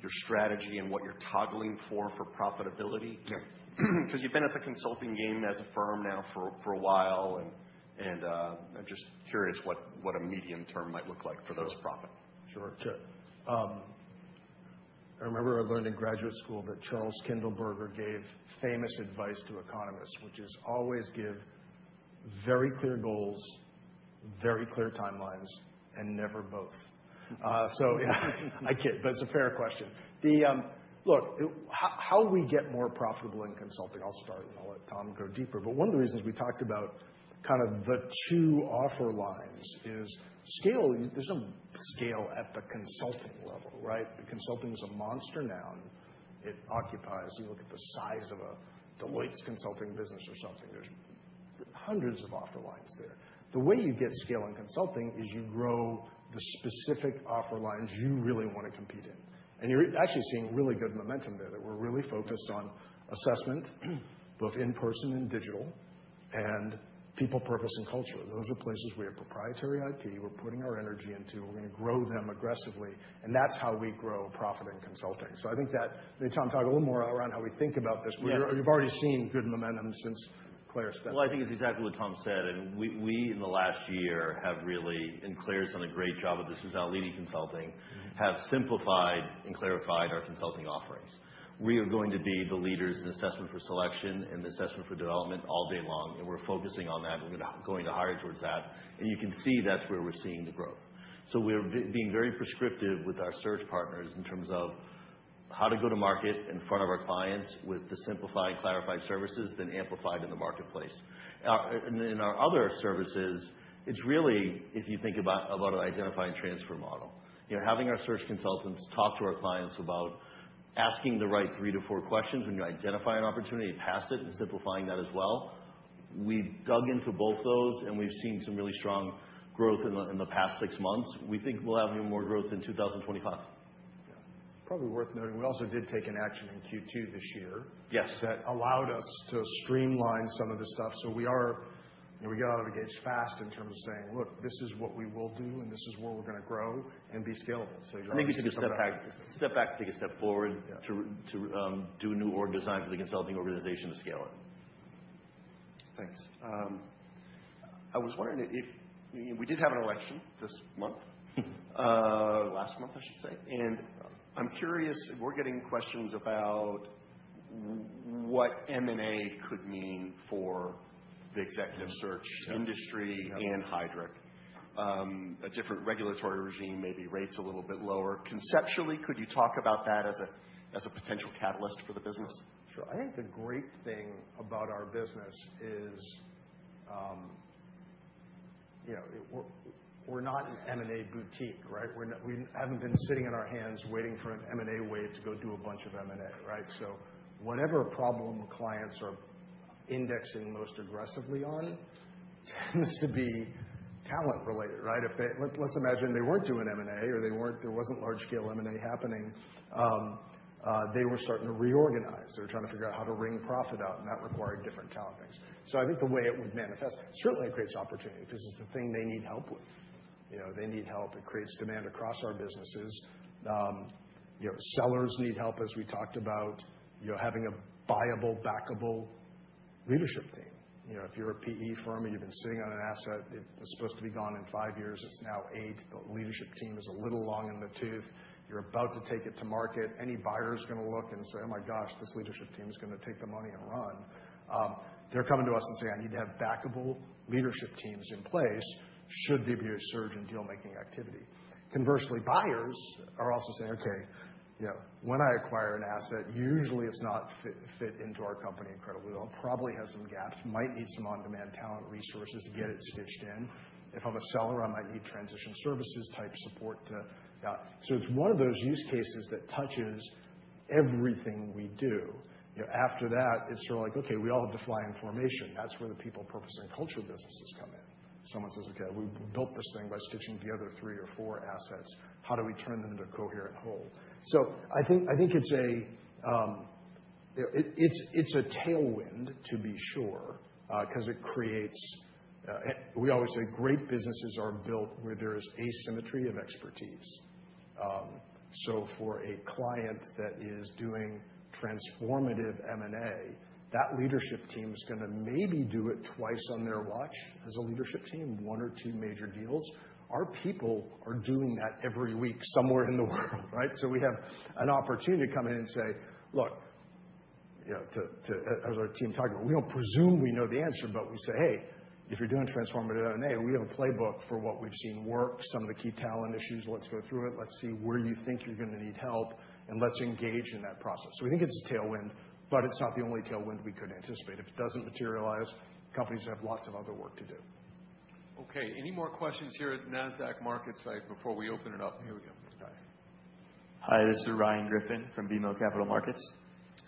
your strategy and what you're toggling for profitability? Because you've been at the Consulting game as a firm now for a while, and I'm just curious what a medium-term might look like for those profits. Sure. I remember I learned in graduate school that Charles Kindleberger gave famous advice to economists, which is always give very clear goals, very clear timelines, and never both. So yeah, I kid, but it's a fair question. Look, how we get more profitable in Consulting. I'll start, and I'll let Tom go deeper. But one of the reasons we talked about kind of the two offer lines is scale. There's no scale at the Consulting level, right? Consulting is a monster now. It occupies you. Look at the size of Deloitte's Consulting business or something. There's hundreds of offer lines there. The way you get scale in Consulting is you grow the specific offer lines you really want to compete in. And you're actually seeing really good momentum there that we're really focused on assessment, both in-person and digital, and people, purpose, and culture. Those are places we have proprietary IP. We're putting our energy into. We're going to grow them aggressively. And that's how we grow profit in Consulting. So I think that maybe Tom, talk a little more around how we think about this. But you've already seen good momentum since Claire's been here.
Well, I think it's exactly what Tom said. I mean, we in the last year have really, and Claire's done a great job of this with leading Consulting, have simplified and clarified our Consulting offerings. We are going to be the leaders in assessment for selection and the assessment for development all day long. We're focusing on that. We're going to hire towards that. You can see that's where we're seeing the growth. We're being very prescriptive with our Search partners in terms of how to go to market in front of our clients with the simplified, clarified services, then amplified in the marketplace. In our other services, it's really if you think about our identify and transfer model. Having our Search consultants talk to our clients about asking the right three to four questions when you identify an opportunity and pass it and simplifying that as well. We've dug into both those, and we've seen some really strong growth in the past six months. We think we'll have even more growth in 2025.
Yeah. It's probably worth noting. We also did take an action in Q2 this year that allowed us to streamline some of this stuff. So we got out of the gates fast in terms of saying, "Look, this is what we will do, and this is where we're going to grow and be scalable." So you're all.
I think we took a step back. Step back to take a step forward to do a new org design for the Consulting organization to scale it.
Thanks. I was wondering if we did have an election this month, last month, I should say. And I'm curious, we're getting questions about what M&A could mean for the Executive Search industry and Heidrick. A different regulatory regime, maybe rates a little bit lower. Conceptually, could you talk about that as a potential catalyst for the business?
Sure. I think the great thing about our business is we're not an M&A boutique, right? We haven't been sitting in our hands waiting for an M&A wave to go do a bunch of M&A, right? So whatever problem clients are indexing most aggressively on tends to be talent-related, right? Let's imagine they weren't doing M&A or there wasn't large-scale M&A happening. They were starting to reorganize. They were trying to figure out how to ring profit out, and that required different talent things. So I think the way it would manifest, certainly it creates opportunity because it's the thing they need help with. They need help. It creates demand across our businesses. Sellers need help, as we talked about, having a buyable, backable leadership team. If you're a PE firm and you've been sitting on an asset, it was supposed to be gone in five years. It's now eight. The leadership team is a little long in the tooth. You're about to take it to market. Any buyer is going to look and say, "Oh my gosh, this leadership team is going to take the money and run." They're coming to us and saying, "I need to have backable leadership teams in place should there be a surge in dealmaking activity." Conversely, buyers are also saying, "Okay, when I acquire an asset, usually it's not fit into our company incredibly well. It probably has some gaps. Might need some On-Demand Talent resources to get it stitched in. If I'm a seller, I might need transition services type support to." So it's one of those use cases that touches everything we do. After that, it's sort of like, "Okay, we all have to fly in formation." That's where the people, purpose, and culture businesses come in. Someone says, "Okay, we built this thing by stitching together three or four assets. How do we turn them into a coherent whole?" So I think it's a tailwind, to be sure, because it creates, we always say great businesses are built where there is asymmetry of expertise. So for a client that is doing transformative M&A, that leadership team is going to maybe do it twice on their watch as a leadership team, one or two major deals. Our people are doing that every week somewhere in the world, right? So we have an opportunity to come in and say, "Look," as our team talked about, we don't presume we know the answer, but we say, "Hey, if you're doing transformative M&A, we have a playbook for what we've seen work, some of the key talent issues. Let's go through it. Let's see where you think you're going to need help, and let's engage in that process." So we think it's a tailwind, but it's not the only tailwind we could anticipate. If it doesn't materialize, companies have lots of other work to do. Okay. Any more questions here at NASDAQ MarketSite before we open it up? Here we go. Hi.
Hi. This is Ryan Griffin from BMO Capital Markets.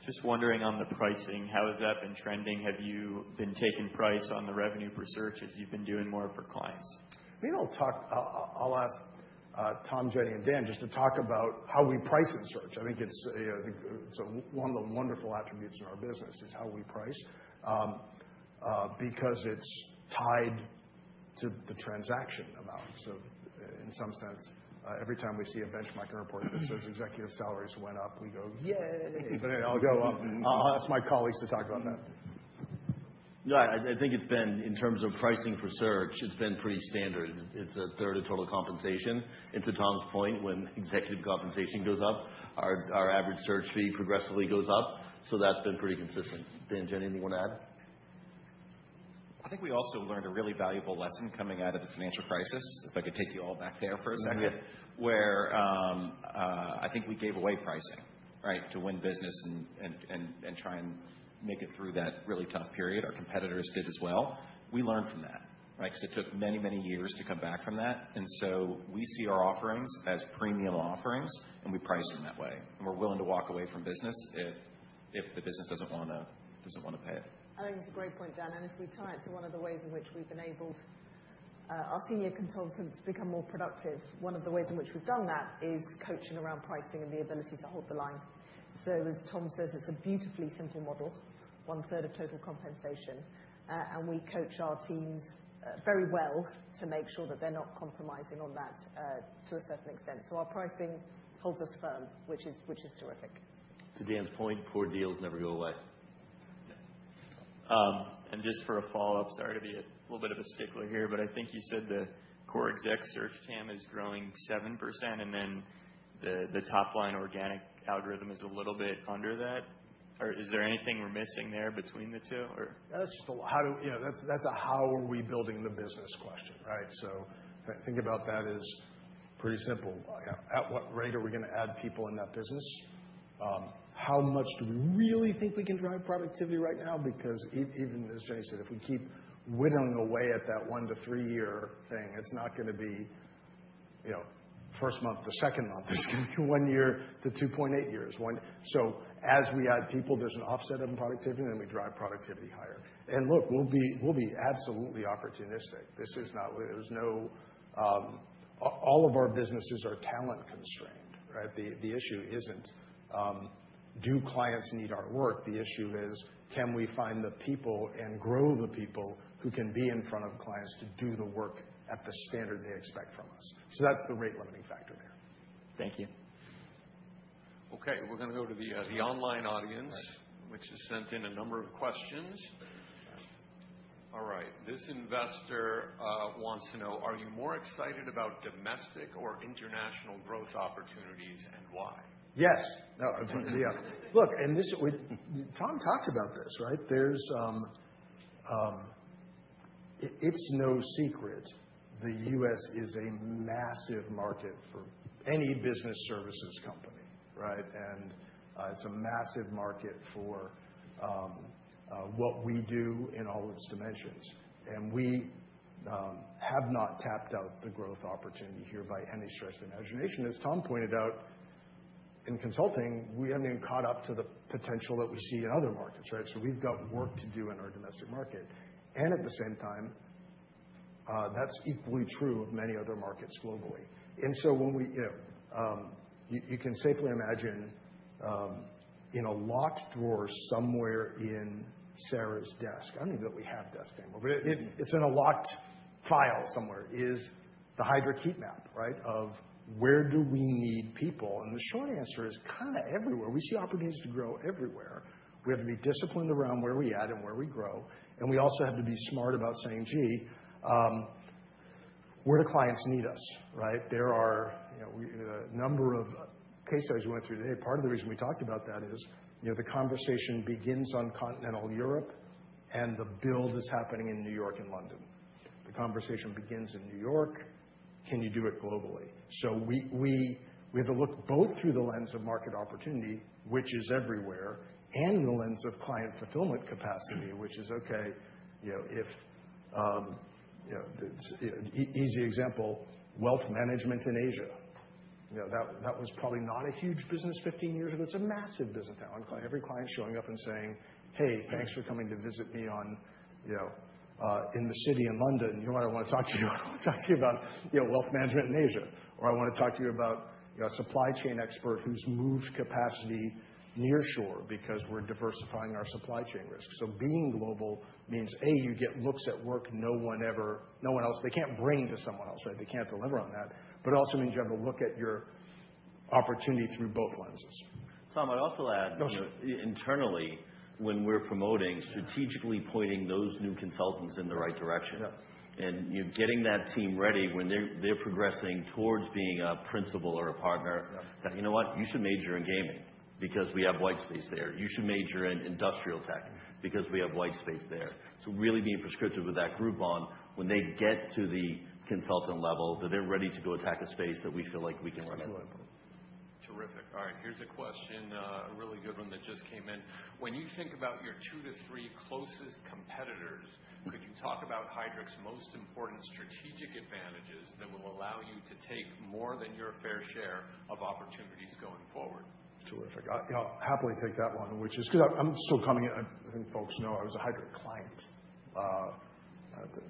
Just wondering on the pricing, how has that been trending? Have you been taking price on the revenue for Search as you've been doing more for clients?
Maybe I'll ask Tom, Jenni, and Dan just to talk about how we price in Search. I think it's one of the wonderful attributes in our business is how we price because it's tied to the transaction amount. So, in some sense, every time we see a benchmarking report that says executive salaries went up, we go, "Yay." But it'll go up. Ask my colleagues to talk about that.
No, I think it's been, in terms of pricing for Search, it's been pretty standard. It's a third of total compensation. And to Tom's point, when executive compensation goes up, our average Search fee progressively goes up. So that's been pretty consistent. Dan, Jenni, anything you want to add?
I think we also learned a really valuable lesson coming out of the financial crisis. If I could take you all back there for a second, where I think we gave away pricing, right, to win business and try and make it through that really tough period. Our competitors did as well. We learned from that, right? Because it took many, many years to come back from that. We see our offerings as premium offerings, and we price them that way. We're willing to walk away from business if the business doesn't want to pay it.
I think it's a great point, Dan. If we tie it to one of the ways in which we've enabled our senior consultants to become more productive, one of the ways in which we've done that is coaching around pricing and the ability to hold the line. As Tom says, it's a beautifully simple model, one-third of total compensation. We coach our teams very well to make sure that they're not compromising on that to a certain extent. Our pricing holds us firm, which is terrific.
To Dan's point, poor deals never go away.
And just for a follow-up, sorry to be a little bit of a stickler here, but I think you said the core exec Search team is growing 7%, and then the top-line organic algorithm is a little bit under that. Is there anything we're missing there between the two, or?
That's just a lot, that's a how are we building the business question, right? So think about that as pretty simple. At what rate are we going to add people in that business? How much do we really think we can drive productivity right now? Because even as Jenni said, if we keep whittling away at that one-to-three-year thing, it's not going to be first month to second month. It's going to be one year to 2.8 years. So as we add people, there's an offset of productivity, and then we drive productivity higher. And look, we'll be absolutely opportunistic. There's no, all of our businesses are talent-constrained, right? The issue isn't, do clients need our work? The issue is, can we find the people and grow the people who can be in front of clients to do the work at the standard they expect from us? So that's the rate-limiting factor there.
Thank you. Okay. We're going to go to the online audience, which has sent in a number of questions. All right. This investor wants to know, are you more excited about domestic or international growth opportunities and why?
Yes. Yeah. Look, and Tom talked about this, right? It's no secret the U.S. is a massive market for any business services company, right? And it's a massive market for what we do in all its dimensions. And we have not tapped out the growth opportunity here by any stretch of the imagination. As Tom pointed out, in Consulting, we haven't even caught up to the potential that we see in other markets, right? So we've got work to do in our domestic market, and at the same time, that's equally true of many other markets globally, and so when we, you can safely imagine in a locked drawer somewhere in Sarah's desk, I don't even know that we have desk anymore, but it's in a locked file somewhere, is the Heidrick heat map, right, of where do we need people? And the short answer is kind of everywhere. We see opportunities to grow everywhere. We have to be disciplined around where we add and where we grow, and we also have to be smart about saying, "Gee, where do clients need us?" Right? There are a number of case studies we went through today. Part of the reason we talked about that is the conversation begins on Continental Europe, and the build is happening in New York and London. The conversation begins in New York. Can you do it globally? So we have to look both through the lens of market opportunity, which is everywhere, and the lens of client fulfillment capacity, which is, okay, if, easy example, wealth management in Asia. That was probably not a huge business 15 years ago. It's a massive business now. Every client showing up and saying, "Hey, thanks for coming to visit me in the city in London. You know what? I want to talk to you. “I want to talk to you about wealth management in Asia.” Or, “I want to talk to you about a supply chain expert who's moved capacity near shore because we're diversifying our supply chain risk.” So being global means, A, you get looks at work no one else, they can't bring to someone else, right? They can't deliver on that. But it also means you have to look at your opportunity through both lenses.
Tom, I'd also add, internally, when we're promoting, strategically pointing those new consultants in the right direction. And getting that team ready when they're progressing towards being a principal or a partner that, “You know what? You should major in gaming because we have white space there.” You should major in industrial tech because we have white space there." So really being prescriptive with that group on when they get to the consultant level that they're ready to go attack a space that we feel like we can run it.
Absolutely. Terrific. All right. Here's a question, a really good one that just came in. When you think about your two to three closest competitors, could you talk about Heidrick's most important strategic advantages that will allow you to take more than your fair share of opportunities going forward?
Terrific. I'll happily take that one, which is good. I'm still coming. I think folks know I was a Heidrick client.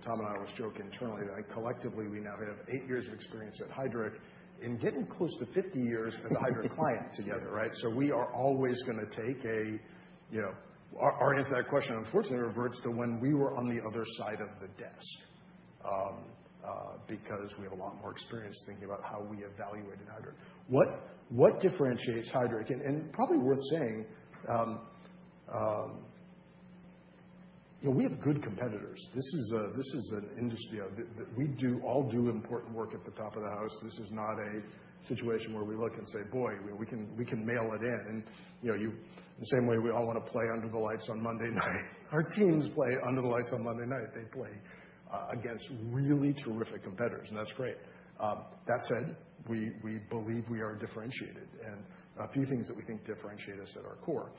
Tom and I always joke internally that collectively we now have eight years of experience at Heidrick in getting close to 50 years as a Heidrick client together, right? So we are always going to take our answer to that question, unfortunately, reverts to when we were on the other side of the desk because we have a lot more experience thinking about how we evaluated Heidrick. What differentiates Heidrick? And probably worth saying, we have good competitors. This is an industry that we all do important work at the top of the house. This is not a situation where we look and say, "Boy, we can mail it in." And in the same way, we all want to play under the lights on Monday night. Our teams play under the lights on Monday night. They play against really terrific competitors, and that's great. That said, we believe we are differentiated. And a few things that we think differentiate us at our core.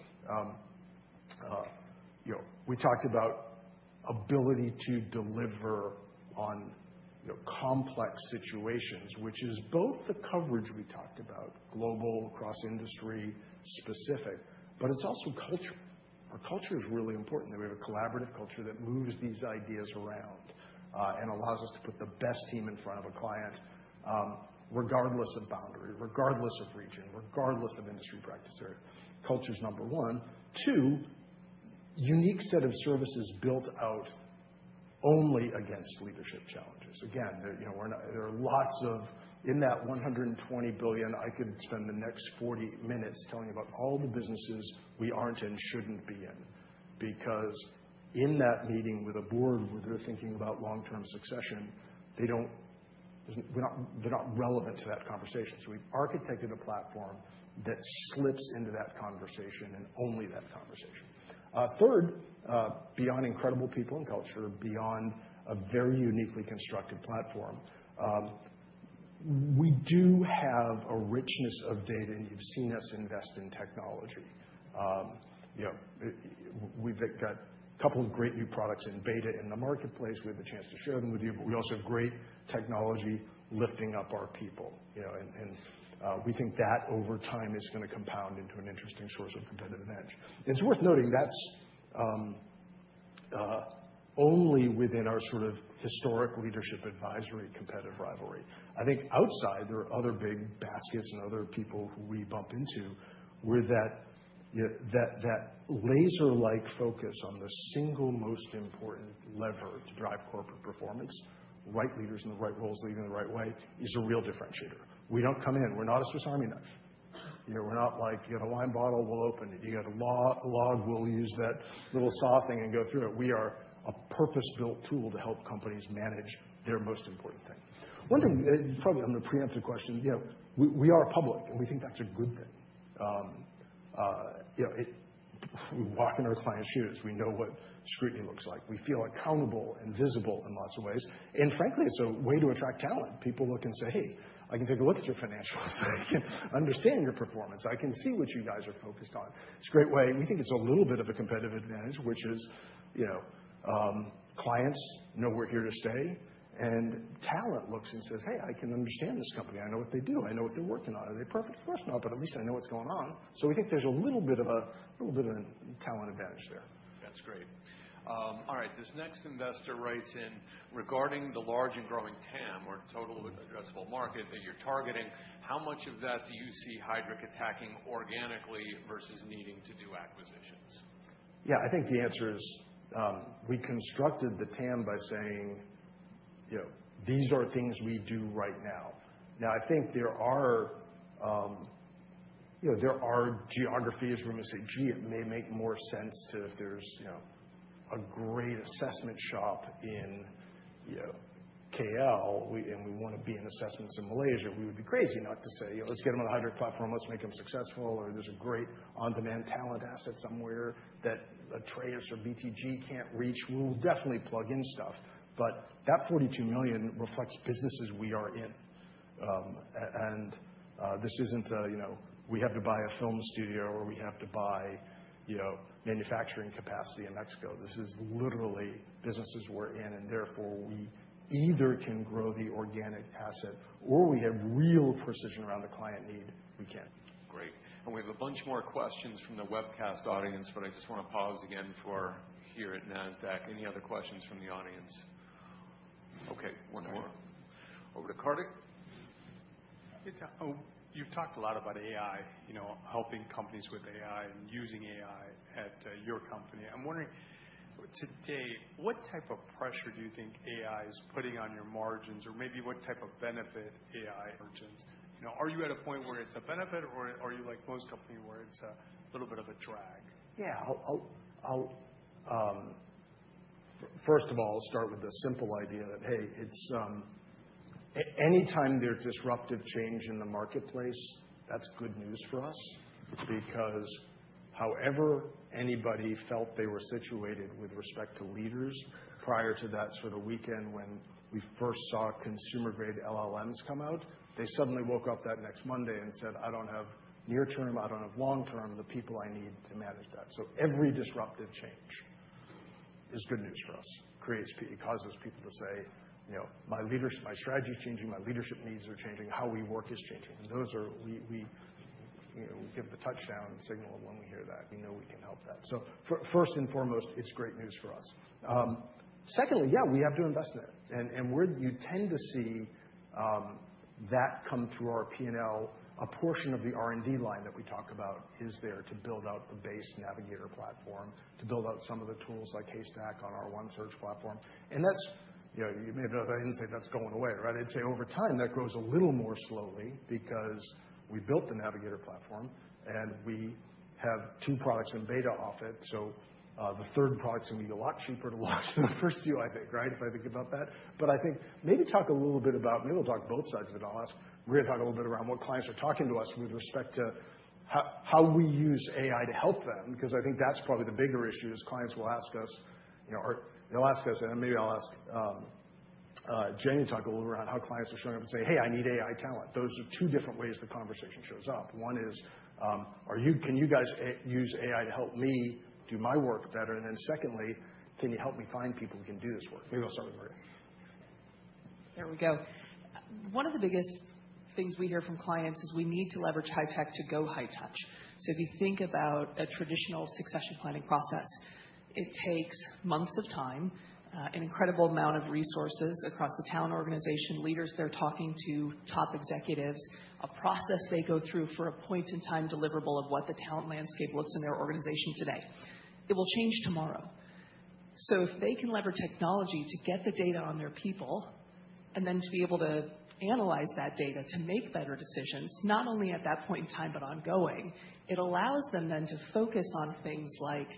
We talked about ability to deliver on complex situations, which is both the coverage we talked about, global, cross-industry specific, but it's also culture. Our culture is really important. We have a collaborative culture that moves these ideas around and allows us to put the best team in front of a client, regardless of boundary, regardless of region, regardless of industry practice area. Culture's number one. Two, unique set of services built out only against leadership challenges. Again, there are lots of, in that $120 billion, I could spend the next 40 minutes telling you about all the businesses we aren't in, shouldn't be in. Because in that meeting with a board where they're thinking about long-term succession, they're not relevant to that conversation. So we've architected a platform that slips into that conversation and only that conversation. Third, beyond incredible people and culture, beyond a very uniquely constructed platform, we do have a richness of data, and you've seen us invest in technology. We've got a couple of great new products in beta in the marketplace. We have the chance to share them with you, but we also have great technology lifting up our people, and we think that over time is going to compound into an interesting source of competitive edge. It's worth noting that's only within our sort of historic leadership advisory competitive rivalry. I think outside, there are other big baskets and other people who we bump into where that laser-like focus on the single most important lever to drive corporate performance, right leaders in the right roles, leading the right way, is a real differentiator. We don't come in. We're not a Swiss Army knife. We're not like, "You got a wine bottle? We'll open it. You got a log? We'll use that little saw thing and go through it." We are a purpose-built tool to help companies manage their most important thing. One thing, probably on the preemptive question, we are public, and we think that's a good thing. We walk in our clients' shoes. We know what scrutiny looks like. We feel accountable and visible in lots of ways. And frankly, it's a way to attract talent. People look and say, "Hey, I can take a look at your financials. I can understand your performance. I can see what you guys are focused on." It's a great way. We think it's a little bit of a competitive advantage, which is clients know we're here to stay. And talent looks and says, "Hey, I can understand this company. I know what they do. I know what they're working on. Are they perfect for us? No, but at least I know what's going on." So we think there's a little bit of a talent advantage there. That's great. All right. This next investor writes in regarding the large and growing TAM or total addressable market that you're targeting. How much of that do you see Heidrick attacking organically versus needing to do acquisitions?
Yeah. I think the answer is we constructed the TAM by saying, "These are things we do right now." Now, I think there are geographies where we say, "Gee, it may make more sense to if there's a great assessment shop in KL and we want to be in assessments in Malaysia." We would be crazy not to say, "Let's get them on the Heidrick platform. Let's make them successful." Or, "There's a great On-Demand Talent asset somewhere that Atreus or BTG can't reach. We'll definitely plug in stuff." But that 42 million reflects businesses we are in. And this isn't a, "We have to buy a film studio or we have to buy manufacturing capacity in Mexico." This is literally businesses we're in. And therefore, we either can grow the organic asset or we have real precision around the client need. We can. Great. And we have a bunch more questions from the webcast audience, but I just want to pause again for here at NASDAQ. Any other questions from the audience? Okay. One more. Over to Kartik. Oh, you've talked a lot about AI, helping companies with AI and using AI at your company. I'm wondering today, what type of pressure do you think AI is putting on your margins? Or maybe what type of benefit AI? Margins. Are you at a point where it's a benefit, or are you like most companies where it's a little bit of a drag? Yeah. I'll, first of all, start with the simple idea that, hey, anytime there's disruptive change in the marketplace, that's good news for us. Because however anybody felt they were situated with respect to leaders prior to that sort of weekend when we first saw consumer-grade LLMs come out, they suddenly woke up that next Monday and said, "I don't have near-term. I don't have long-term. The people I need to manage that." So every disruptive change is good news for us. It causes people to say, "My strategy is changing. My leadership needs are changing. How we work is changing." And we give the touchdown signal when we hear that. We know we can help that. So first and foremost, it's great news for us. Secondly, yeah, we have to invest in it. And you tend to see that come through our P&L. A portion of the R&D line that we talk about is there to build out the base Navigator platform, to build out some of the tools like Haystack on our OneSearch platform. And you may have noticed I didn't say that's going away, right? I'd say over time, that grows a little more slowly because we built the Navigator platform, and we have two products in beta off it. So the third product's going to be a lot cheaper to launch than the first two, I think, right, if I think about that. But I think maybe talk a little bit about, maybe we'll talk both sides of it. I'll ask Maria talk a little bit around what clients are talking to us with respect to how we use AI to help them. Because I think that's probably the bigger issue is clients will ask us, they'll ask us, and maybe I'll ask Jenni to talk a little bit around how clients are showing up and saying, "Hey, I need AI talent." Those are two different ways the conversation shows up. One is, "Can you guys use AI to help me do my work better," and then secondly, "Can you help me find people who can do this work?" Maybe I'll start with Maria.
There we go. One of the biggest things we hear from clients is we need to leverage high tech to go high touch. So if you think about a traditional succession planning process, it takes months of time, an incredible amount of resources across the talent organization, leaders they're talking to, top executives, a process they go through for a point-in-time deliverable of what the talent landscape looks like in their organization today. It will change tomorrow. If they can leverage technology to get the data on their people and then to be able to analyze that data to make better decisions, not only at that point in time, but ongoing, it allows them then to focus on things like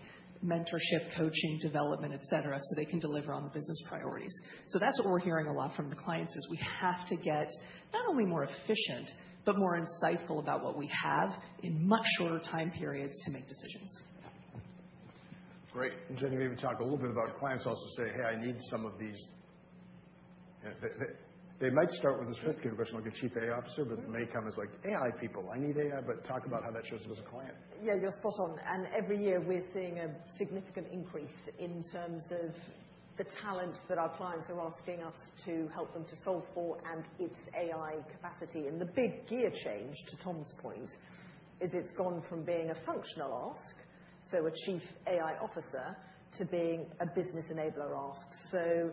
mentorship, coaching, development, etc., so they can deliver on the business priorities. That's what we're hearing a lot from the clients: we have to get not only more efficient, but more insightful about what we have in much shorter time periods to make decisions.
Great. And Jenni, maybe talk a little bit about clients also say, "Hey, I need some of these." They might start with a C-suite position like a Chief AI Officer, but it may come as like, "AI people, I need AI," but talk about how that shows up as a client.
Yeah, you're spot on. And every year we're seeing a significant increase in terms of the talent that our clients are asking us to help them to solve for and its AI capacity. And the big gear change, to Tom's point, is it's gone from being a functional ask, so a Chief AI Officer, to being a business enabler ask. So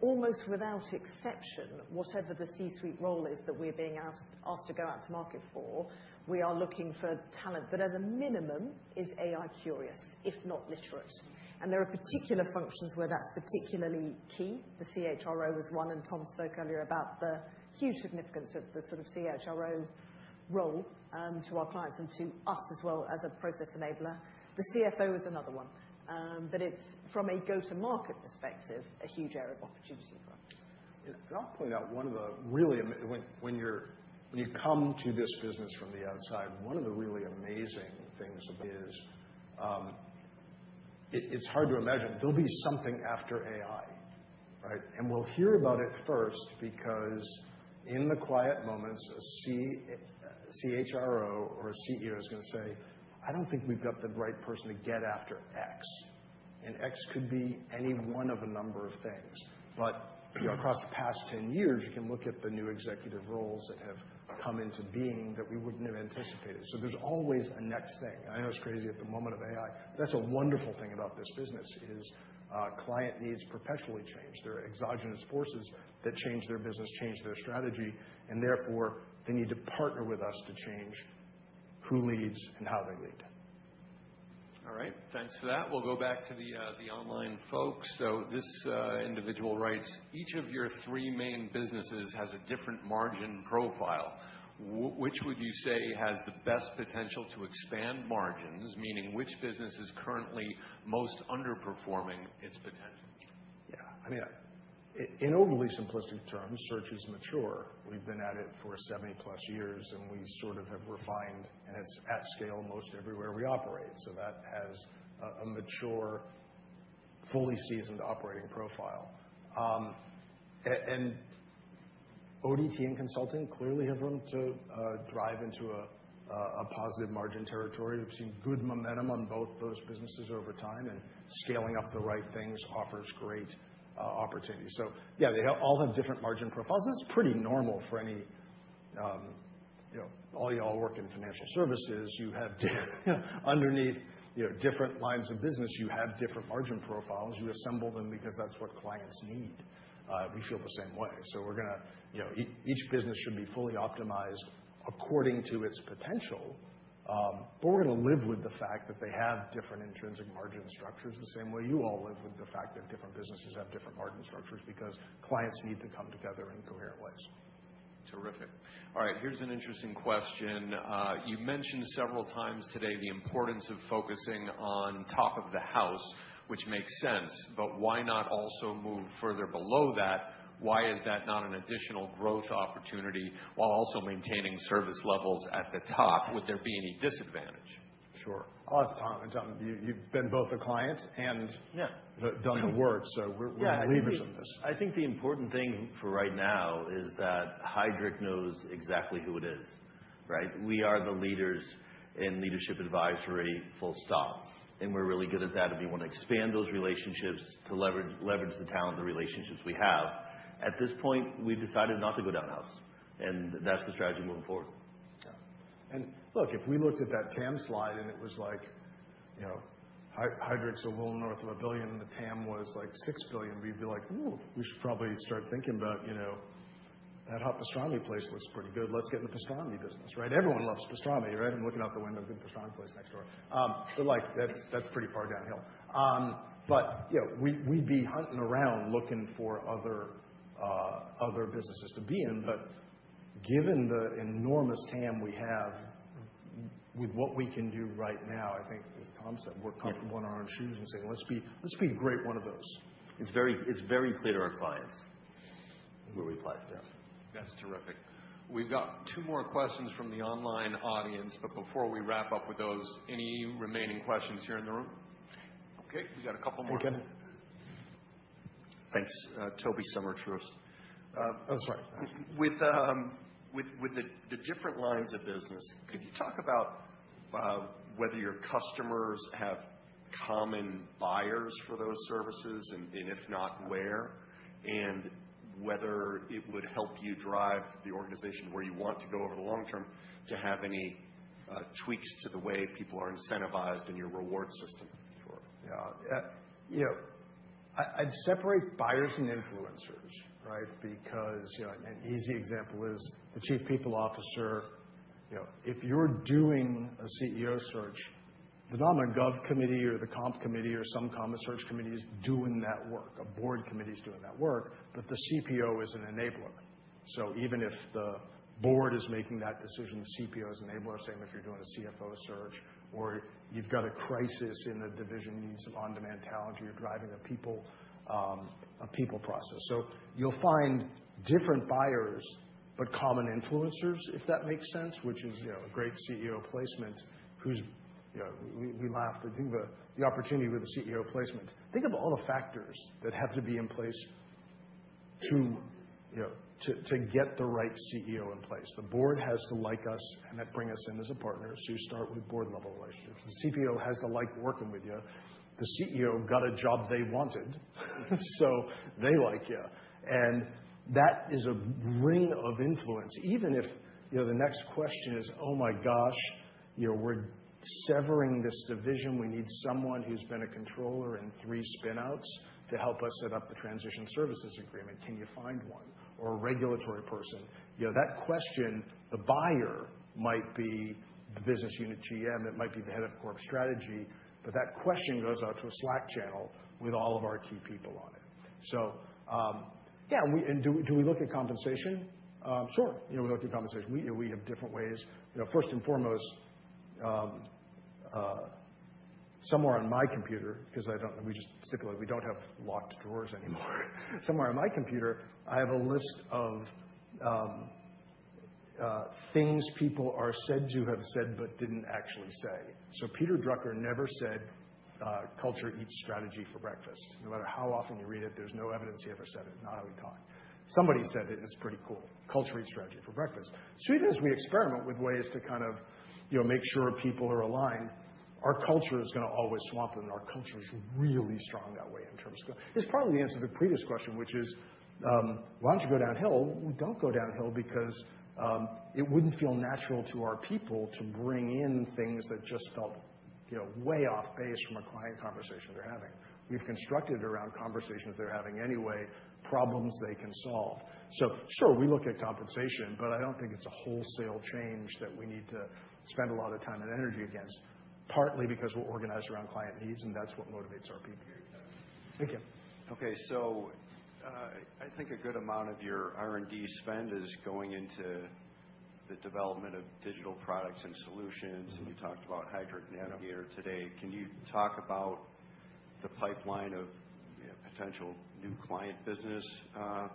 almost without exception, whatever the C-suite role is that we're being asked to go out to market for, we are looking for talent that at a minimum is AI-curious, if not literate. And there are particular functions where that's particularly key. The CHRO is one, and Tom spoke earlier about the huge significance of the sort of CHRO role to our clients and to us as well as a process enabler. The CFO is another one. But it's, from a go-to-market perspective, a huge area of opportunity for us.
And I'll point out one of the really, when you come to this business from the outside, one of the really amazing things is it's hard to imagine. There'll be something after AI, right? And we'll hear about it first because in the quiet moments, a CHRO or a CEO is going to say, "I don't think we've got the right person to get after X." And X could be any one of a number of things. But across the past 10 years, you can look at the new executive roles that have come into being that we wouldn't have anticipated. So there's always a next thing. I know it's crazy at the moment of AI. That's a wonderful thing about this business is client needs perpetually change. There are exogenous forces that change their business, change their strategy, and therefore they need to partner with us to change who leads and how they lead. All right. Thanks for that. We'll go back to the online folks. So this individual writes, "Each of your three main businesses has a different margin profile. Which would you say has the best potential to expand margins?" Meaning, which business is currently most underperforming its potential? Yeah. I mean, in overly simplistic terms, Search is mature. We've been at it for 70-plus years, and we sort of have refined, and it's at scale most everywhere we operate, so that has a mature, fully seasoned operating profile, and ODT and Consulting clearly have room to drive into a positive margin territory. We've seen good momentum on both those businesses over time, and scaling up the right things offers great opportunities, so yeah, they all have different margin profiles, and it's pretty normal for any, all y'all work in financial services. You have, underneath different lines of business, you have different margin profiles. You assemble them because that's what clients need. We feel the same way, so we're going to, each business should be fully optimized according to its potential. We're going to live with the fact that they have different intrinsic margin structures the same way you all live with the fact that different businesses have different margin structures because clients need to come together in coherent ways. Terrific. All right. Here's an interesting question. You mentioned several times today the importance of focusing on top of the house, which makes sense. But why not also move further below that? Why is that not an additional growth opportunity while also maintaining service levels at the top? Would there be any disadvantage? Sure. I'll ask Tom. And Tom, you've been both a client and done the work, so we're believers in this.
I think the important thing for right now is that Heidrick knows exactly who it is, right? We are the leaders in leadership advisory, full stop. And we're really good at that. We want to expand those relationships to leverage the talent, the relationships we have. At this point, we've decided not to go down the house. That's the strategy moving forward.
Yeah. Look, if we looked at that TAM slide and it was like, "Heidrick's a little north of $1 billion and the TAM was like $6 billion," we'd be like, "Ooh, we should probably start thinking about that pastrami place looks pretty good. Let's get in the pastrami business," right? Everyone loves pastrami, right? I'm looking out the window at the pastrami place next door. But that's pretty far downhill. But we'd be hunting around looking for other businesses to be in. But given the enormous TAM we have, with what we can do right now, I think, as Tom said, we're coming to one of our own searches and saying, "Let's be a great one of those." It's very clear to our clients where we apply it. Yeah. That's terrific. We've got two more questions from the online audience, but before we wrap up with those, any remaining questions here in the room? Okay. We've got a couple more.
Thanks. Tobey Sommer. Oh, sorry. With the different lines of business, could you talk about whether your customers have common buyers for those services? And if not, where? And whether it would help you drive the organization where you want to go over the long term to have any tweaks to the way people are incentivized in your reward system?
Sure. Yeah. I'd separate buyers and influencers, right? Because an easy example is the Chief People Officer. If you're doing a CEO Search, the Nom/Gov Committee or the comp committee or some common Search committee is doing that work. A board committee is doing that work, but the CPO is an enabler. So even if the board is making that decision, the CPO is an enabler saying, "If you're doing a CFO Search or you've got a crisis in the division, you need some On-Demand Talent or you're driving a people process." So you'll find different buyers, but common influencers, if that makes sense, which is a great CEO placement who's—we laughed. I think the opportunity with the CEO placement, think of all the factors that have to be in place to get the right CEO in place. The board has to like us and bring us in as a partner. So you start with board-level relationships. The CPO has to like working with you. The CEO got a job they wanted, so they like you. And that is a ring of influence. Even if the next question is, "Oh my gosh, we're severing this division. We need someone who's been a controller in three spinouts to help us set up the transition services agreement. Can you find one?" Or a regulatory person. That question, the buyer might be the business unit GM. It might be the head of corp strategy. But that question goes out to a Slack channel with all of our key people on it. So yeah. And do we look at compensation? Sure. We look at compensation. We have different ways. First and foremost, somewhere on my computer, because we just stipulated we don't have locked drawers anymore, somewhere on my computer, I have a list of things people are said to have said but didn't actually say. So Peter Drucker never said, "Culture eats strategy for breakfast." No matter how often you read it, there's no evidence he ever said it. Not how he talked. Somebody said it, and it's pretty cool. Culture eats strategy for breakfast. So even as we experiment with ways to kind of make sure people are aligned, our culture is going to always swamp them. Our culture is really strong that way in terms of, it's part of the answer to the previous question, which is, "Why don't you go downhill?" Well, don't go downhill because it wouldn't feel natural to our people to bring in things that just felt way off base from a client conversation they're having. We've constructed it around conversations they're having anyway, problems they can solve. So sure, we look at compensation, but I don't think it's a wholesale change that we need to spend a lot of time and energy against, partly because we're organized around client needs, and that's what motivates our people.
Thank you. Okay. So I think a good amount of your R&D spend is going into the development of digital products and solutions. And you talked about Heidrick Navigator today. Can you talk about the pipeline of potential new client business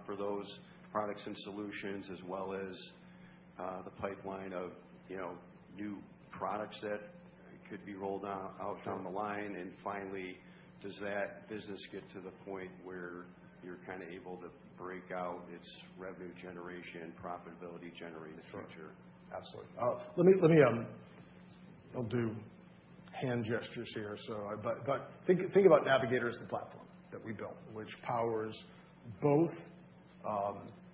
for those products and solutions, as well as the pipeline of new products that could be rolled out down the line? And finally, does that business get to the point where you're kind of able to break out its revenue generation, profitability generating feature?
Sure. Absolutely. I'll do hand gestures here, but think about Navigator as the platform that we built, which powers both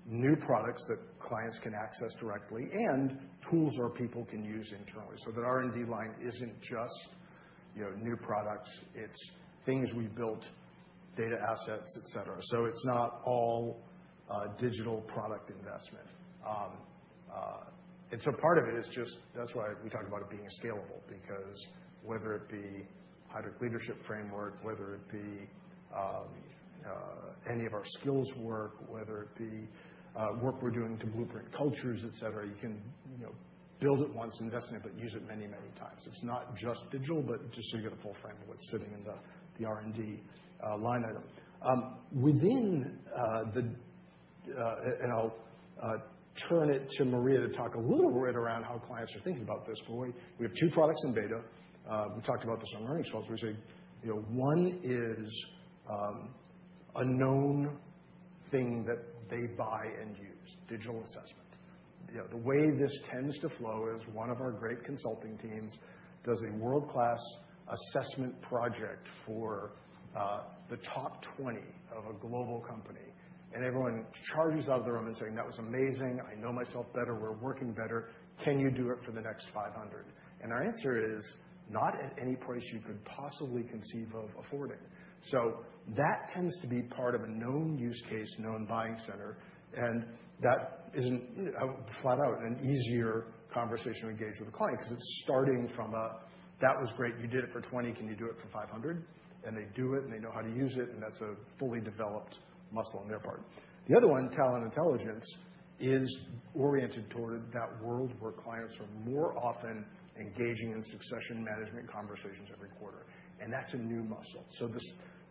new products that clients can access directly and tools our people can use internally, so that R&D line isn't just new products. It's things we built, data assets, etc., so it's not all digital product investment. Part of it is just that's why we talk about it being scalable, because whether it be Heidrick Leadership Framework, whether it be any of our skills work, whether it be work we're doing to blueprint cultures, etc., you can build it once, invest in it, but use it many, many times. It's not just digital, but just so you get a full frame of what's sitting in the R&D line item. Within the, and I'll turn it to Maria to talk a little bit around how clients are thinking about this. But we have two products in beta. We talked about this on earnings calls. We say one is a known thing that they buy and use: Digital Assessment. The way this tends to flow is one of our great Consulting teams does a world-class assessment project for the top 20 of a global company. And everyone charges out of the room and saying, "That was amazing. I know myself better. We're working better. Can you do it for the next 500?" And our answer is, "Not at any price you could possibly conceive of affording." So that tends to be part of a known use case, known buying center. And that isn't flat out an easier conversation to engage with a client because it's starting from a, "That was great. You did it for 20. Can you do it for 500?" And they do it, and they know how to use it, and that's a fully developed muscle on their part. The other one, Talent Intelligence, is oriented toward that world where clients are more often engaging in succession management conversations every quarter. And that's a new muscle. So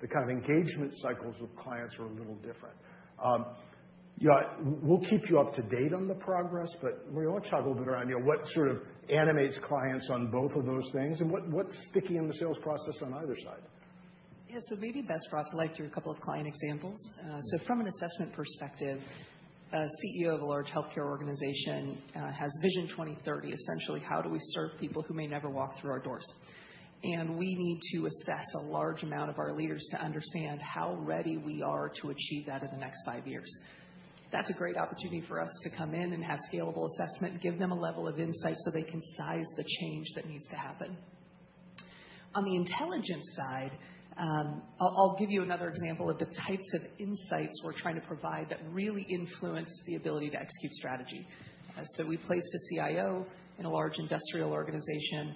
the kind of engagement cycles with clients are a little different. We'll keep you up to date on the progress, but we want to talk a little bit around what sort of animates clients on both of those things and what's sticky in the sales process on either side.
Yeah. So maybe best for us to walk through a couple of client examples. So from an assessment perspective, a CEO of a large healthcare organization has Vision 2030. Essentially, how do we serve people who may never walk through our doors? And we need to assess a large amount of our leaders to understand how ready we are to achieve that in the next five years. That's a great opportunity for us to come in and have scalable assessment, give them a level of insight so they can size the change that needs to happen. On the intelligence side, I'll give you another example of the types of insights we're trying to provide that really influence the ability to execute strategy, so we placed a CIO in a large industrial organization.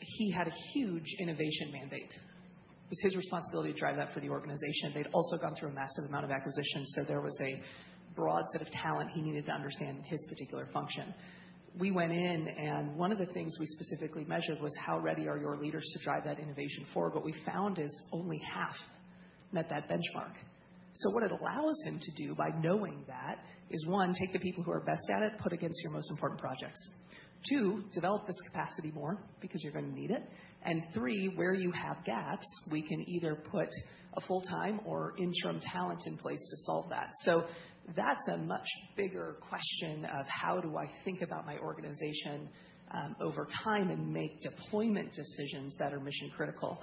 He had a huge innovation mandate. It was his responsibility to drive that for the organization. They'd also gone through a massive amount of acquisitions, so there was a broad set of talent he needed to understand his particular function. We went in, and one of the things we specifically measured was how ready are your leaders to drive that innovation forward. What we found is only half met that benchmark, so what it allows him to do by knowing that is, one, take the people who are best at it, put against your most important projects. Two, develop this capacity more because you're going to need it. And three, where you have gaps, we can either put a full-time or interim talent in place to solve that. So that's a much bigger question of how do I think about my organization over time and make deployment decisions that are mission-critical.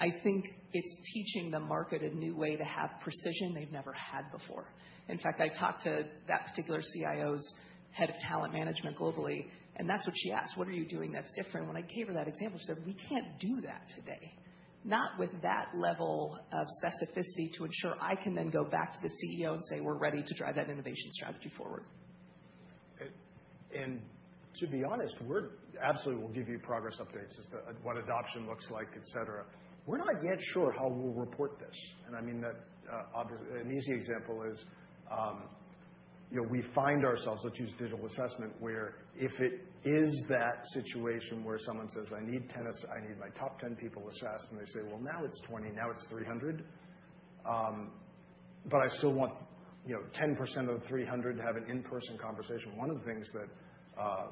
I think it's teaching the market a new way to have precision they've never had before. In fact, I talked to that particular CIO's head of talent management globally, and that's what she asked. "What are you doing that's different?" When I gave her that example, she said, "We can't do that today." Not with that level of specificity to ensure I can then go back to the CEO and say, "We're ready to drive that innovation strategy forward."
And to be honest, we're absolutely will give you progress updates as to what adoption looks like, etc. We're not yet sure how we'll report this. I mean, an easy example is we find ourselves. Let's use Digital Assessment where if it is that situation where someone says, "I need 10, I need my top 10 people assessed," and they say, "Well, now it's 20, now it's 300, but I still want 10% of the 300 to have an in-person conversation." One of the things that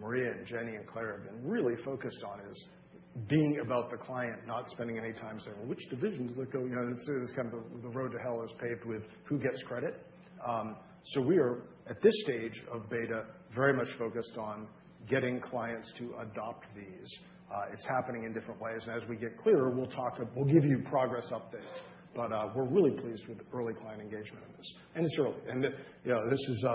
Maria and Jenni and Claire have been really focused on is being about the client, not spending any time saying, "Well, which divisions are going?" This is kind of the road to hell is paved with who gets credit, so we are, at this stage of beta, very much focused on getting clients to adopt these. It's happening in different ways, and as we get clearer, we'll give you progress updates, but we're really pleased with early client engagement on this, and it's early. And this is,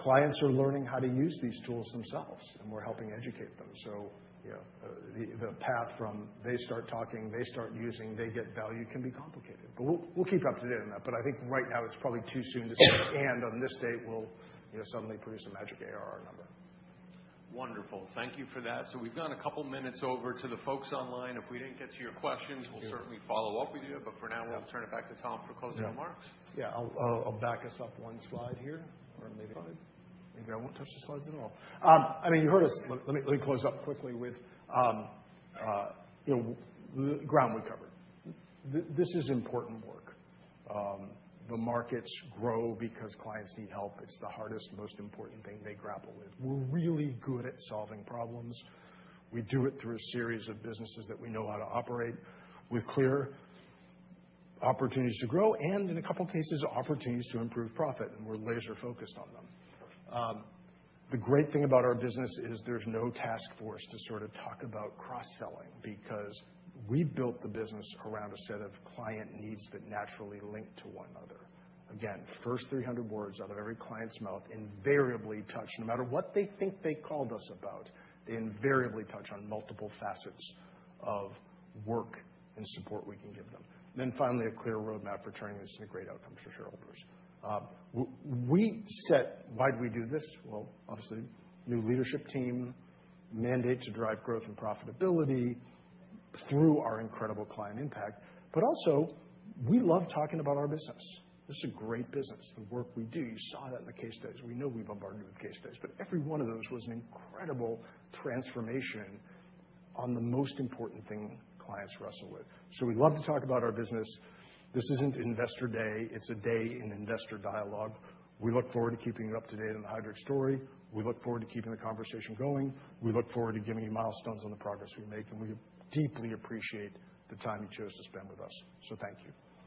clients are learning how to use these tools themselves, and we're helping educate them. So the path from they start talking, they start using, they get value can be complicated. But we'll keep up to date on that. But I think right now it's probably too soon to say, "And on this date, we'll suddenly produce a magic ARR number." Wonderful. Thank you for that. So we've gone a couple of minutes over to the folks online. If we didn't get to your questions, we'll certainly follow up with you. But for now, we'll turn it back to Tom for closing remarks. Yeah. I'll back us up one slide here. Or maybe I won't touch the slides at all. I mean, you heard us. Let me close up quickly with the ground we covered. This is important work. The markets grow because clients need help. It's the hardest, most important thing they grapple with. We're really good at solving problems. We do it through a series of businesses that we know how to operate with clear opportunities to grow and, in a couple of cases, opportunities to improve profit. And we're laser-focused on them. The great thing about our business is there's no task force to sort of talk about cross-selling because we built the business around a set of client needs that naturally link to one another. Again, first 300 words out of every client's mouth invariably touch, no matter what they think they called us about, they invariably touch on multiple facets of work and support we can give them. And then finally, a clear roadmap for turning this into great outcomes for shareholders. We set why do we do this? Well, obviously, new leadership team, mandate to drive growth and profitability through our incredible client impact. But also, we love talking about our business. This is a great business, the work we do. You saw that in the case studies. We know we bombarded you with case studies. But every one of those was an incredible transformation on the most important thing clients wrestle with. So we'd love to talk about our business. This isn't Investor Day. It's a day in investor dialogue. We look forward to keeping you up to date on the Heidrick story. We look forward to keeping the conversation going. We look forward to giving you milestones on the progress we make. And we deeply appreciate the time you chose to spend with us. So thank you.